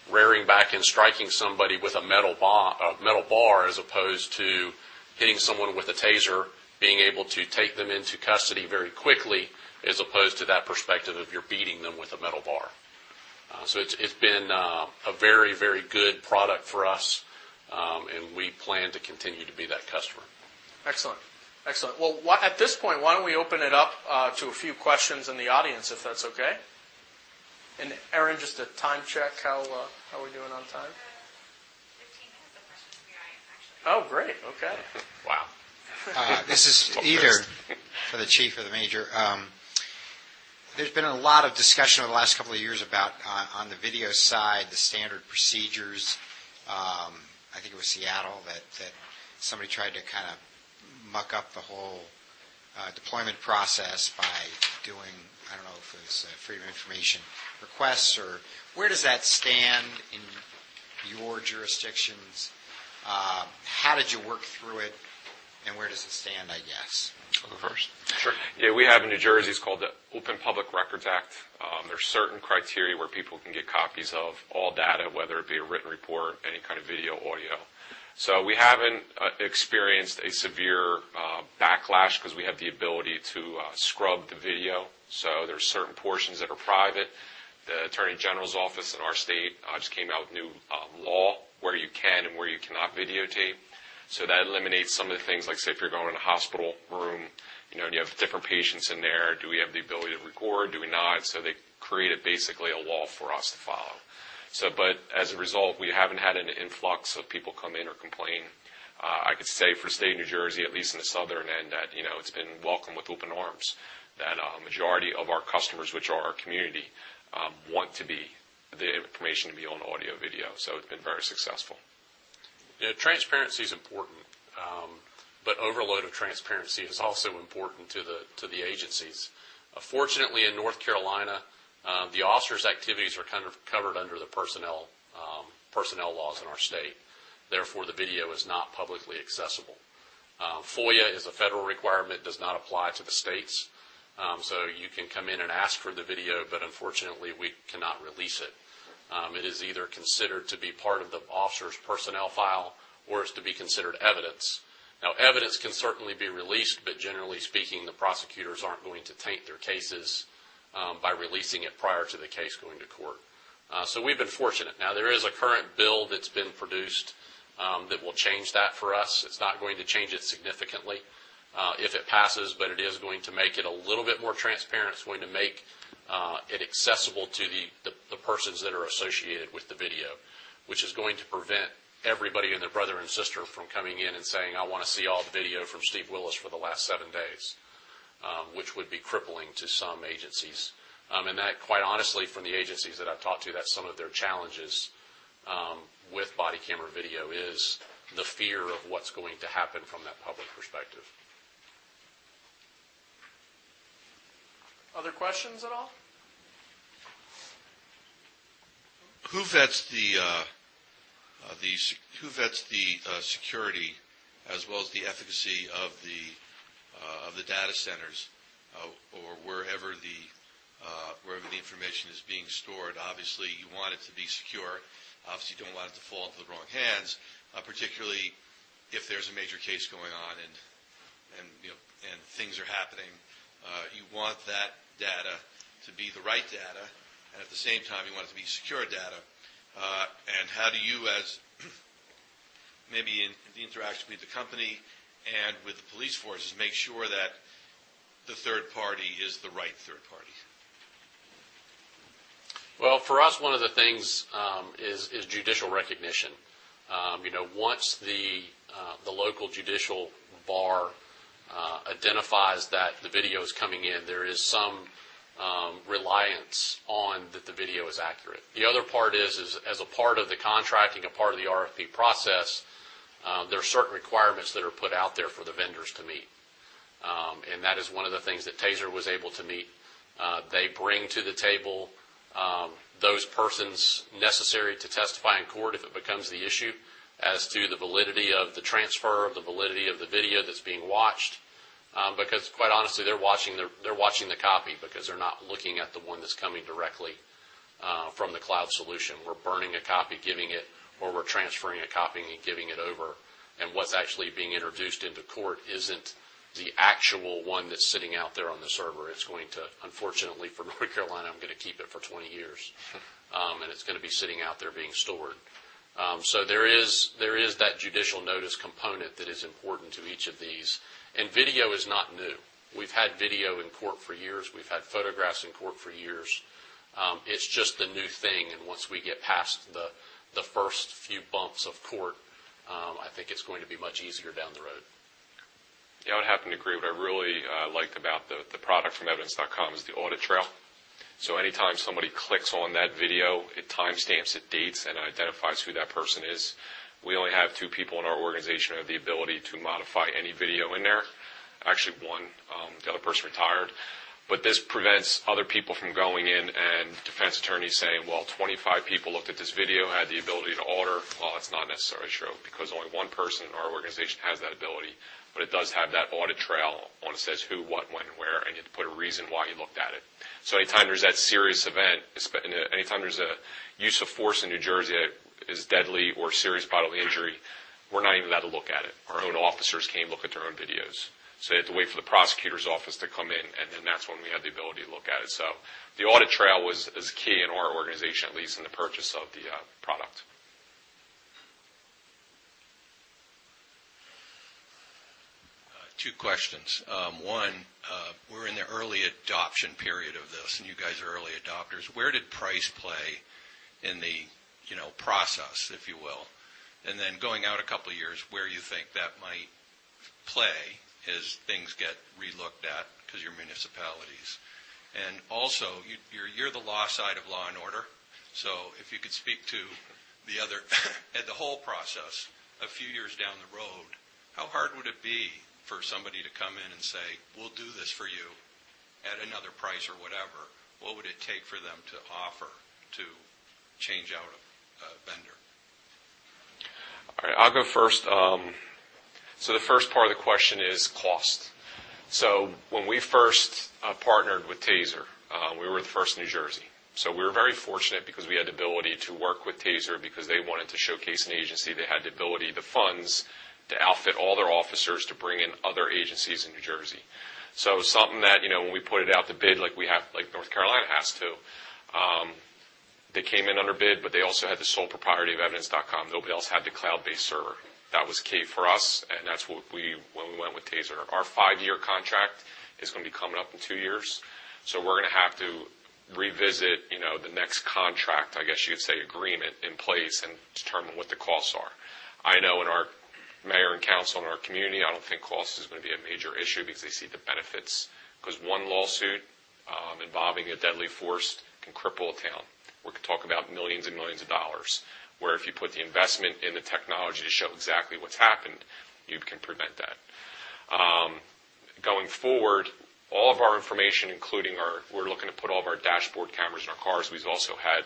rearing back and striking somebody with a metal bar, a metal bar, as opposed to hitting someone with a TASER, being able to take them into custody very quickly, as opposed to that perspective of you're beating them with a metal bar. So it's, it's been, a very, very good product for us, and we plan to continue to be that customer. Excellent. Excellent. Well, at this point, why don't we open it up to a few questions in the audience, if that's okay? And, Erin, just a time check. How are we doing on time? 15 minutes of questions we have, actually. Oh, great. Okay. Wow! This is either for the chief or the major. There's been a lot of discussion over the last couple of years about on the video side, the standard procedures. I think it was Seattle that somebody tried to kinda muck up the whole deployment process by doing, I don't know if it was Freedom of Information requests or... Where does that stand in your jurisdictions? How did you work through it, and where does it stand, I guess? You want me first? Sure. Yeah, we have in New Jersey, it's called the Open Public Records Act. There are certain criteria where people can get copies of all data, whether it be a written report, any kind of video, audio. So we haven't experienced a severe backlash because we have the ability to scrub the video. So there are certain portions that are private. The Attorney General's office in our state just came out with new law, where you can and where you cannot videotape. So that eliminates some of the things, like, say, if you're going in a hospital room, you know, and you have different patients in there, do we have the ability to record? Do we not? So they created basically a law for us to follow. As a result, we haven't had an influx of people come in or complain. I could say for the state of New Jersey, at least in the southern end, that, you know, it's been welcome with open arms, that majority of our customers, which are our community, want to be- they have information to be on audio, video, so it's been very successful. Yeah, transparency is important, but overload of transparency is also important to the, to the agencies. Fortunately, in North Carolina, the officers' activities are kind of covered under the personnel, personnel laws in our state. Therefore, the video is not publicly accessible. FOIA is a federal requirement, does not apply to the states. So you can come in and ask for the video, but unfortunately, we cannot release it. It is either considered to be part of the officer's personnel file or is to be considered evidence. Now, evidence can certainly be released, but generally speaking, the prosecutors aren't going to taint their cases by releasing it prior to the case going to court. So we've been fortunate. Now, there is a current bill that's been produced that will change that for us. It's not going to change it significantly if it passes, but it is going to make it a little bit more transparent. It's going to make it accessible to the persons that are associated with the video, which is going to prevent everybody and their brother and sister from coming in and saying, "I wanna see all the video from Steve Willis for the last seven days," which would be crippling to some agencies. That, quite honestly, from the agencies that I've talked to, that's some of their challenges with body camera video is the fear of what's going to happen from that public perspective. Other questions at all? Who vets the security as well as the efficacy of the data centers, or wherever the information is being stored? Obviously, you want it to be secure. Obviously, you don't want it to fall into the wrong hands, particularly if there's a major case going on and, you know, and things are happening. You want that data to be the right data, and at the same time, you want it to be secure data. And how do you, as maybe in the interaction with the company and with the police forces, make sure that the third party is the right third party? Well, for us, one of the things is judicial recognition. You know, once the local judicial bar identifies that the video is coming in, there is some reliance on that the video is accurate. The other part is as a part of the contracting, a part of the RFP process, there are certain requirements that are put out there for the vendors to meet. And that is one of the things that TASER was able to meet. They bring to the table those persons necessary to testify in court if it becomes the issue as to the validity of the transfer, of the validity of the video that's being watched. Because quite honestly, they're watching the copy because they're not looking at the one that's coming directly from the cloud solution. We're burning a copy, giving it, or we're transferring a copy and giving it over, and what's actually being introduced into court isn't the actual one that's sitting out there on the server. It's going to. Unfortunately for North Carolina, I'm gonna keep it for 20 years. And it's gonna be sitting out there being stored. So there is that judicial notice component that is important to each of these, and video is not new. We've had video in court for years. We've had photographs in court for years. It's just the new thing, and once we get past the first few bumps of court, I think it's going to be much easier down the road. Yeah, I would happen to agree. What I really liked about the, the product from Evidence.com is the audit trail. So anytime somebody clicks on that video, it timestamps, it dates, and identifies who that person is. We only have two people in our organization who have the ability to modify any video in there. Actually, one, the other person retired. But this prevents other people from going in and defense attorneys saying, "Well, 25 people looked at this video, had the ability to alter." Well, it's not necessarily true, because only one person in our organization has that ability, but it does have that audit trail, and it says who, what, when, where, and you have to put a reason why you looked at it. So anytime there's that serious event, anytime there's a use of force in New Jersey that is deadly or serious bodily injury, we're not even allowed to look at it. Our own officers can't look at their own videos, so they have to wait for the prosecutor's office to come in, and then that's when we have the ability to look at it. So the audit trail was, is key in our organization, at least in the purchase of the product. Two questions. One, we're in the early adoption period of this, and you guys are early adopters. Where did price play in the, you know, process, if you will? And then going out a couple of years, where you think that might play as things get relooked at because you're municipalities. And also, you're the law side of law and order, so if you could speak to the other and the whole process a few years down the road, how hard would it be for somebody to come in and say, "We'll do this for you at another price or whatever?" What would it take for them to offer to change out a vendor? All right, I'll go first. So the first part of the question is cost. So when we first partnered with TASER, we were the first in New Jersey, so we were very fortunate because we had the ability to work with TASER because they wanted to showcase an agency that had the ability, the funds, to outfit all their officers to bring in other agencies in New Jersey. So something that, you know, when we put it out to bid, like we have, like North Carolina has to, they came in under bid, but they also had the sole propriety of Evidence.com. Nobody else had the cloud-based server. That was key for us, and that's what we... When we went with TASER. Our five-year contract is gonna be coming up in two years, so we're gonna have to revisit, you know, the next contract, I guess you'd say, agreement in place and determine what the costs are. I know in our mayor and council, in our community, I don't think cost is gonna be a major issue because they see the benefits. Because one lawsuit involving a deadly force can cripple a town. We're talking about $millions and millions, where if you put the investment in the technology to show exactly what's happened, you can prevent that. Going forward, all of our information, we're looking to put all of our dashboard cameras in our cars. We've also had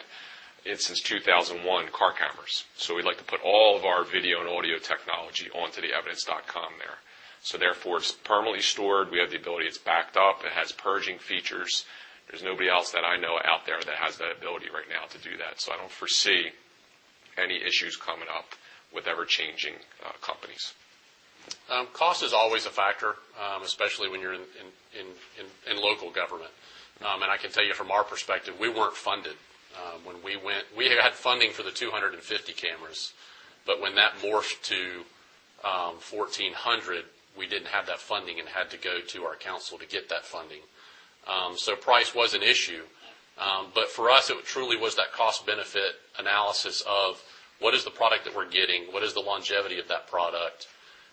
it since 2001, car cameras. So we'd like to put all of our video and audio technology onto the Evidence.com there. Therefore, it's permanently stored. We have the ability, it's backed up, it has purging features. There's nobody else that I know out there that has that ability right now to do that, so I don't foresee any issues coming up with ever-changing companies. Cost is always a factor, especially when you're in local government. I can tell you from our perspective, we weren't funded when we went. We had funding for the 250 cameras, but when that morphed to 1,400, we didn't have that funding and had to go to our council to get that funding. Price was an issue, but for us, it truly was that cost-benefit analysis of: What is the product that we're getting? What is the longevity of that product?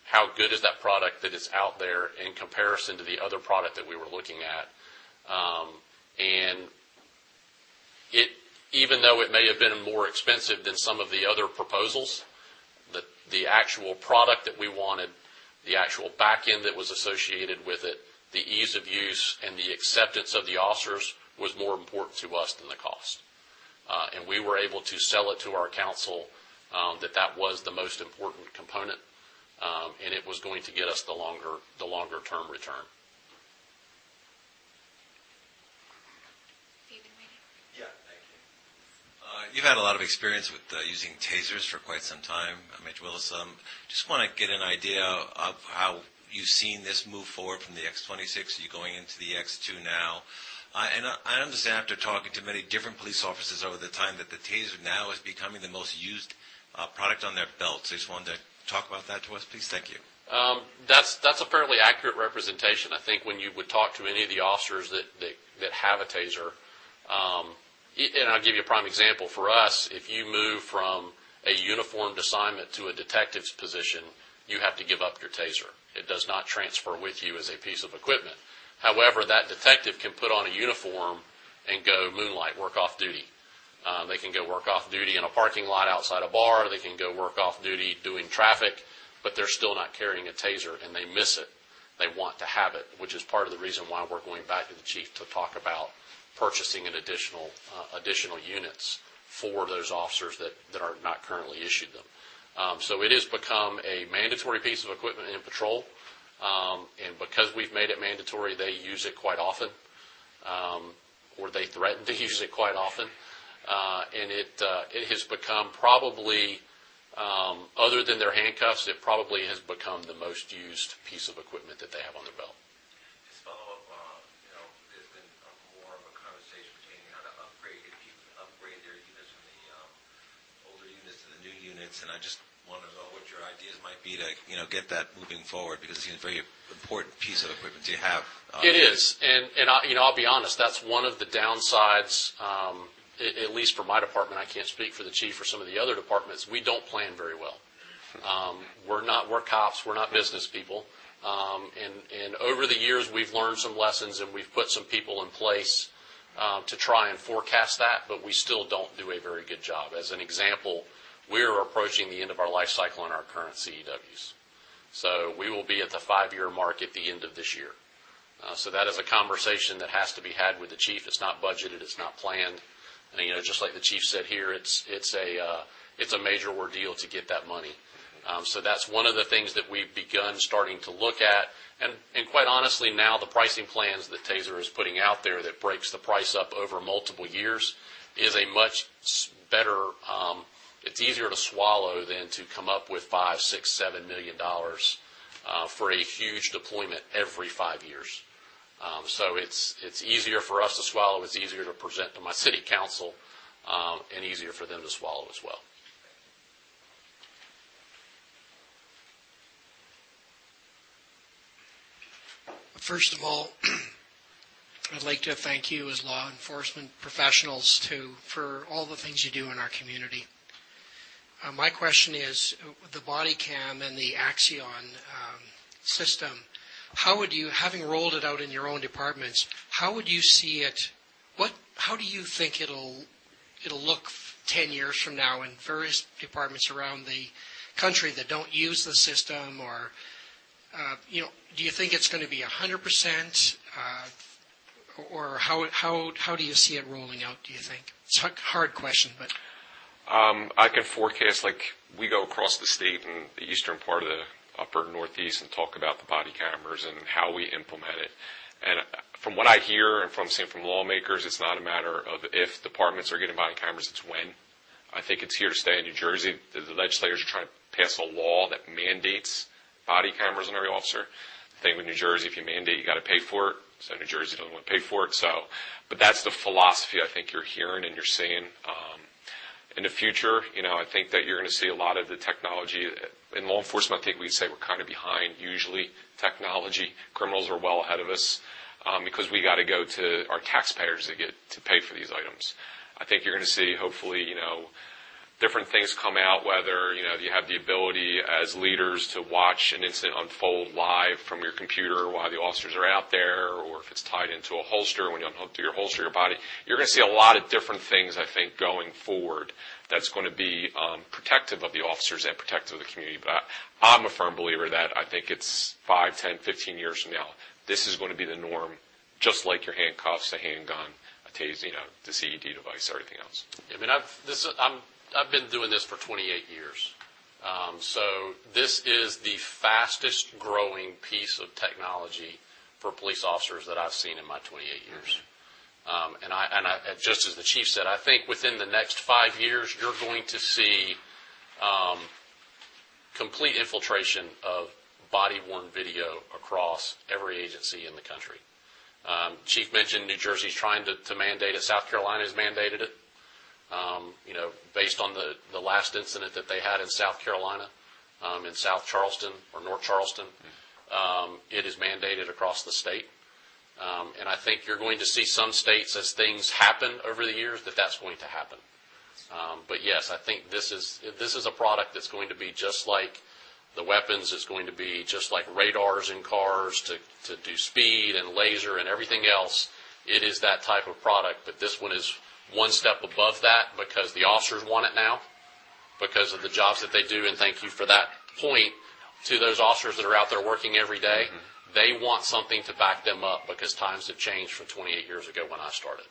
How good is that product that is out there in comparison to the other product that we were looking at? Even though it may have been more expensive than some of the other proposals, the actual product that we wanted, the actual back end that was associated with it, the ease of use, and the acceptance of the officers was more important to us than the cost. And we were able to sell it to our council that that was the most important component, and it was going to get us the longer-term return. You've been waiting? Yeah. Thank you. You've had a lot of experience with using TASERs for quite some time. I'm Mitch Willis. Just wanna get an idea of how you've seen this move forward from the X26. You're going into the X2 now. And I understand, after talking to many different police officers over time, that the TASER now is becoming the most used product on their belt. So just wanted to talk about that to us, please. Thank you. That's a fairly accurate representation. I think when you would talk to any of the officers that have a TASER. I'll give you a prime example. For us, if you move from a uniformed assignment to a detective's position, you have to give up your TASER. It does not transfer with you as a piece of equipment. However, that detective can put on a uniform and go moonlight, work off-duty. They can go work off-duty in a parking lot outside a bar. They can go work off-duty doing traffic, but they're still not carrying a TASER, and they miss it. They want to have it, which is part of the reason why we're going back to the chief to talk about purchasing an additional units for those officers that are not currently issued them. So it has become a mandatory piece of equipment in patrol, and because we've made it mandatory, they use it quite often, or they threaten to use it quite often. And it has become probably, other than their handcuffs, it probably has become the most used piece of equipment that they have on their belt.... how to upgrade, if you can upgrade their units from the, older units to the new units. And I just want to know what your ideas might be to, you know, get that moving forward, because it's a very important piece of equipment to have. It is, and I, you know, I'll be honest, that's one of the downsides, at least for my department. I can't speak for the chief or some of the other departments. We don't plan very well. We're cops, we're not business people. And over the years, we've learned some lessons, and we've put some people in place to try and forecast that, but we still don't do a very good job. As an example, we are approaching the end of our life cycle on our current CEDs. So we will be at the 5-year mark at the end of this year. So that is a conversation that has to be had with the chief. It's not budgeted, it's not planned. You know, just like the chief said here, it's a major ordeal to get that money. So that's one of the things that we've begun starting to look at. And quite honestly, now, the pricing plans that Taser is putting out there that breaks the price up over multiple years is a much better. It's easier to swallow than to come up with $5 million, $6 million, $7 million for a huge deployment every 5 years. So it's easier for us to swallow, it's easier to present to my city council, and easier for them to swallow as well. Thank you. First of all, I'd like to thank you as law enforcement professionals, too, for all the things you do in our community. My question is, the body cam and the Axon system, having rolled it out in your own departments, how would you see it? What, how do you think it'll look from ten years from now in various departments around the country that don't use the system? Or, you know, do you think it's gonna be 100%, or how do you see it rolling out, do you think? It's a hard question, but. I can forecast, like, we go across the state in the eastern part of the upper Northeast and talk about the body cameras and how we implement it. From what I hear and from seeing from lawmakers, it's not a matter of if departments are getting body cameras, it's when. I think it's here to stay in New Jersey. The legislators are trying to pass a law that mandates body cameras on every officer. The thing with New Jersey, if you mandate, you gotta pay for it, so New Jersey doesn't wanna pay for it. So... But that's the philosophy I think you're hearing and you're seeing. In the future, you know, I think that you're gonna see a lot of the technology. In law enforcement, I think we'd say we're kinda behind. Usually, technology, criminals are well ahead of us because we gotta go to our taxpayers to get to pay for these items. I think you're gonna see, hopefully, you know, different things come out, whether, you know, you have the ability as leaders to watch an incident unfold live from your computer while the officers are out there, or if it's tied into a holster, when you unhook to your holster, your body. You're gonna see a lot of different things, I think, going forward, that's gonna be protective of the officers and protective of the community. But I, I'm a firm believer that I think it's 5, 10, 15 years from now, this is gonna be the norm, just like your handcuffs, a handgun, a Taser, you know, the CED device, everything else. I mean, I've been doing this for 28 years. So this is the fastest-growing piece of technology for police officers that I've seen in my 28 years. Just as the chief said, I think within the next 5 years, you're going to see complete infiltration of body-worn video across every agency in the country. Chief mentioned New Jersey is trying to mandate it. South Carolina has mandated it. You know, based on the last incident that they had in South Carolina, in North Charleston, it is mandated across the state. And I think you're going to see some states, as things happen over the years, that that's going to happen. But yes, I think this is a product that's going to be just like the weapons. It's going to be just like radars in cars to do speed and laser and everything else. It is that type of product, but this one is one step above that because the officers want it now, because of the jobs that they do, and thank you for that point. To those officers that are out there working every day- Mm-hmm. They want something to back them up because times have changed from 28 years ago when I started.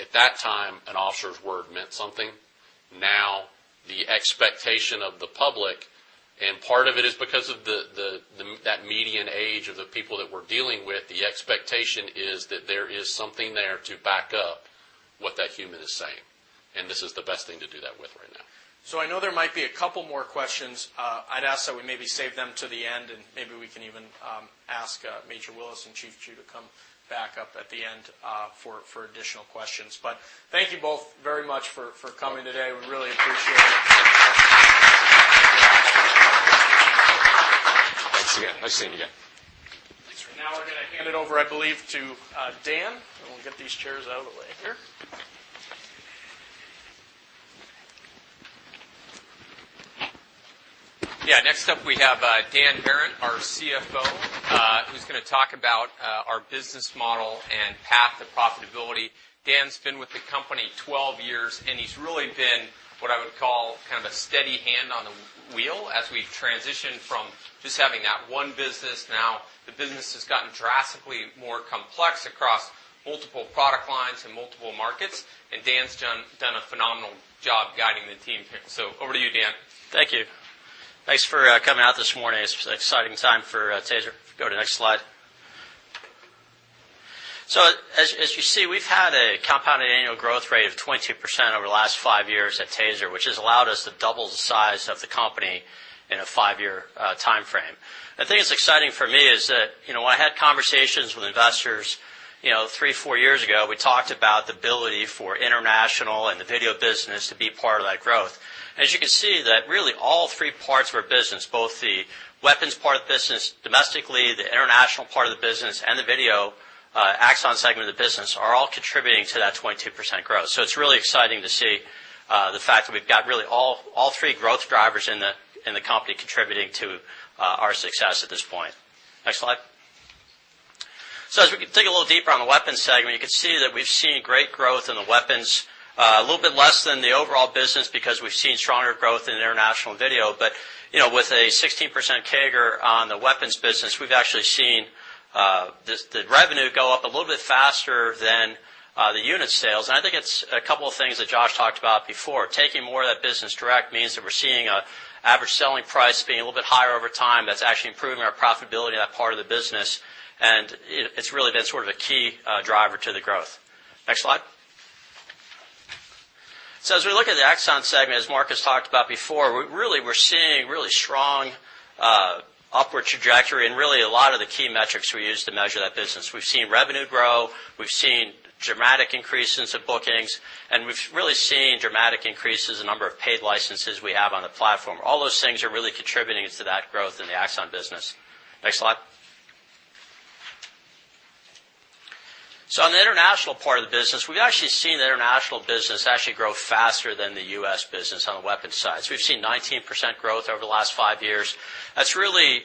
At that time, an officer's word meant something. Now, the expectation of the public, and part of it is because of that median age of the people that we're dealing with, the expectation is that there is something there to back up what that human is saying, and this is the best thing to do that with right now. So I know there might be a couple more questions. I'd ask that we maybe save them to the end, and maybe we can even ask Major Willis and Chief Chew to come back up at the end for additional questions. But thank you both very much for coming today. We really appreciate it. Thanks again. Nice seeing you again. Thanks. Now we're gonna hand it over, I believe, to Dan, and we'll get these chairs out of the way here. Yeah, next up, we have, Dan Behrendt, our CFO, who's gonna talk about, our business model and path to profitability. Dan's been with the company 12 years, and he's really been what I would call kind of a steady hand on the wheel as we transition from just having that one business. Now, the business has gotten drastically more complex across multiple product lines and multiple markets, and Dan's done a phenomenal job guiding the team here. So over to you, Dan. Thank you. Thanks for coming out this morning. It's an exciting time for Taser. Go to the next slide. So as you see, we've had a compounded annual growth rate of 22% over the last 5 years at Taser, which has allowed us to double the size of the company in a 5-year time frame. The thing that's exciting for me is that, you know, when I had conversations with investors, you know, 3, 4 years ago, we talked about the ability for international and the video business to be part of that growth. As you can see, that really all three parts of our business, both the weapons part of the business domestically, the international part of the business, and the video Axon segment of the business, are all contributing to that 22% growth. So it's really exciting to see the fact that we've got really all, all three growth drivers in the company contributing to our success at this point. Next slide. So as we dig a little deeper on the weapons segment, you can see that we've seen great growth in the weapons, a little bit less than the overall business because we've seen stronger growth in international video. But, you know, with a 16% CAGR on the weapons business, we've actually seen the revenue go up a little bit faster than the unit sales. And I think it's a couple of things that Josh talked about before. Taking more of that business direct means that we're seeing a average selling price being a little bit higher over time. That's actually improving our profitability in that part of the business, and it, it's really been sort of a key driver to the growth. Next slide. So as we look at the Axon segment, as Marcus talked about before, we really we're seeing really strong upward trajectory and really a lot of the key metrics we use to measure that business. We've seen revenue grow, we've seen dramatic increases in bookings, and we've really seen dramatic increases in the number of paid licenses we have on the platform. All those things are really contributing to that growth in the Axon business. Next slide. So on the international part of the business, we've actually seen the international business actually grow faster than the U.S. business on the weapons side. So we've seen 19% growth over the last five years. That's really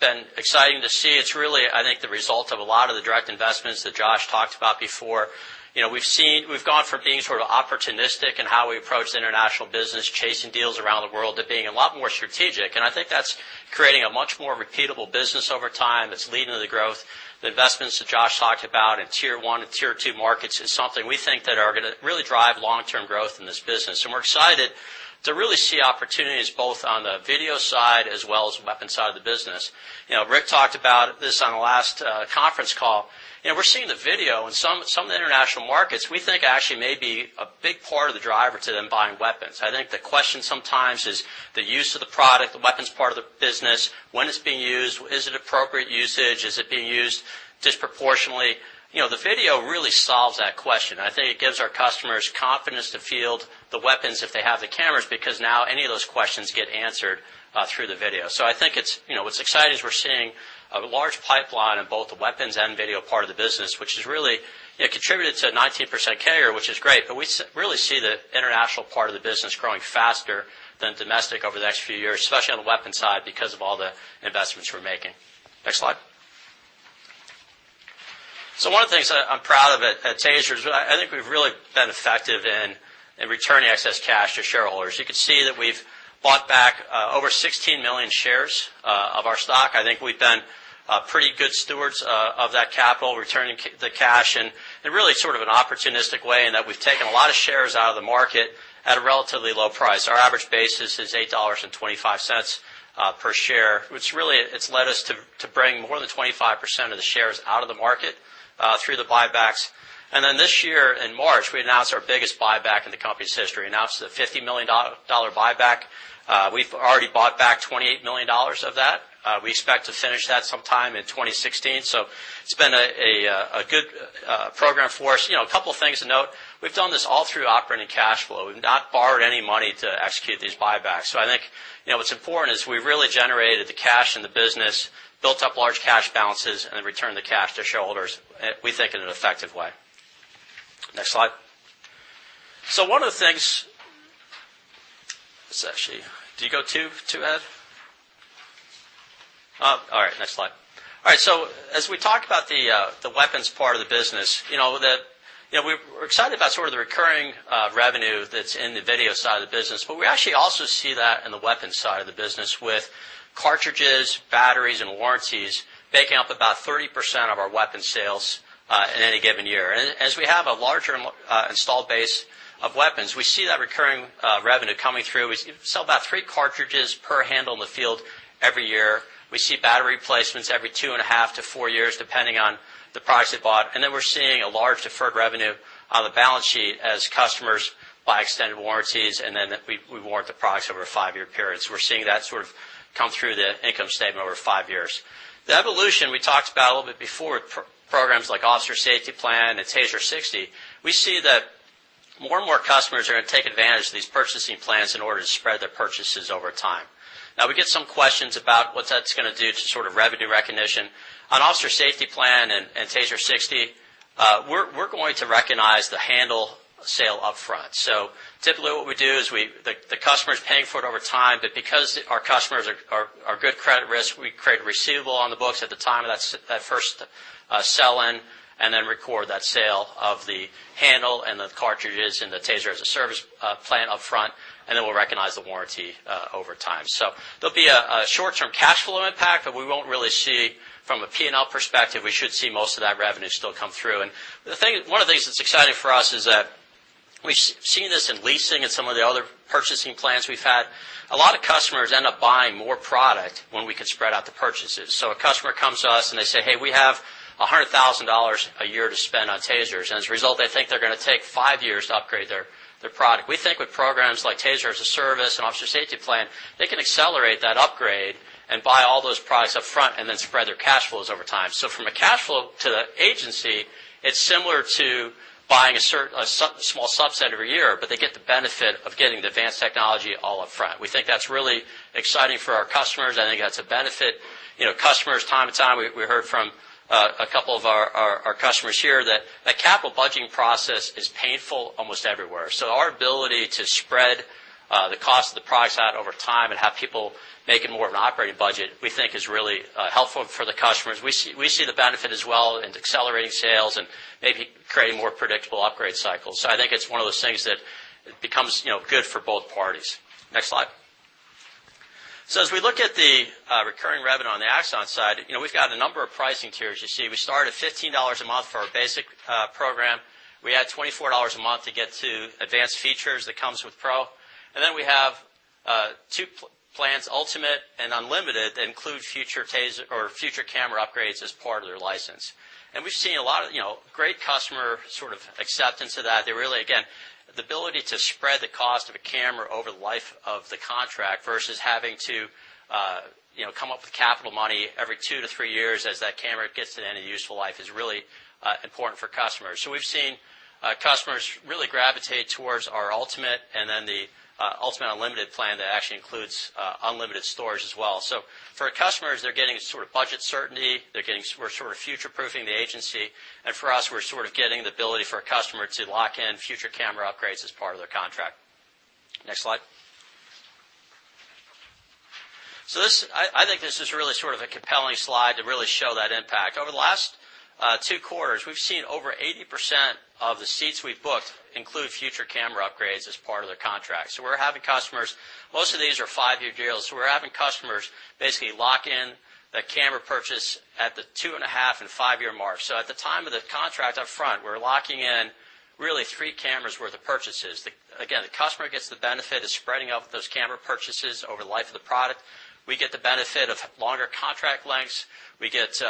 been exciting to see. It's really, I think, the result of a lot of the direct investments that Josh talked about before. You know, we've gone from being sort of opportunistic in how we approach the international business, chasing deals around the world, to being a lot more strategic, and I think that's creating a much more repeatable business over time that's leading to the growth. The investments that Josh talked about in Tier One and Tier Two markets is something we think that are gonna really drive long-term growth in this business. And we're excited to really see opportunities both on the video side as well as the weapons side of the business. You know, Rick talked about this on the last conference call, and we're seeing the video in some of the international markets. We think actually it may be a big part of the driver to them buying weapons. I think the question sometimes is the use of the product, the weapons part of the business, when it's being used, is it appropriate usage? Is it being used disproportionately? You know, the video really solves that question. I think it gives our customers confidence to field the weapons if they have the cameras, because now any of those questions get answered through the video. So I think it's... You know, what's exciting is we're seeing a large pipeline in both the weapons and video part of the business, which has really, you know, contributed to a 19% CAGR, which is great, but we really see the international part of the business growing faster than domestic over the next few years, especially on the weapons side, because of all the investments we're making. Next slide. So one of the things that I'm proud of at TASER is I, I think we've really been effective in, in returning excess cash to shareholders. You can see that we've bought back over 16 million shares of our stock. I think we've been pretty good stewards of that capital, returning the cash in really sort of an opportunistic way, in that we've taken a lot of shares out of the market at a relatively low price. Our average basis is $8.25 per share, which really, it's led us to bring more than 25% of the shares out of the market through the buybacks. And then, this year, in March, we announced our biggest buyback in the company's history, announced a $50 million dollar buyback. We've already bought back $28 million of that. We expect to finish that sometime in 2016. So it's been a good program for us. You know, a couple things to note. We've done this all through operating cash flow. We've not borrowed any money to execute these buybacks. So I think, you know, what's important is we've really generated the cash in the business, built up large cash balances, and then returned the cash to shareholders, we think, in an effective way. Next slide. So one of the things. Actually, do you go two, two ahead? All right, next slide. All right, so as we talk about the weapons part of the business, you know, the, you know, we're excited about sort of the recurring revenue that's in the video side of the business, but we actually also see that in the weapons side of the business with cartridges, batteries, and warranties making up about 30% of our weapons sales in any given year. As we have a larger, installed base of weapons, we see that recurring, revenue coming through. We sell about 3 cartridges per handle in the field every year. We see battery replacements every 2.5-4 years, depending on the price they bought. And then we're seeing a large deferred revenue on the balance sheet as customers buy extended warranties, and then we warrant the products over a 5-year period. So we're seeing that sort of come through the income statement over 5 years. The evolution we talked about a little bit before, programs like Officer Safety Plan and TASER 60, we see that more and more customers are going to take advantage of these purchasing plans in order to spread their purchases over time. Now, we get some questions about what that's gonna do to sort of revenue recognition. On Officer Safety Plan and TASER 60, we're going to recognize the handle sale upfront. So typically, what we do is, the customer's paying for it over time, but because our customers are good credit risk, we create a receivable on the books at the time of that first sell-in, and then record that sale of the handle and the cartridges and the TASER as a service plan upfront, and then we'll recognize the warranty over time. So there'll be a short-term cash flow impact, but we won't really see from a P&L perspective. We should see most of that revenue still come through. One of the things that's exciting for us is that we've seen this in leasing and some of the other purchasing plans we've had. A lot of customers end up buying more product when we can spread out the purchases. So a customer comes to us, and they say, "Hey, we have $100,000 a year to spend on TASERs." As a result, they think they're gonna take 5 years to upgrade their product. We think with programs like TASER as a Service and Officer Safety Plan, they can accelerate that upgrade and buy all those products up front, and then spread their cash flows over time. So from a cash flow to the agency, it's similar to buying a small subset every year, but they get the benefit of getting the advanced technology all up front. We think that's really exciting for our customers. I think that's a benefit. You know, customers, time to time, we, we heard from, a couple of our, our, our customers here, that the capital budgeting process is painful almost everywhere. So our ability to spread, the cost of the product out over time and have people make it more of an operating budget, we think is really, helpful for the customers. We see, we see the benefit as well in accelerating sales and maybe creating more predictable upgrade cycles. So I think it's one of those things that becomes, you know, good for both parties. Next slide. So as we look at the, recurring revenue on the Axon side, you know, we've got a number of pricing tiers. You see, we start at $15 a month for our Basic, program. We add $24 a month to get to advanced features that comes with Pro. And then we have two plans, Ultimate and Unlimited, that include future TASER or future camera upgrades as part of their license. And we've seen a lot of, you know, great customer sort of acceptance of that. They really... Again, the ability to spread the cost of a camera over the life of the contract versus having to, you know, come up with capital money every two to three years as that camera gets to the end of useful life, is really important for customers. So we've seen customers really gravitate towards our Ultimate, and then the Ultimate Unlimited plan that actually includes unlimited storage as well. So for our customers, they're getting sort of budget certainty. We're sort of future-proofing the agency, and for us, we're sort of getting the ability for a customer to lock in future camera upgrades as part of their contract. Next slide. So I think this is really sort of a compelling slide to really show that impact. Over the last two quarters, we've seen over 80% of the seats we've booked include future camera upgrades as part of their contract. So we're having customers. Most of these are 5-year deals, so we're having customers basically lock in the camera purchase at the 2.5- and 5-year mark. So at the time of the contract up front, we're locking in really three cameras worth of purchases. Again, the customer gets the benefit of spreading out those camera purchases over the life of the product. We get the benefit of longer contract lengths. We get,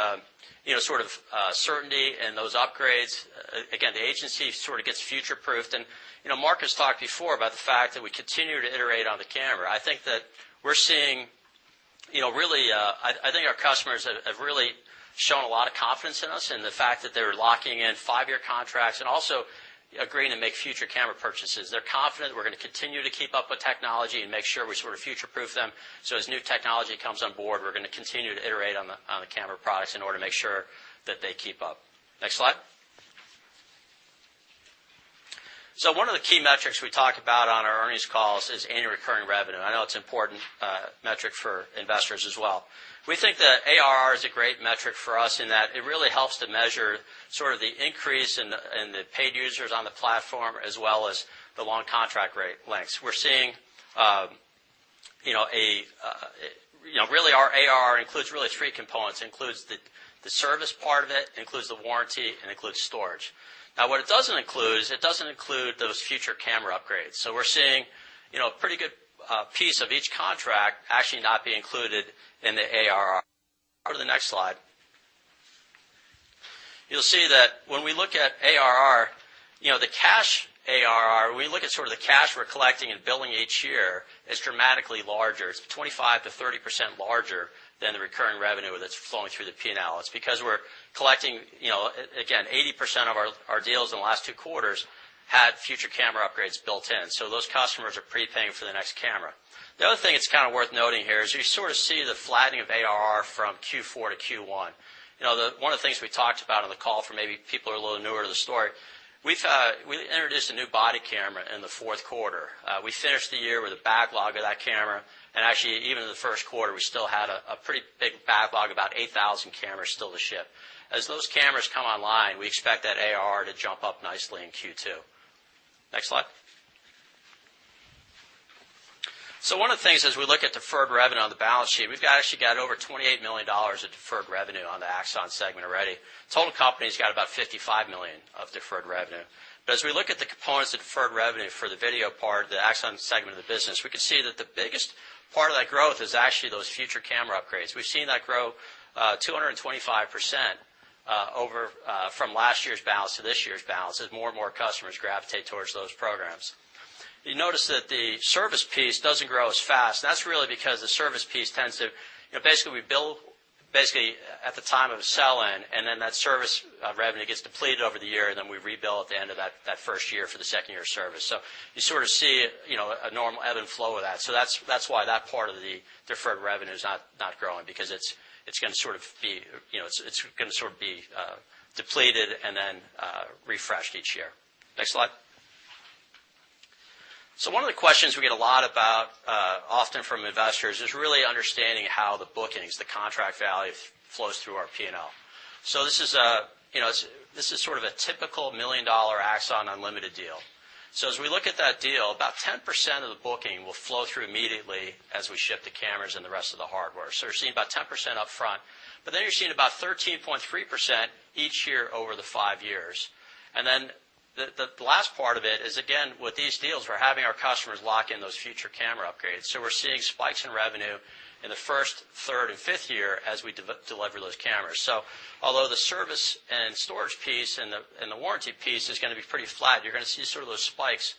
you know, sort of, certainty in those upgrades. Again, the agency sort of gets future-proofed. And, you know, Mark has talked before about the fact that we continue to iterate on the camera. I think that we're seeing, you know, really, I think our customers have really shown a lot of confidence in us and the fact that they're locking in five-year contracts and also agreeing to make future camera purchases. They're confident we're gonna continue to keep up with technology and make sure we sort of future-proof them. So as new technology comes on board, we're gonna continue to iterate on the camera products in order to make sure that they keep up. Next slide. So one of the key metrics we talk about on our earnings calls is annual recurring revenue, and I know it's an important metric for investors as well. We think that ARR is a great metric for us in that it really helps to measure sort of the increase in the paid users on the platform, as well as the long contract rate lengths. We're seeing, you know, you know, really, our ARR includes really three components. It includes the service part of it, includes the warranty, and includes storage. Now, what it doesn't include is those future camera upgrades. So we're seeing, you know, a pretty good piece of each contract actually not be included in the ARR. Go to the next slide. You'll see that when we look at ARR, you know, the cash ARR, we look at sort of the cash we're collecting and billing each year, is dramatically larger. It's 25%-30% larger than the recurring revenue that's flowing through the P&L. It's because we're collecting, you know, again, 80% of our deals in the last two quarters had future camera upgrades built in. So those customers are prepaying for the next camera. The other thing that's kind of worth noting here is you sort of see the flattening of ARR from Q4 to Q1. You know, the one of the things we talked about on the call for maybe people who are a little newer to the story, we've introduced a new body camera in the fourth quarter. We finished the year with a backlog of that camera, and actually, even in the first quarter, we still had a pretty big backlog, about 8,000 cameras still to ship. As those cameras come online, we expect that ARR to jump up nicely in Q2. Next slide. So one of the things, as we look at deferred revenue on the balance sheet, we've actually got over $28 million of deferred revenue on the Axon segment already. Total company's got about $55 million of deferred revenue. But as we look at the components of deferred revenue for the video part, the Axon segment of the business, we can see that the biggest part of that growth is actually those future camera upgrades. We've seen that grow 225% over from last year's balance to this year's balance, as more and more customers gravitate towards those programs. You notice that the service piece doesn't grow as fast, and that's really because the service piece tends to... You know, basically, we bill basically at the time of sell-in, and then that service revenue gets depleted over the year, and then we rebuild at the end of that first year for the second-year service. So you sort of see, you know, a normal ebb and flow of that. So that's why that part of the deferred revenue is not growing, because it's gonna sort of be, you know, it's gonna sort of be depleted and then refreshed each year. Next slide. So one of the questions we get a lot about, often from investors, is really understanding how the bookings, the contract value, flows through our P&L. So this is a, you know, this is sort of a typical $1 million Axon unlimited deal. So as we look at that deal, about 10% of the booking will flow through immediately as we ship the cameras and the rest of the hardware. So you're seeing about 10% upfront, but then you're seeing about 13.3% each year over the five years, and then the last part of it is, again, with these deals, we're having our customers lock in those future camera upgrades. So we're seeing spikes in revenue in the first, third, and fifth year as we deliver those cameras. So although the service and storage piece and the warranty piece is gonna be pretty flat, you're gonna see sort of those spikes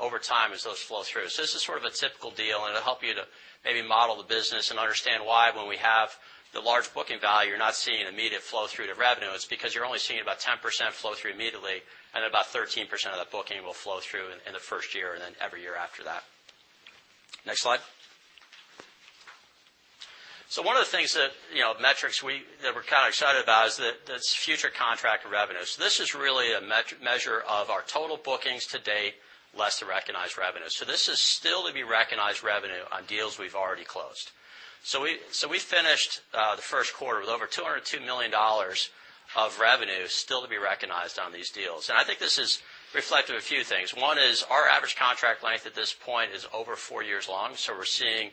over time as those flow through. So this is sort of a typical deal, and it'll help you to maybe model the business and understand why, when we have the large booking value, you're not seeing immediate flow through to revenue. It's because you're only seeing about 10% flow through immediately, and about 13% of that booking will flow through in the first year and then every year after that. Next slide. So one of the things that, you know, metrics that we're kind of excited about is this future contracted revenue. So this is really a measure of our total bookings to date, less the recognized revenue. So this is still to be recognized revenue on deals we've already closed. So we finished the first quarter with over $202 million of revenue still to be recognized on these deals. And I think this is reflective of a few things. One is our average contract length at this point is over 4 years long, so we're seeing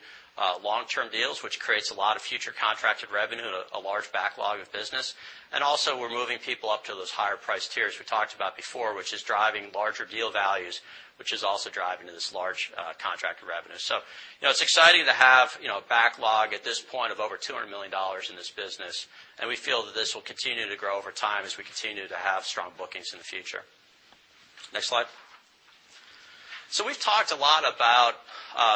long-term deals, which creates a lot of future contracted revenue and a large backlog of business. And also, we're moving people up to those higher-priced tiers we talked about before, which is driving larger deal values, which is also driving to this large contracted revenue. So, you know, it's exciting to have, you know, a backlog at this point of over $200 million in this business, and we feel that this will continue to grow over time as we continue to have strong bookings in the future. Next slide. So we've talked a lot about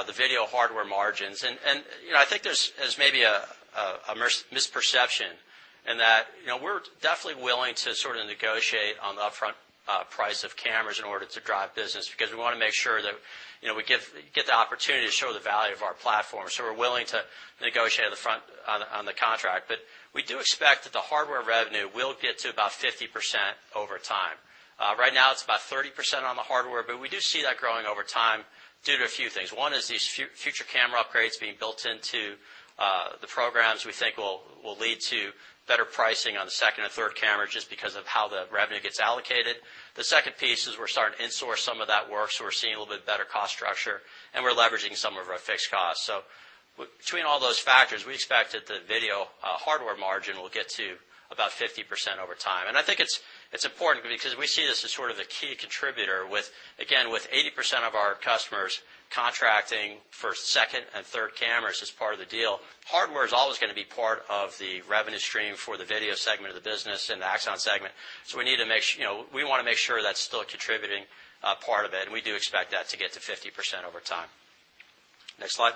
the video hardware margins, and, and, you know, I think there's, there's maybe a, a, misperception in that, you know, we're definitely willing to sort of negotiate on the upfront price of cameras in order to drive business, because we want to make sure that, you know, we get the opportunity to show the value of our platform. So we're willing to negotiate on the front, on, on the contract. But we do expect that the hardware revenue will get to about 50% over time. Right now, it's about 30% on the hardware, but we do see that growing over time due to a few things. One is these future camera upgrades being built into the programs we think will lead to better pricing on the second or third camera, just because of how the revenue gets allocated. The second piece is we're starting to in-source some of that work, so we're seeing a little bit better cost structure, and we're leveraging some of our fixed costs. Between all those factors, we expect that the video hardware margin will get to about 50% over time. I think it's important because we see this as sort of a key contributor with, again, with 80% of our customers contracting for second and third cameras as part of the deal. Hardware is always gonna be part of the revenue stream for the video segment of the business and the Axon segment. So we need to make you know, we wanna make sure that's still a contributing part of it, and we do expect that to get to 50% over time. Next slide.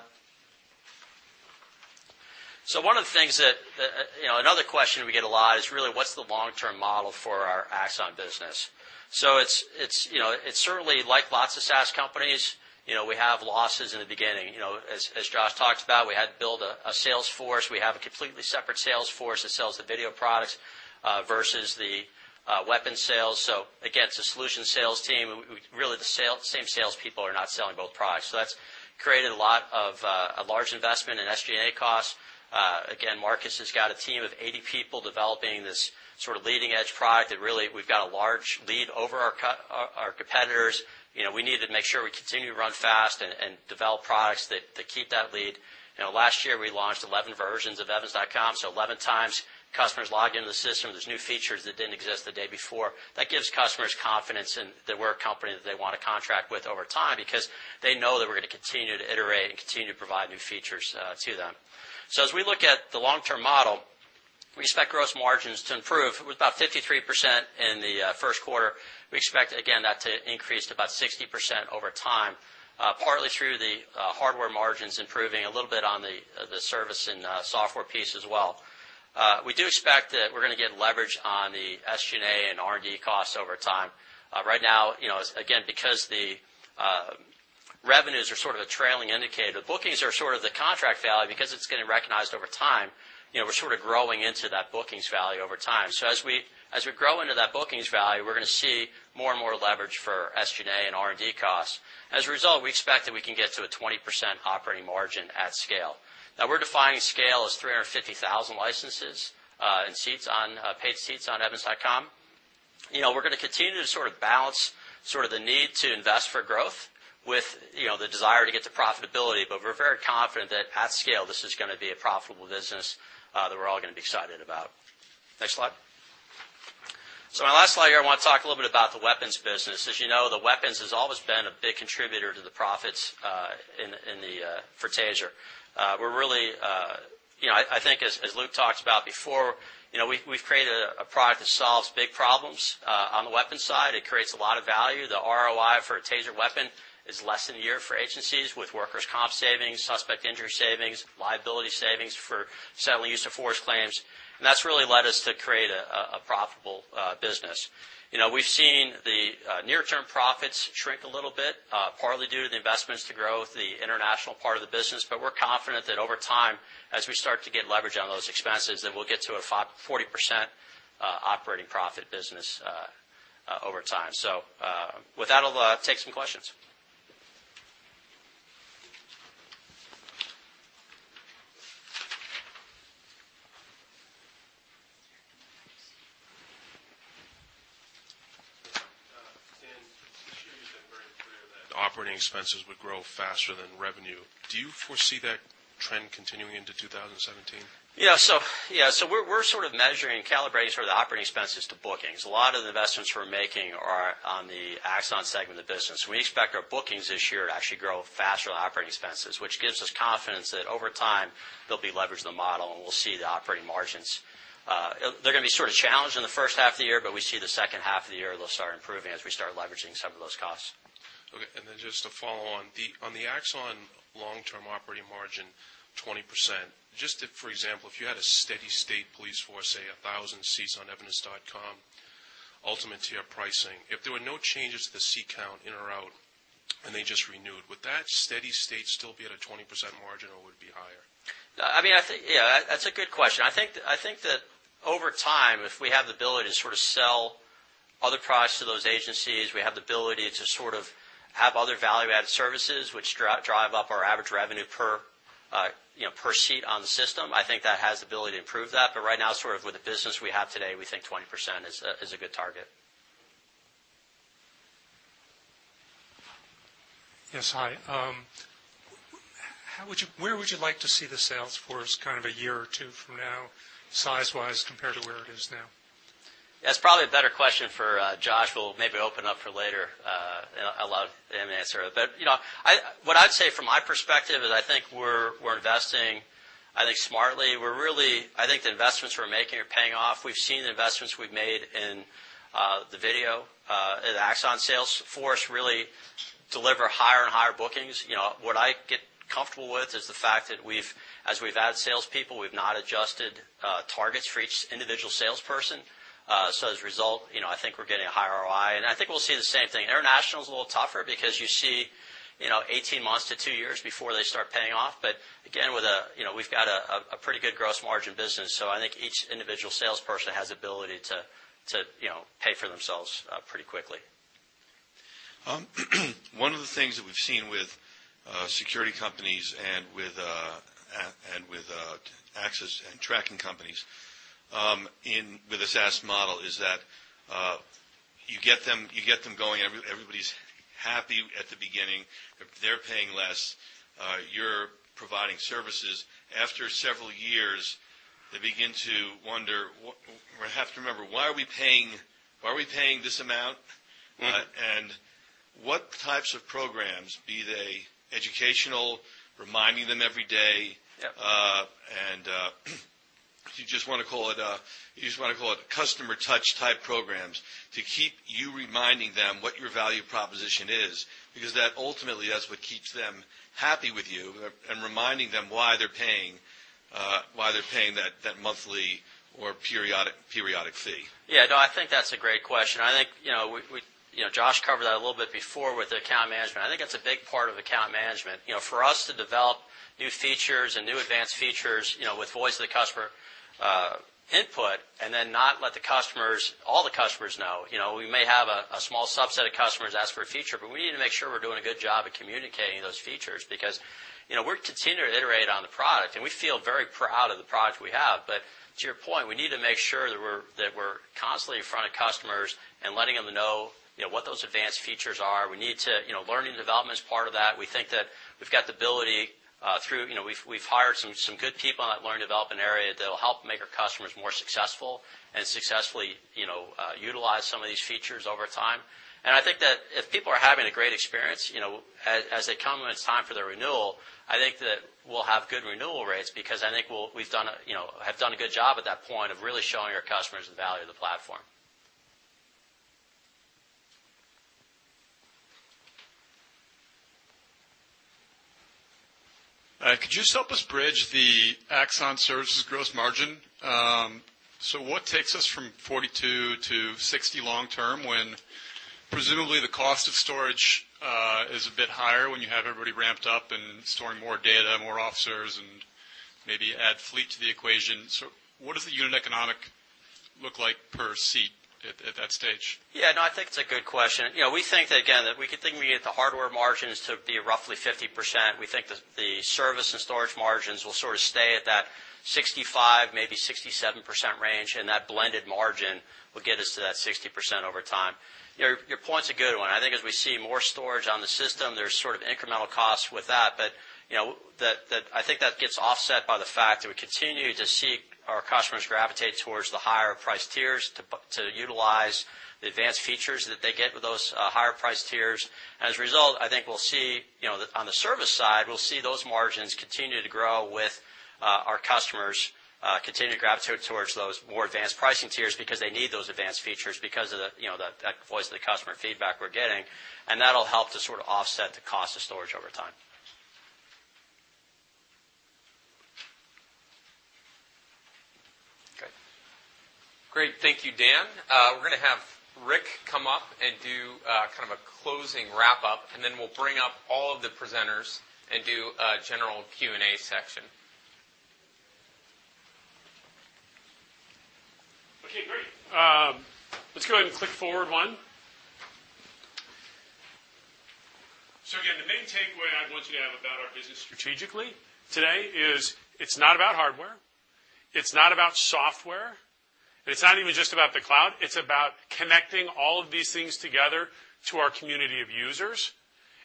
So one of the things that, you know, another question we get a lot is really, what's the long-term model for our Axon business? So it's, it's, you know, it's certainly like lots of SaaS companies. You know, we have losses in the beginning. You know, as, as Josh talked about, we had to build a, a sales force. We have a completely separate sales force that sells the video products versus the weapons sales. So again, it's a solution sales team. We... Really, the same sales people are not selling both products. So that's created a lot of, a large investment in SG&A costs. Again, Marcus has got a team of 80 people developing this sort of leading-edge product that really, we've got a large lead over our competitors. You know, we need to make sure we continue to run fast and develop products that keep that lead. You know, last year, we launched 11 versions of Evidence.com, so 11 times customers log into the system, there's new features that didn't exist the day before. That gives customers confidence in that we're a company that they want to contract with over time because they know that we're gonna continue to iterate and continue to provide new features to them. So as we look at the long-term model, we expect gross margins to improve. It was about 53% in the first quarter. We expect, again, that to increase to about 60% over time, partly through the hardware margins, improving a little bit on the service and software piece as well. We do expect that we're gonna get leverage on the SG&A and R&D costs over time. Right now, you know, again, because the revenues are sort of a trailing indicator, the bookings are sort of the contract value because it's getting recognized over time. You know, we're sort of growing into that bookings value over time. So as we grow into that bookings value, we're gonna see more and more leverage for SG&A and R&D costs. As a result, we expect that we can get to a 20% operating margin at scale. Now we're defining scale as 350,000 licenses and seats on paid seats on Evidence.com. You know, we're gonna continue to sort of balance sort of the need to invest for growth with, you know, the desire to get to profitability, but we're very confident that at scale, this is gonna be a profitable business that we're all gonna be excited about. Next slide. So my last slide here, I want to talk a little bit about the weapons business. As you know, the weapons has always been a big contributor to the profits in the for TASER. We're really. You know, I think as Luke talked about before, you know, we've created a product that solves big problems on the weapons side. It creates a lot of value. The ROI for a TASER weapon is less than a year for agencies, with workers' comp savings, suspect injury savings, liability savings for settling use of force claims, and that's really led us to create a profitable business. You know, we've seen the near-term profits shrink a little bit, partly due to the investments to grow the international part of the business, but we're confident that over time, as we start to get leverage on those expenses, then we'll get to a 40% operating profit business over time. So, with that, I'll take some questions. ... operating expenses would grow faster than revenue. Do you foresee that trend continuing into 2017? Yeah, so we're sort of measuring and calibrating sort of the operating expenses to bookings. A lot of the investments we're making are on the Axon segment of the business. We expect our bookings this year to actually grow faster than operating expenses, which gives us confidence that over time, there'll be leverage in the model, and we'll see the operating margins. They're going to be sort of challenged in the first half of the year, but we see the second half of the year, they'll start improving as we start leveraging some of those costs. Okay, and then just to follow on, on the Axon long-term operating margin, 20%. Just if, for example, if you had a steady state police force, say, 1,000 seats on Evidence.com, ultimate tier pricing, if there were no changes to the seat count in or out, and they just renewed, would that steady state still be at a 20% margin, or would it be higher? I mean, I think, yeah, that's a good question. I think that over time, if we have the ability to sort of sell other products to those agencies, we have the ability to sort of have other value-added services, which drive up our average revenue per, you know, per seat on the system. I think that has the ability to improve that. But right now, sort of with the business we have today, we think 20% is a good target. Yes, hi. Where would you like to see the sales force kind of a year or two from now, size-wise, compared to where it is now? That's probably a better question for Josh, we'll maybe open up for later, and allow him to answer it. But you know, what I'd say from my perspective is I think we're investing smartly. We're really. I think the investments we're making are paying off. We've seen the investments we've made in the video, the Axon sales force, really deliver higher and higher bookings. You know, what I get comfortable with is the fact that we've as we've added salespeople, we've not adjusted targets for each individual salesperson. So as a result, you know, I think we're getting a higher ROI, and I think we'll see the same thing. International is a little tougher because you see, you know, 18 months to two years before they start paying off. But again, with you know, we've got a pretty good gross margin business, so I think each individual salesperson has ability to you know, pay for themselves pretty quickly. One of the things that we've seen with security companies and with access and tracking companies in with the SaaS model is that you get them, you get them going, everybody's happy at the beginning. They're paying less, you're providing services. After several years, they begin to wonder, we have to remember, why are we paying, why are we paying this amount? Mm-hmm. What types of programs, be they educational, reminding them every day- Yeah. You just want to call it customer touch-type programs to keep you reminding them what your value proposition is, because that ultimately, that's what keeps them happy with you and reminding them why they're paying that monthly or periodic fee. Yeah, no, I think that's a great question. I think, you know, we. You know, Josh covered that a little bit before with the account management. I think that's a big part of account management. You know, for us to develop new features and new advanced features, you know, with voice of the customer input, and then not let the customers, all the customers know. You know, we may have a small subset of customers ask for a feature, but we need to make sure we're doing a good job at communicating those features because, you know, we're continuing to iterate on the product, and we feel very proud of the product we have. But to your point, we need to make sure that we're constantly in front of customers and letting them know, you know, what those advanced features are. We need to, you know, learning and development is part of that. We think that we've got the ability through. You know, we've hired some good people in that learning and development area that will help make our customers more successful and successfully, you know, utilize some of these features over time. I think that if people are having a great experience, you know, as they come, and it's time for their renewal, I think that we'll have good renewal rates because I think we've done a good job at that point of really showing our customers the value of the platform. Could you just help us bridge the Axon services gross margin? So what takes us from 42 to 60 long term, when presumably, the cost of storage is a bit higher when you have everybody ramped up and storing more data, more officers, and maybe add fleet to the equation? So what does the unit economic look like per seat at, at that stage? Yeah, no, I think it's a good question. You know, we think that, again, that we could think we get the hardware margins to be roughly 50%. We think the, the service and storage margins will sort of stay at that 65%, maybe 67% range, and that blended margin will get us to that 60% over time. Your, your point's a good one. I think as we see more storage on the system, there's sort of incremental costs with that, but, you know, that, that I think that gets offset by the fact that we continue to see our customers gravitate towards the higher-priced tiers to utilize the advanced features that they get with those higher-priced tiers. As a result, I think we'll see, you know, on the service side, we'll see those margins continue to grow with our customers continue to gravitate towards those more advanced pricing tiers because they need those advanced features because of the, you know, that voice of the customer feedback we're getting, and that'll help to sort of offset the cost of storage over time. Okay. Great, thank you, Dan. We're going to have Rick come up and do kind of a closing wrap-up, and then we'll bring up all of the presenters and do a general Q&A section. Okay, great. Let's go ahead and click forward one. Again, the main takeaway I want you to have about our business strategically today is it's not about hardware. ...It's not about software, and it's not even just about the cloud. It's about connecting all of these things together to our community of users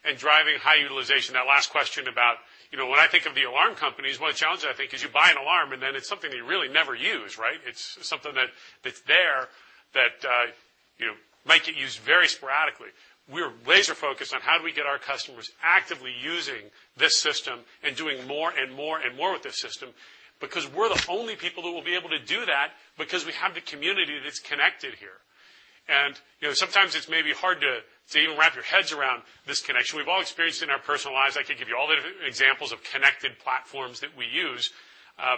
and driving high utilization. That last question about, you know, when I think of the alarm companies, one of the challenges, I think, is you buy an alarm, and then it's something that you really never use, right? It's something that's there, you know, that might get used very sporadically. We're laser-focused on how do we get our customers actively using this system and doing more and more and more with this system? Because we're the only people that will be able to do that, because we have the community that's connected here. And, you know, sometimes it's maybe hard to even wrap your heads around this connection. We've all experienced in our personal lives. I could give you all the different examples of connected platforms that we use. But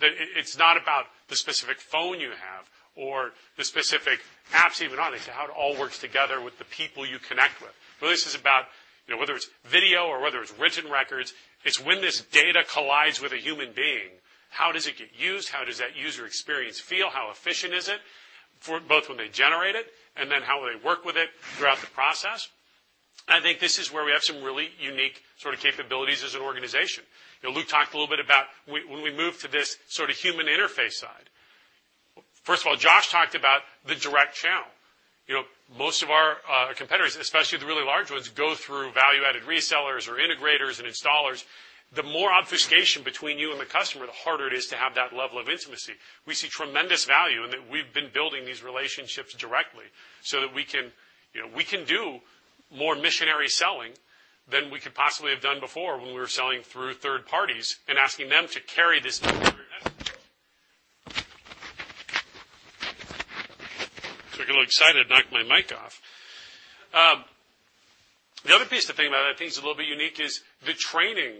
it, it's not about the specific phone you have or the specific apps even on it. It's how it all works together with the people you connect with. So this is about, you know, whether it's video or whether it's written records, it's when this data collides with a human being, how does it get used? How does that user experience feel? How efficient is it for both when they generate it, and then how will they work with it throughout the process? I think this is where we have some really unique sort of capabilities as an organization. You know, Luke talked a little bit about when we moved to this sort of human interface side. First of all, Josh talked about the direct channel. You know, most of our competitors, especially the really large ones, go through value-added resellers or integrators and installers. The more obfuscation between you and the customer, the harder it is to have that level of intimacy. We see tremendous value in that we've been building these relationships directly so that we can, you know, we can do more missionary selling than we could possibly have done before, when we were selling through third parties and asking them to carry this—I got a little excited, knocked my mic off. The other piece to think about that I think is a little bit unique is the training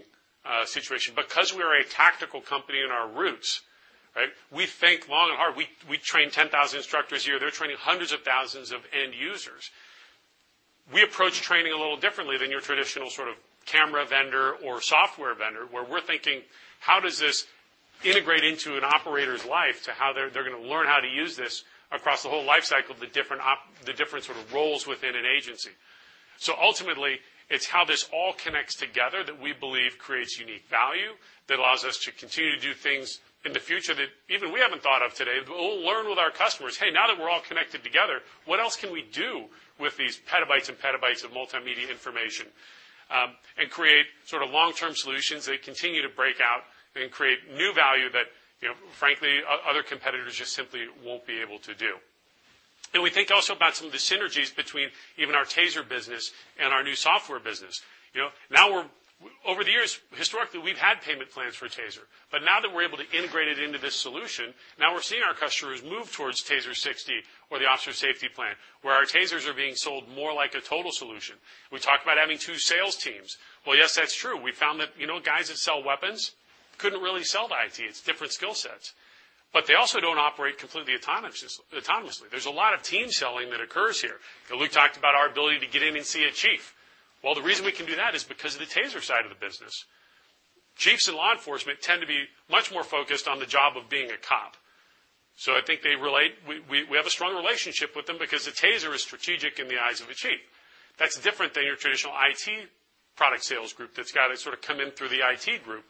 situation. Because we are a tactical company in our roots, right? We think long and hard. We, we train 10,000 instructors a year. They're training hundreds of thousands of end users. We approach training a little differently than your traditional sort of camera vendor or software vendor, where we're thinking, how does this integrate into an operator's life, to how they're going to learn how to use this across the whole life cycle, the different sort of roles within an agency. So ultimately, it's how this all connects together that we believe creates unique value, that allows us to continue to do things in the future that even we haven't thought of today, but we'll learn with our customers. Hey, now that we're all connected together, what else can we do with these petabytes and petabytes of multimedia information? And create sort of long-term solutions that continue to break out and create new value that, you know, frankly, other competitors just simply won't be able to do. And we think also about some of the synergies between even our TASER business and our new software business. You know, now we're over the years, historically, we've had payment plans for TASER, but now that we're able to integrate it into this solution, now we're seeing our customers move towards TASER 60 or the Officer Safety Plan, where our TASERs are being sold more like a total solution. We talked about having two sales teams. Well, yes, that's true. We found that, you know, guys that sell weapons couldn't really sell the IT. It's different skill sets, but they also don't operate completely autonomously. There's a lot of team selling that occurs here. And we talked about our ability to get in and see a chief. Well, the reason we can do that is because of the TASER side of the business. Chiefs and law enforcement tend to be much more focused on the job of being a cop. So I think they relate... We have a strong relationship with them because the Taser is strategic in the eyes of a chief. That's different than your traditional IT product sales group that's got to sort of come in through the IT group,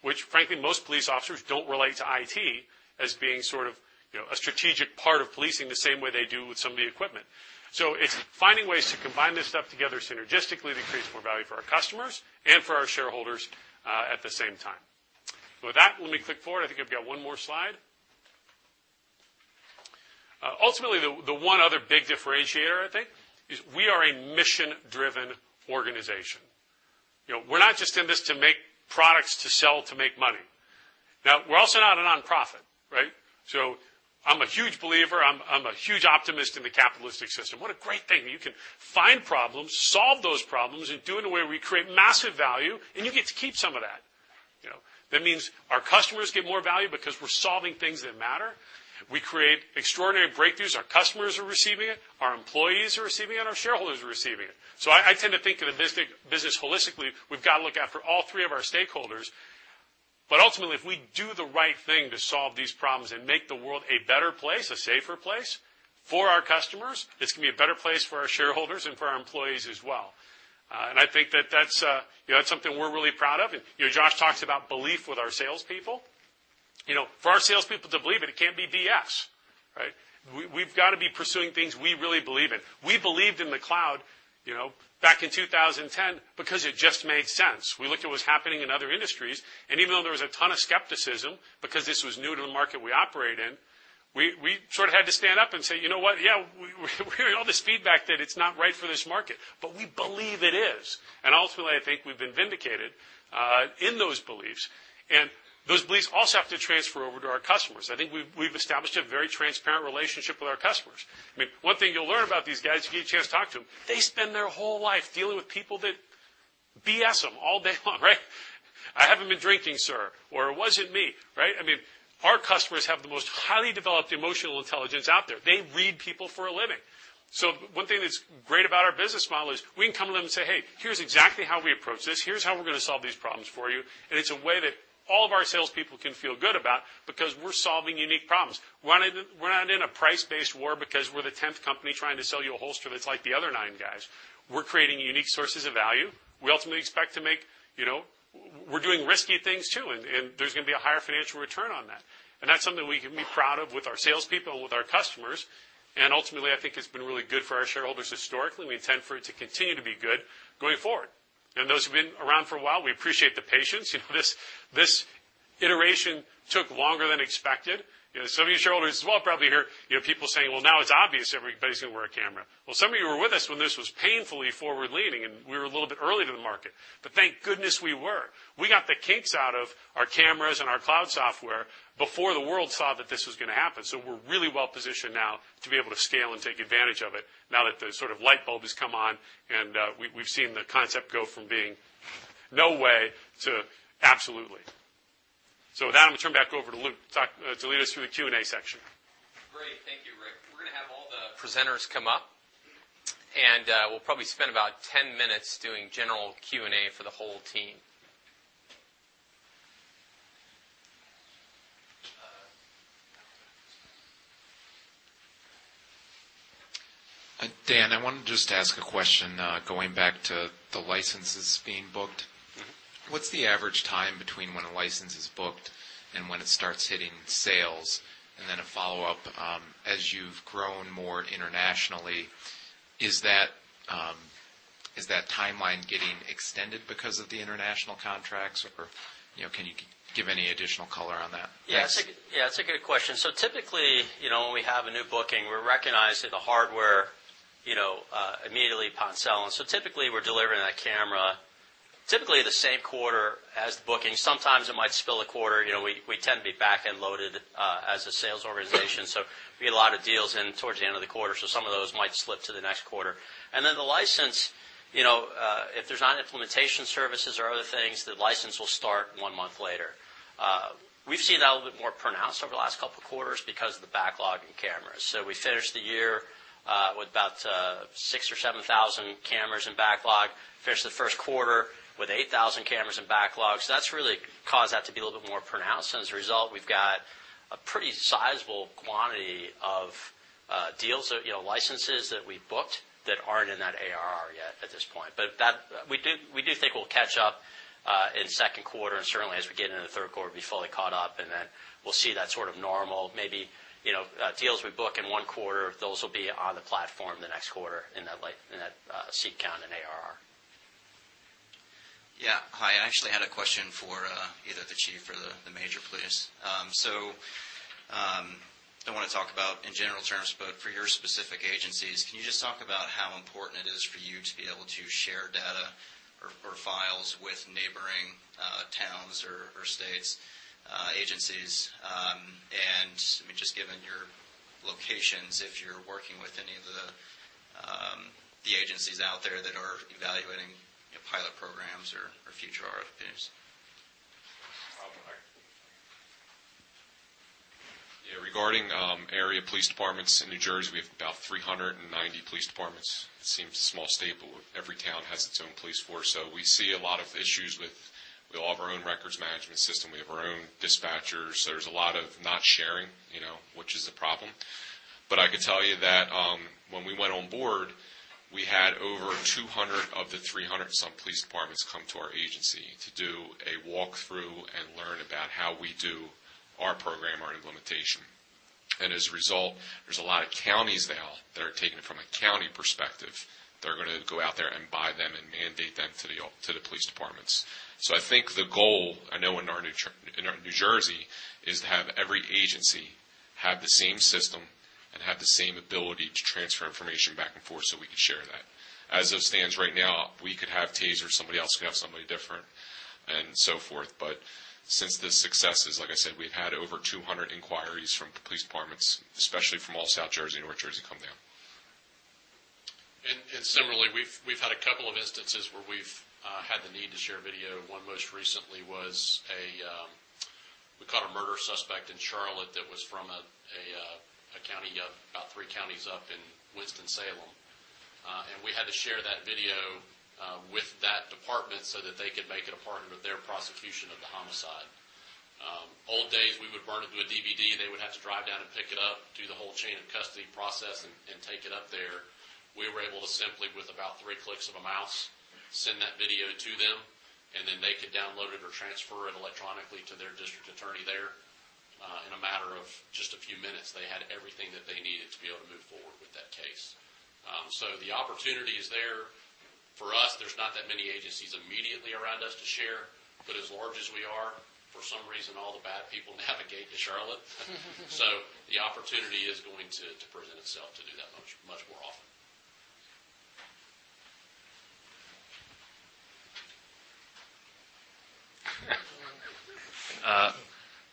which frankly, most police officers don't relate to IT as being sort of, you know, a strategic part of policing the same way they do with some of the equipment. So it's finding ways to combine this stuff together synergistically, to create more value for our customers and for our shareholders, at the same time. With that, let me click forward. I think I've got one more slide. Ultimately, the one other big differentiator, I think, is we are a mission-driven organization. You know, we're not just in this to make products to sell, to make money. Now, we're also not a nonprofit, right? So I'm a huge believer, I'm a huge optimist in the capitalistic system. What a great thing! You can find problems, solve those problems, and do it in a way where we create massive value, and you get to keep some of that. You know, that means our customers get more value because we're solving things that matter. We create extraordinary breakthroughs. Our customers are receiving it, our employees are receiving it, and our shareholders are receiving it. So I tend to think of the business holistically. We've got to look after all three of our stakeholders, but ultimately, if we do the right thing to solve these problems and make the world a better place, a safer place for our customers, it's going to be a better place for our shareholders and for our employees as well. I think that that's, you know, that's something we're really proud of. And, you know, Josh talks about belief with our salespeople. You know, for our salespeople to believe it, it can't be BS, right? We've got to be pursuing things we really believe in. We believed in the cloud, you know, back in 2010, because it just made sense. We looked at what was happening in other industries, and even though there was a ton of skepticism because this was new to the market we operate in, we sort of had to stand up and say, "You know what? Yeah, we're hearing all this feedback that it's not right for this market, but we believe it is." Ultimately, I think we've been vindicated in those beliefs, and those beliefs also have to transfer over to our customers. I think we've established a very transparent relationship with our customers. I mean, one thing you'll learn about these guys, if you get a chance to talk to them, they spend their whole life dealing with people that BS them all day long, right? "I haven't been drinking, sir," or, "It wasn't me," right? I mean, our customers have the most highly developed emotional intelligence out there. They read people for a living. So one thing that's great about our business model is we can come to them and say, "Hey, here's exactly how we approach this. Here's how we're going to solve these problems for you." And it's a way that all of our salespeople can feel good about because we're solving unique problems. We're not in a price-based war because we're the tenth company trying to sell you a holster that's like the other nine guys. We're creating unique sources of value. We ultimately expect to make... You know, we're doing risky things, too, and there's going to be a higher financial return on that. And that's something we can be proud of with our salespeople and with our customers. And ultimately, I think it's been really good for our shareholders historically. We intend for it to continue to be good going forward. And those who've been around for a while, we appreciate the patience. You know, this iteration took longer than expected. You know, some of you shareholders as well, probably hear, you know, people saying, "Well, now it's obvious everybody's gonna wear a camera." Well, some of you were with us when this was painfully forward-leaning, and we were a little bit early to the market. But thank goodness we were. We got the kinks out of our cameras and our cloud software before the world saw that this was gonna happen. So we're really well-positioned now to be able to scale and take advantage of it now that the sort of light bulb has come on, and we've seen the concept go from being, "no way" to "absolutely." So with that, I'm gonna turn back over to Luke to lead us through the Q&A section. Great. Thank you, Rick. We're gonna have all the presenters come up, and we'll probably spend about 10 minutes doing general Q&A for the whole team. Dan, I wanted just to ask a question, going back to the licenses being booked. Mm-hmm. What's the average time between when a license is booked and when it starts hitting sales? And then a follow-up: as you've grown more internationally, is that timeline getting extended because of the international contracts, or, you know, can you give any additional color on that? Yeah, yeah, it's a good question. So typically, you know, when we have a new booking, we recognize that the hardware, you know, immediately upon selling. So typically, we're delivering that camera, typically the same quarter as the booking. Sometimes it might spill a quarter. You know, we tend to be back-end loaded as a sales organization, so we get a lot of deals in towards the end of the quarter, so some of those might slip to the next quarter. And then the license, you know, if there's not implementation services or other things, the license will start one month later. We've seen that a little bit more pronounced over the last couple of quarters because of the backlog in cameras. So we finished the year with about 6,000 or 7,000 cameras in backlog, finished the first quarter with 8,000 cameras in backlog. So that's really caused that to be a little bit more pronounced. As a result, we've got a pretty sizable quantity of deals, so, you know, licenses that we booked that aren't in that ARR yet at this point. But that. We do think we'll catch up in second quarter, and certainly as we get into the third quarter, be fully caught up, and then we'll see that sort of normal, maybe, you know, deals we book in one quarter, those will be on the platform the next quarter in that seat count and ARR. Yeah. Hi, I actually had a question for either the chief or the major, please. So, don't wanna talk about in general terms, but for your specific agencies, can you just talk about how important it is for you to be able to share data or files with neighboring towns or states agencies? And, I mean, just given your locations, if you're working with any of the agencies out there that are evaluating, you know, pilot programs or future RFPs? Yeah, regarding area police departments in New Jersey, we have about 390 police departments. It seems a small state, but every town has its own police force, so we see a lot of issues with... We all have our own records management system, we have our own dispatchers. There's a lot of not sharing, you know, which is a problem. But I could tell you that when we went on board, we had over 200 of the 300 and some police departments come to our agency to do a walk-through and learn about how we do our program, our implementation. And as a result, there's a lot of counties now that are taking it from a county perspective. They're gonna go out there and buy them and mandate them to the police departments. So I think the goal, I know in our New Jersey, is to have every agency have the same system and have the same ability to transfer information back and forth so we can share that. As it stands right now, we could have TASERs, somebody else could have somebody different and so forth. But since the successes, like I said, we've had over 200 inquiries from police departments, especially from all South Jersey, North Jersey, come down. And similarly, we've had a couple of instances where we've had the need to share video. One most recently was we caught a murder suspect in Charlotte that was from a county up, about three counties up in Winston-Salem, and we had to share that video with that department so that they could make it a part of their prosecution of the homicide. Old days, we would burn it to a DVD, and they would have to drive down and pick it up, do the whole chain of custody process and take it up there. We were able to simply, with about three clicks of a mouse, send that video to them, and then they could download it or transfer it electronically to their district attorney there. In a matter of just a few minutes, they had everything that they needed to be able to move forward with that case. So the opportunity is there. For us, there's not that many agencies immediately around us to share, but as large as we are, for some reason, all the bad people navigate to Charlotte. So the opportunity is going to present itself to do that much, much more often.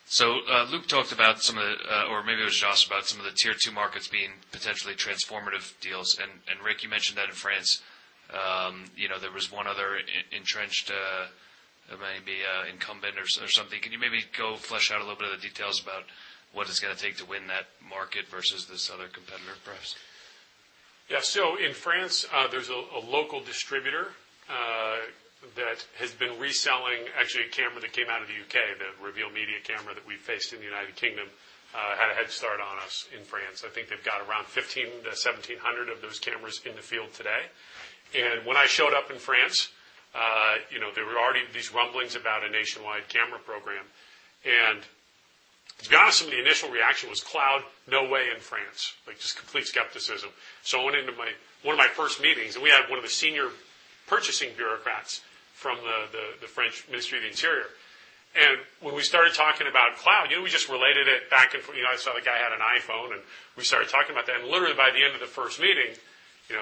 So, Luke talked about some of the. Or maybe it was Josh, about some of the tier two markets being potentially transformative deals. And, Rick, you mentioned that in France, you know, there was one other entrenched, maybe, incumbent or something. Can you maybe go flesh out a little bit of the details about what it's gonna take to win that market versus this other competitor, perhaps? Yeah. So in France, there's a local distributor that has been reselling actually a camera that came out of the UK, the Reveal Media camera that we faced in the United Kingdom, had a head start on us in France. I think they've got around 1,500-1,700 of those cameras in the field today. And when I showed up in France, you know, there were already these rumblings about a nationwide camera program. To be honest, some of the initial reaction was cloud, no way in France, like, just complete skepticism. So I went into one of my first meetings, and we had one of the senior purchasing bureaucrats from the French Ministry of the Interior. And when we started talking about cloud, you know, we just related it back and forth. You know, I saw the guy had an iPhone, and we started talking about that. And literally by the end of the first meeting, you know,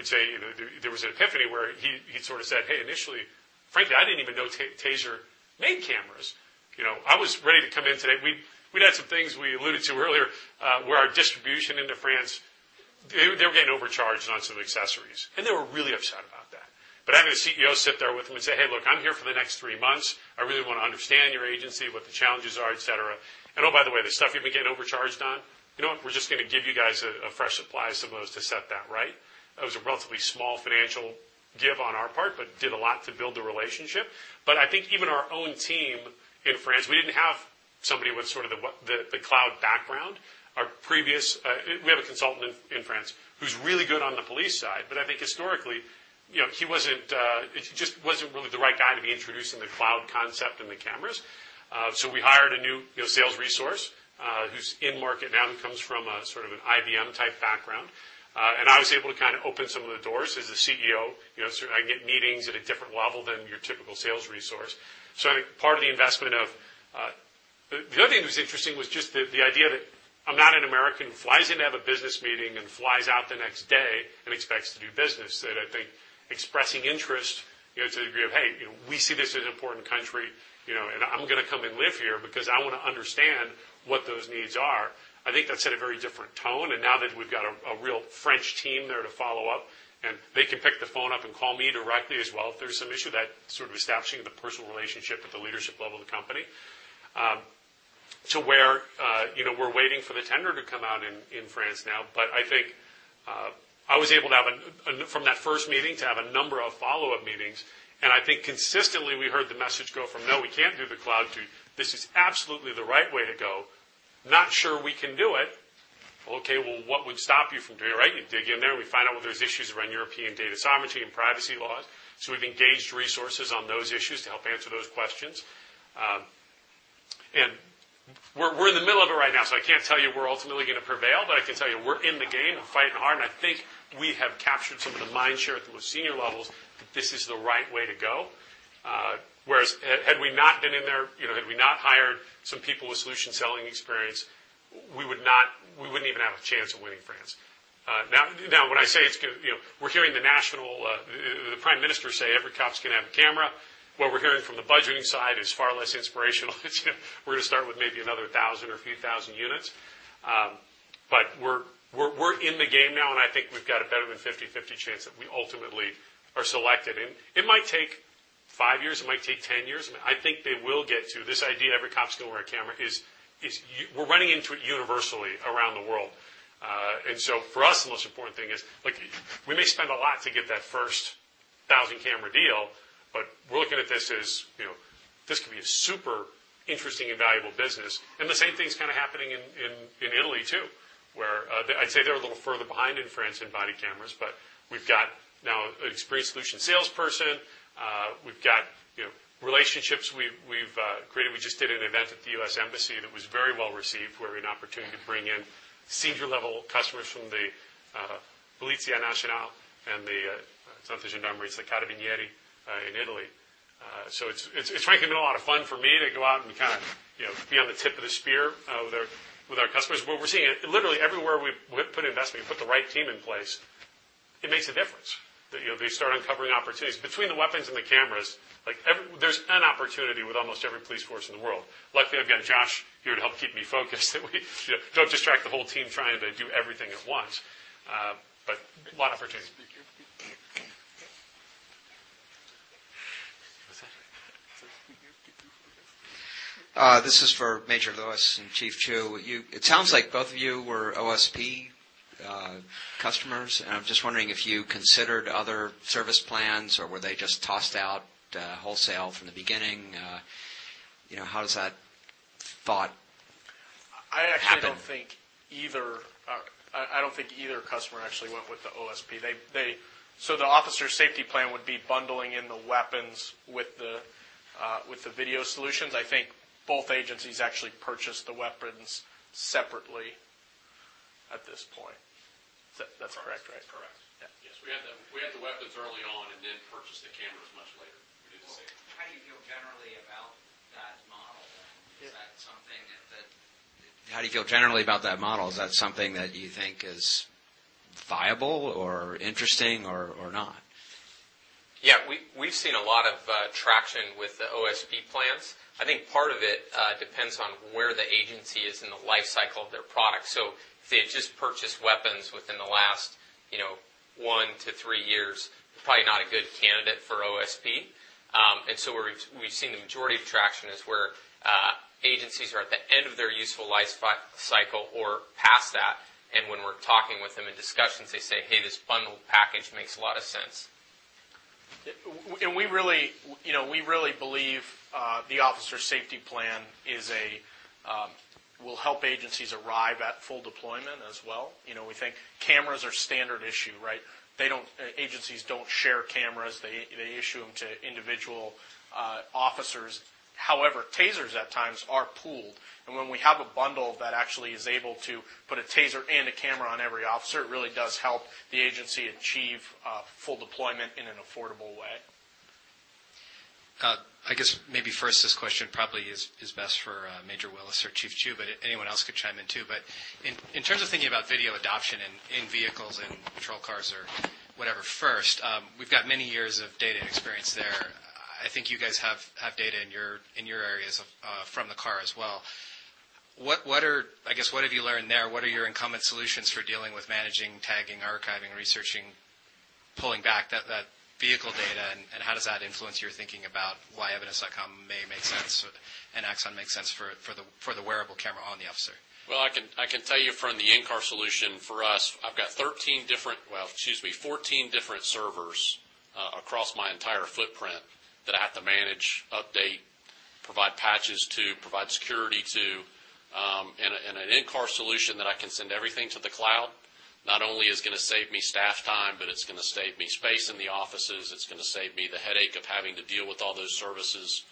I'd say, you know, there was an epiphany where he sort of said, "Hey, initially, frankly, I didn't even know TASER made cameras." You know, I was ready to come in today. We'd had some things we alluded to earlier, where our distribution into France, they were getting overcharged on some accessories, and they were really upset about that. But having a CEO sit there with them and say, "Hey, look, I'm here for the next three months. I really want to understand your agency, what the challenges are, et cetera. And, oh, by the way, the stuff you've been getting overcharged on, you know what? We're just gonna give you guys a fresh supply of some of those to set that right." That was a relatively small financial give on our part, but did a lot to build the relationship. But I think even our own team in France, we didn't have somebody with sort of the cloud background. Our previous. We had a consultant in France who's really good on the police side, but I think historically, you know, he wasn't, it just wasn't really the right guy to be introducing the cloud concept and the cameras. So we hired a new, you know, sales resource, who's in-market now, who comes from a sort of an IBM-type background. And I was able to kind of open some of the doors as a CEO. You know, so I can get meetings at a different level than your typical sales resource. So I think part of the investment of. The other thing that was interesting was just the idea that I'm not an American, who flies in to have a business meeting and flies out the next day and expects to do business. That, I think, expressing interest, you know, to the degree of, "Hey, you know, we see this as an important country, you know, and I'm gonna come and live here because I want to understand what those needs are." I think that set a very different tone, and now that we've got a real French team there to follow up, and they can pick the phone up and call me directly as well, if there's some issue that sort of establishing the personal relationship at the leadership level of the company. To where, you know, we're waiting for the tender to come out in France now, but I think I was able to have an... From that first meeting, to have a number of follow-up meetings, and I think consistently we heard the message go from, "No, we can't do the cloud," to, "This is absolutely the right way to go. Not sure we can do it." Well, okay, well, what would stop you from doing, right? You dig in there, and we find out whether there's issues around European data sovereignty and privacy laws. So we've engaged resources on those issues to help answer those questions. And we're in the middle of it right now, so I can't tell you we're ultimately gonna prevail, but I can tell you, we're in the game and fighting hard, and I think we have captured some of the mind share at the most senior levels, that this is the right way to go. Whereas, had we not been in there, you know, had we not hired some people with solution selling experience, we wouldn't even have a chance of winning France. Now, when I say it's gonna—you know, we're hearing the national, the Prime Minister say, "Every cop's gonna have a camera." What we're hearing from the budgeting side is far less inspirational. It's, we're gonna start with maybe another 1,000 or a few thousand units. But we're in the game now, and I think we've got a better than 50/50 chance that we ultimately are selected. It might take 5 years, it might take 10 years. I think they will get to this idea that every cop's gonna wear a camera; we're running into it universally around the world. And so for us, the most important thing is, like, we may spend a lot to get that first thousand-camera deal, but we're looking at this as, you know, this could be a super interesting and valuable business. The same thing's kind of happening in Italy, too, where I'd say they're a little further behind in France in body cameras, but we've got now an experienced solution salesperson. We've got, you know, relationships we've created. We just did an event at the U.S. Embassy that was very well received, where we had an opportunity to bring in senior-level customers from the, uh, Polizia Nazionale and the, uh, it's not the Gendarmerie, it's the Carabinieri, uh, in Italy. So it's frankly been a lot of fun for me to go out and kind of, you know, be on the tip of the spear with our customers. But we're seeing it literally everywhere we've put investment, put the right team in place, it makes a difference. That, you know, they start uncovering opportunities. Between the weapons and the cameras, like, every... There's an opportunity with almost every police force in the world. Luckily, I've got Josh here to help keep me focused, so we don't distract the whole team trying to do everything at once. But a lot of opportunities. What's that? This is for Major Willis and Chief Chew. You— It sounds like both of you were OSP customers, and I'm just wondering if you considered other service plans, or were they just tossed out wholesale from the beginning? You know, how does that thought happen? I actually don't think either customer actually went with the OSP. So the Officer Safety Plan would be bundling in the weapons with the video solutions. I think both agencies actually purchased the weapons separately at this point. That's correct, right? Correct. Yeah. Yes, we had the weapons early on and then purchased the cameras much later. We did the same. How do you feel generally about that model? Yeah. Is that something that, how do you feel generally about that model? Is that something that you think is viable or interesting or, or not? Yeah, we, we've seen a lot of traction with the OSP plans. I think part of it depends on where the agency is in the life cycle of their product. So if they've just purchased weapons within the last, you know, 1-3 years, probably not a good candidate for OSP. And so we're, we've seen the majority of traction is where agencies are at the end of their useful life cycle or past that, and when we're talking with them in discussions, they say: Hey, this bundled package makes a lot of sense. Yeah. And we really, you know, we really believe the Officer Safety Plan is a will help agencies arrive at full deployment as well. You know, we think cameras are standard issue, right? Agencies don't share cameras. They, they issue them to individual officers. However, TASERs at times are pooled, and when we have a bundle that actually is able to put a TASER and a camera on every officer, it really does help the agency achieve full deployment in an affordable way. I guess maybe first, this question probably is, is best for, Major Willis or Chief Chew, but anyone else could chime in, too. But in, in terms of thinking about video adoption in, in vehicles and patrol cars or whatever, first, we've got many years of data and experience there. I think you guys have, have data in your, in your areas of, from the car as well. What, what are... I guess, what have you learned there? What are your incumbent solutions for dealing with managing, tagging, archiving, researching, pulling back that, that vehicle data, and, and how does that influence your thinking about why Evidence.com may make sense, and Axon makes sense for, for the, for the wearable camera on the officer? Well, I can tell you from the in-car solution for us, I've got 13 different... Well, excuse me, 14 different servers across my entire footprint that I have to manage, update, provide patches to, provide security to. And an in-car solution that I can send everything to the cloud not only is gonna save me staff time, but it's gonna save me space in the offices. It's gonna save me the headache of having to deal with all those services,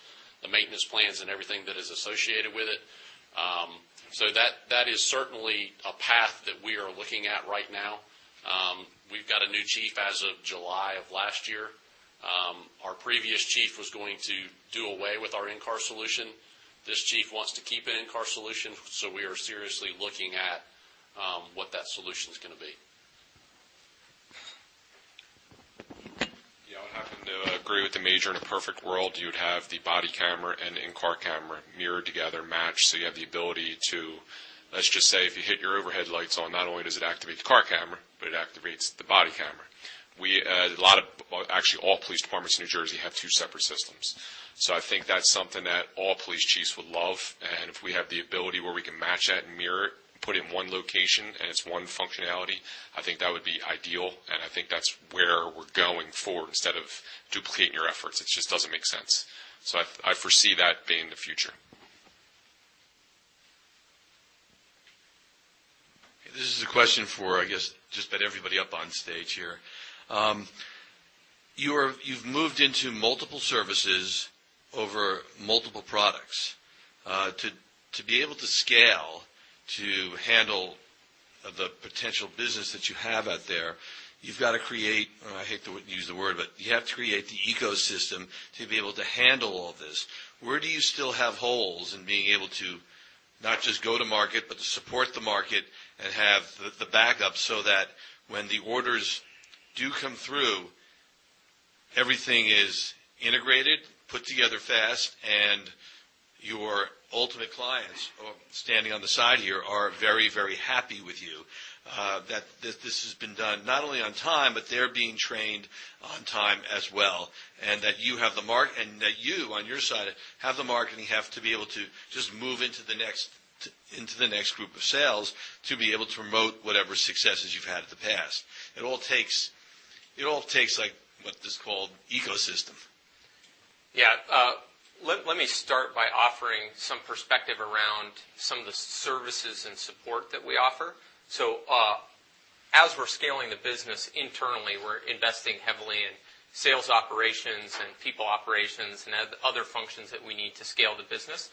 the maintenance plans, and everything that is associated with it. So that is certainly a path that we are looking at right now. We've got a new chief as of July of last year. Our previous chief was going to do away with our in-car solution. This chief wants to keep an in-car solution, so we are seriously looking at what that solution is gonna be. Yeah, I would happen to agree with the major. In a perfect world, you'd have the body camera and in-car camera mirrored together, matched, so you have the ability to... Let's just say, if you hit your overhead lights on, not only does it activate the car camera, but it activates the body camera. We, a lot of, well, actually all police departments in New Jersey have two separate systems. So I think that's something that all police chiefs would love. And if we have the ability where we can match that and mirror it, put it in one location, and it's one functionality, I think that would be ideal, and I think that's where we're going for instead of duplicating your efforts. It just doesn't make sense. So I, I foresee that being the future. This is a question for, I guess, just about everybody up on stage here. You're, you've moved into multiple services over multiple products. To, to be able to scale, to handle the potential business that you have out there, you've got to create, I hate to use the word, but you have to create the ecosystem to be able to handle all this. Where do you still have holes in being able to not just go to market, but to support the market and have the, the backup so that when the orders do come through, everything is integrated, put together fast, and your ultimate clients, standing on the side here are very, very happy with you? that this has been done not only on time, but they're being trained on time as well, and that you have the marketing to be able to just move into the next group of sales to be able to promote whatever successes you've had in the past. It all takes, like, what is called ecosystem. Yeah, let me start by offering some perspective around some of the services and support that we offer. So, as we're scaling the business internally, we're investing heavily in sales operations and people operations and other functions that we need to scale the business.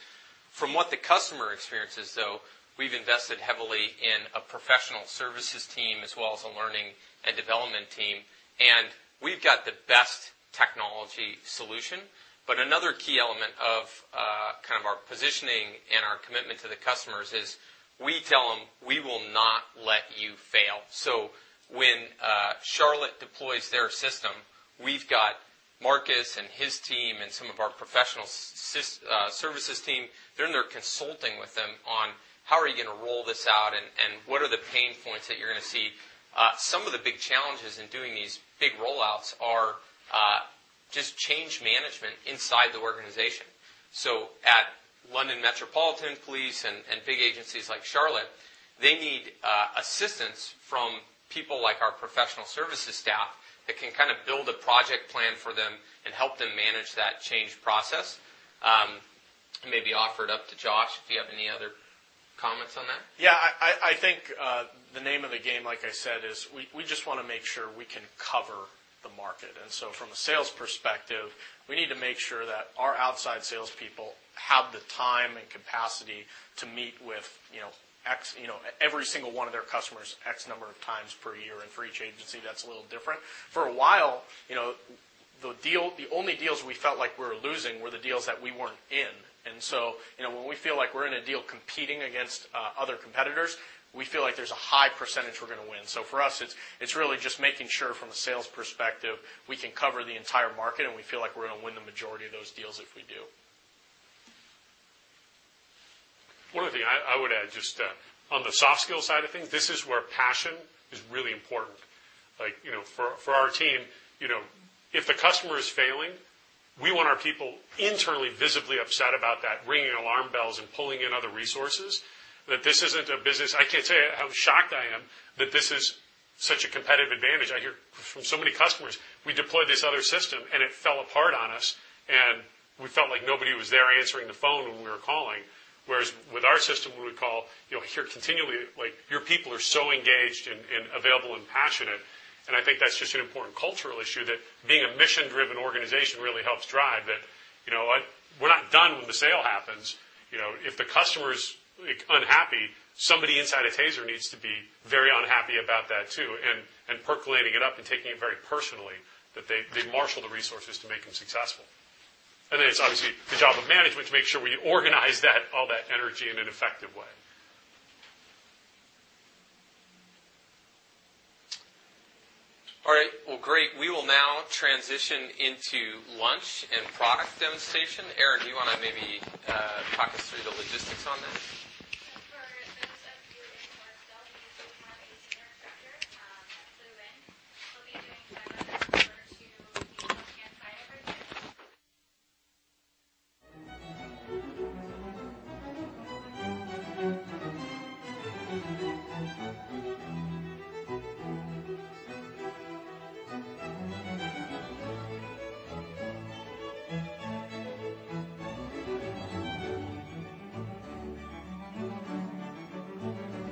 From what the customer experiences, though, we've invested heavily in a professional services team, as well as a learning and development team. And we've got the best technology solution, but another key element of kind of our positioning and our commitment to the customers is we tell them: We will not let you fail. So when Charlotte deploys their system, we've got Marcus and his team and some of our professional services team, they're in there consulting with them on, how are you gonna roll this out, and what are the pain points that you're gonna see? Some of the big challenges in doing these big rollouts are just change management inside the organization. So at London Metropolitan Police and, and big agencies like Charlotte, they need assistance from people like our professional services staff that can kind of build a project plan for them and help them manage that change process. Maybe offer it up to Josh, if you have any other comments on that. Yeah, I think the name of the game, like I said, is we just wanna make sure we can cover the market. And so from a sales perspective, we need to make sure that our outside salespeople have the time and capacity to meet with, you know, x, you know, every single one of their customers, x number of times per year, and for each agency, that's a little different. For a while, you know, the deal. The only deals we felt like we were losing were the deals that we weren't in. And so, you know, when we feel like we're in a deal competing against other competitors, we feel like there's a high percentage we're gonna win. So for us, it's really just making sure from a sales perspective, we can cover the entire market, and we feel like we're gonna win the majority of those deals if we do. One other thing, I would add, just, on the soft skill side of things, this is where passion is really important. Like, you know, for our team, you know, if the customer is failing, we want our people internally, visibly upset about that, ringing alarm bells and pulling in other resources, that this isn't a business... I can't tell you how shocked I am that this is such a competitive advantage. I hear from so many customers: "We deployed this other system, and it fell apart on us, and we felt like nobody was there answering the phone when we were calling." Whereas with our system, when we call, you know, hear continually, like, your people are so engaged and, and available and passionate. And I think that's just an important cultural issue, that being a mission-driven organization really helps drive it. You know, we're not done when the sale happens. You know, if the customer is, like, unhappy, somebody inside of TASER needs to be very unhappy about that, too, and percolating it up and taking it very personally, that they marshal the resources to make them successful. Then it's obviously the job of management to make sure we organize that, all that energy in an effective way. All right. Well, great. We will now transition into lunch and product demonstration. Erin, do you wanna maybe talk us through the logistics on this? For those of you who are still here, we have a dinner tracker. So then we'll be doing that in order to stand by everything.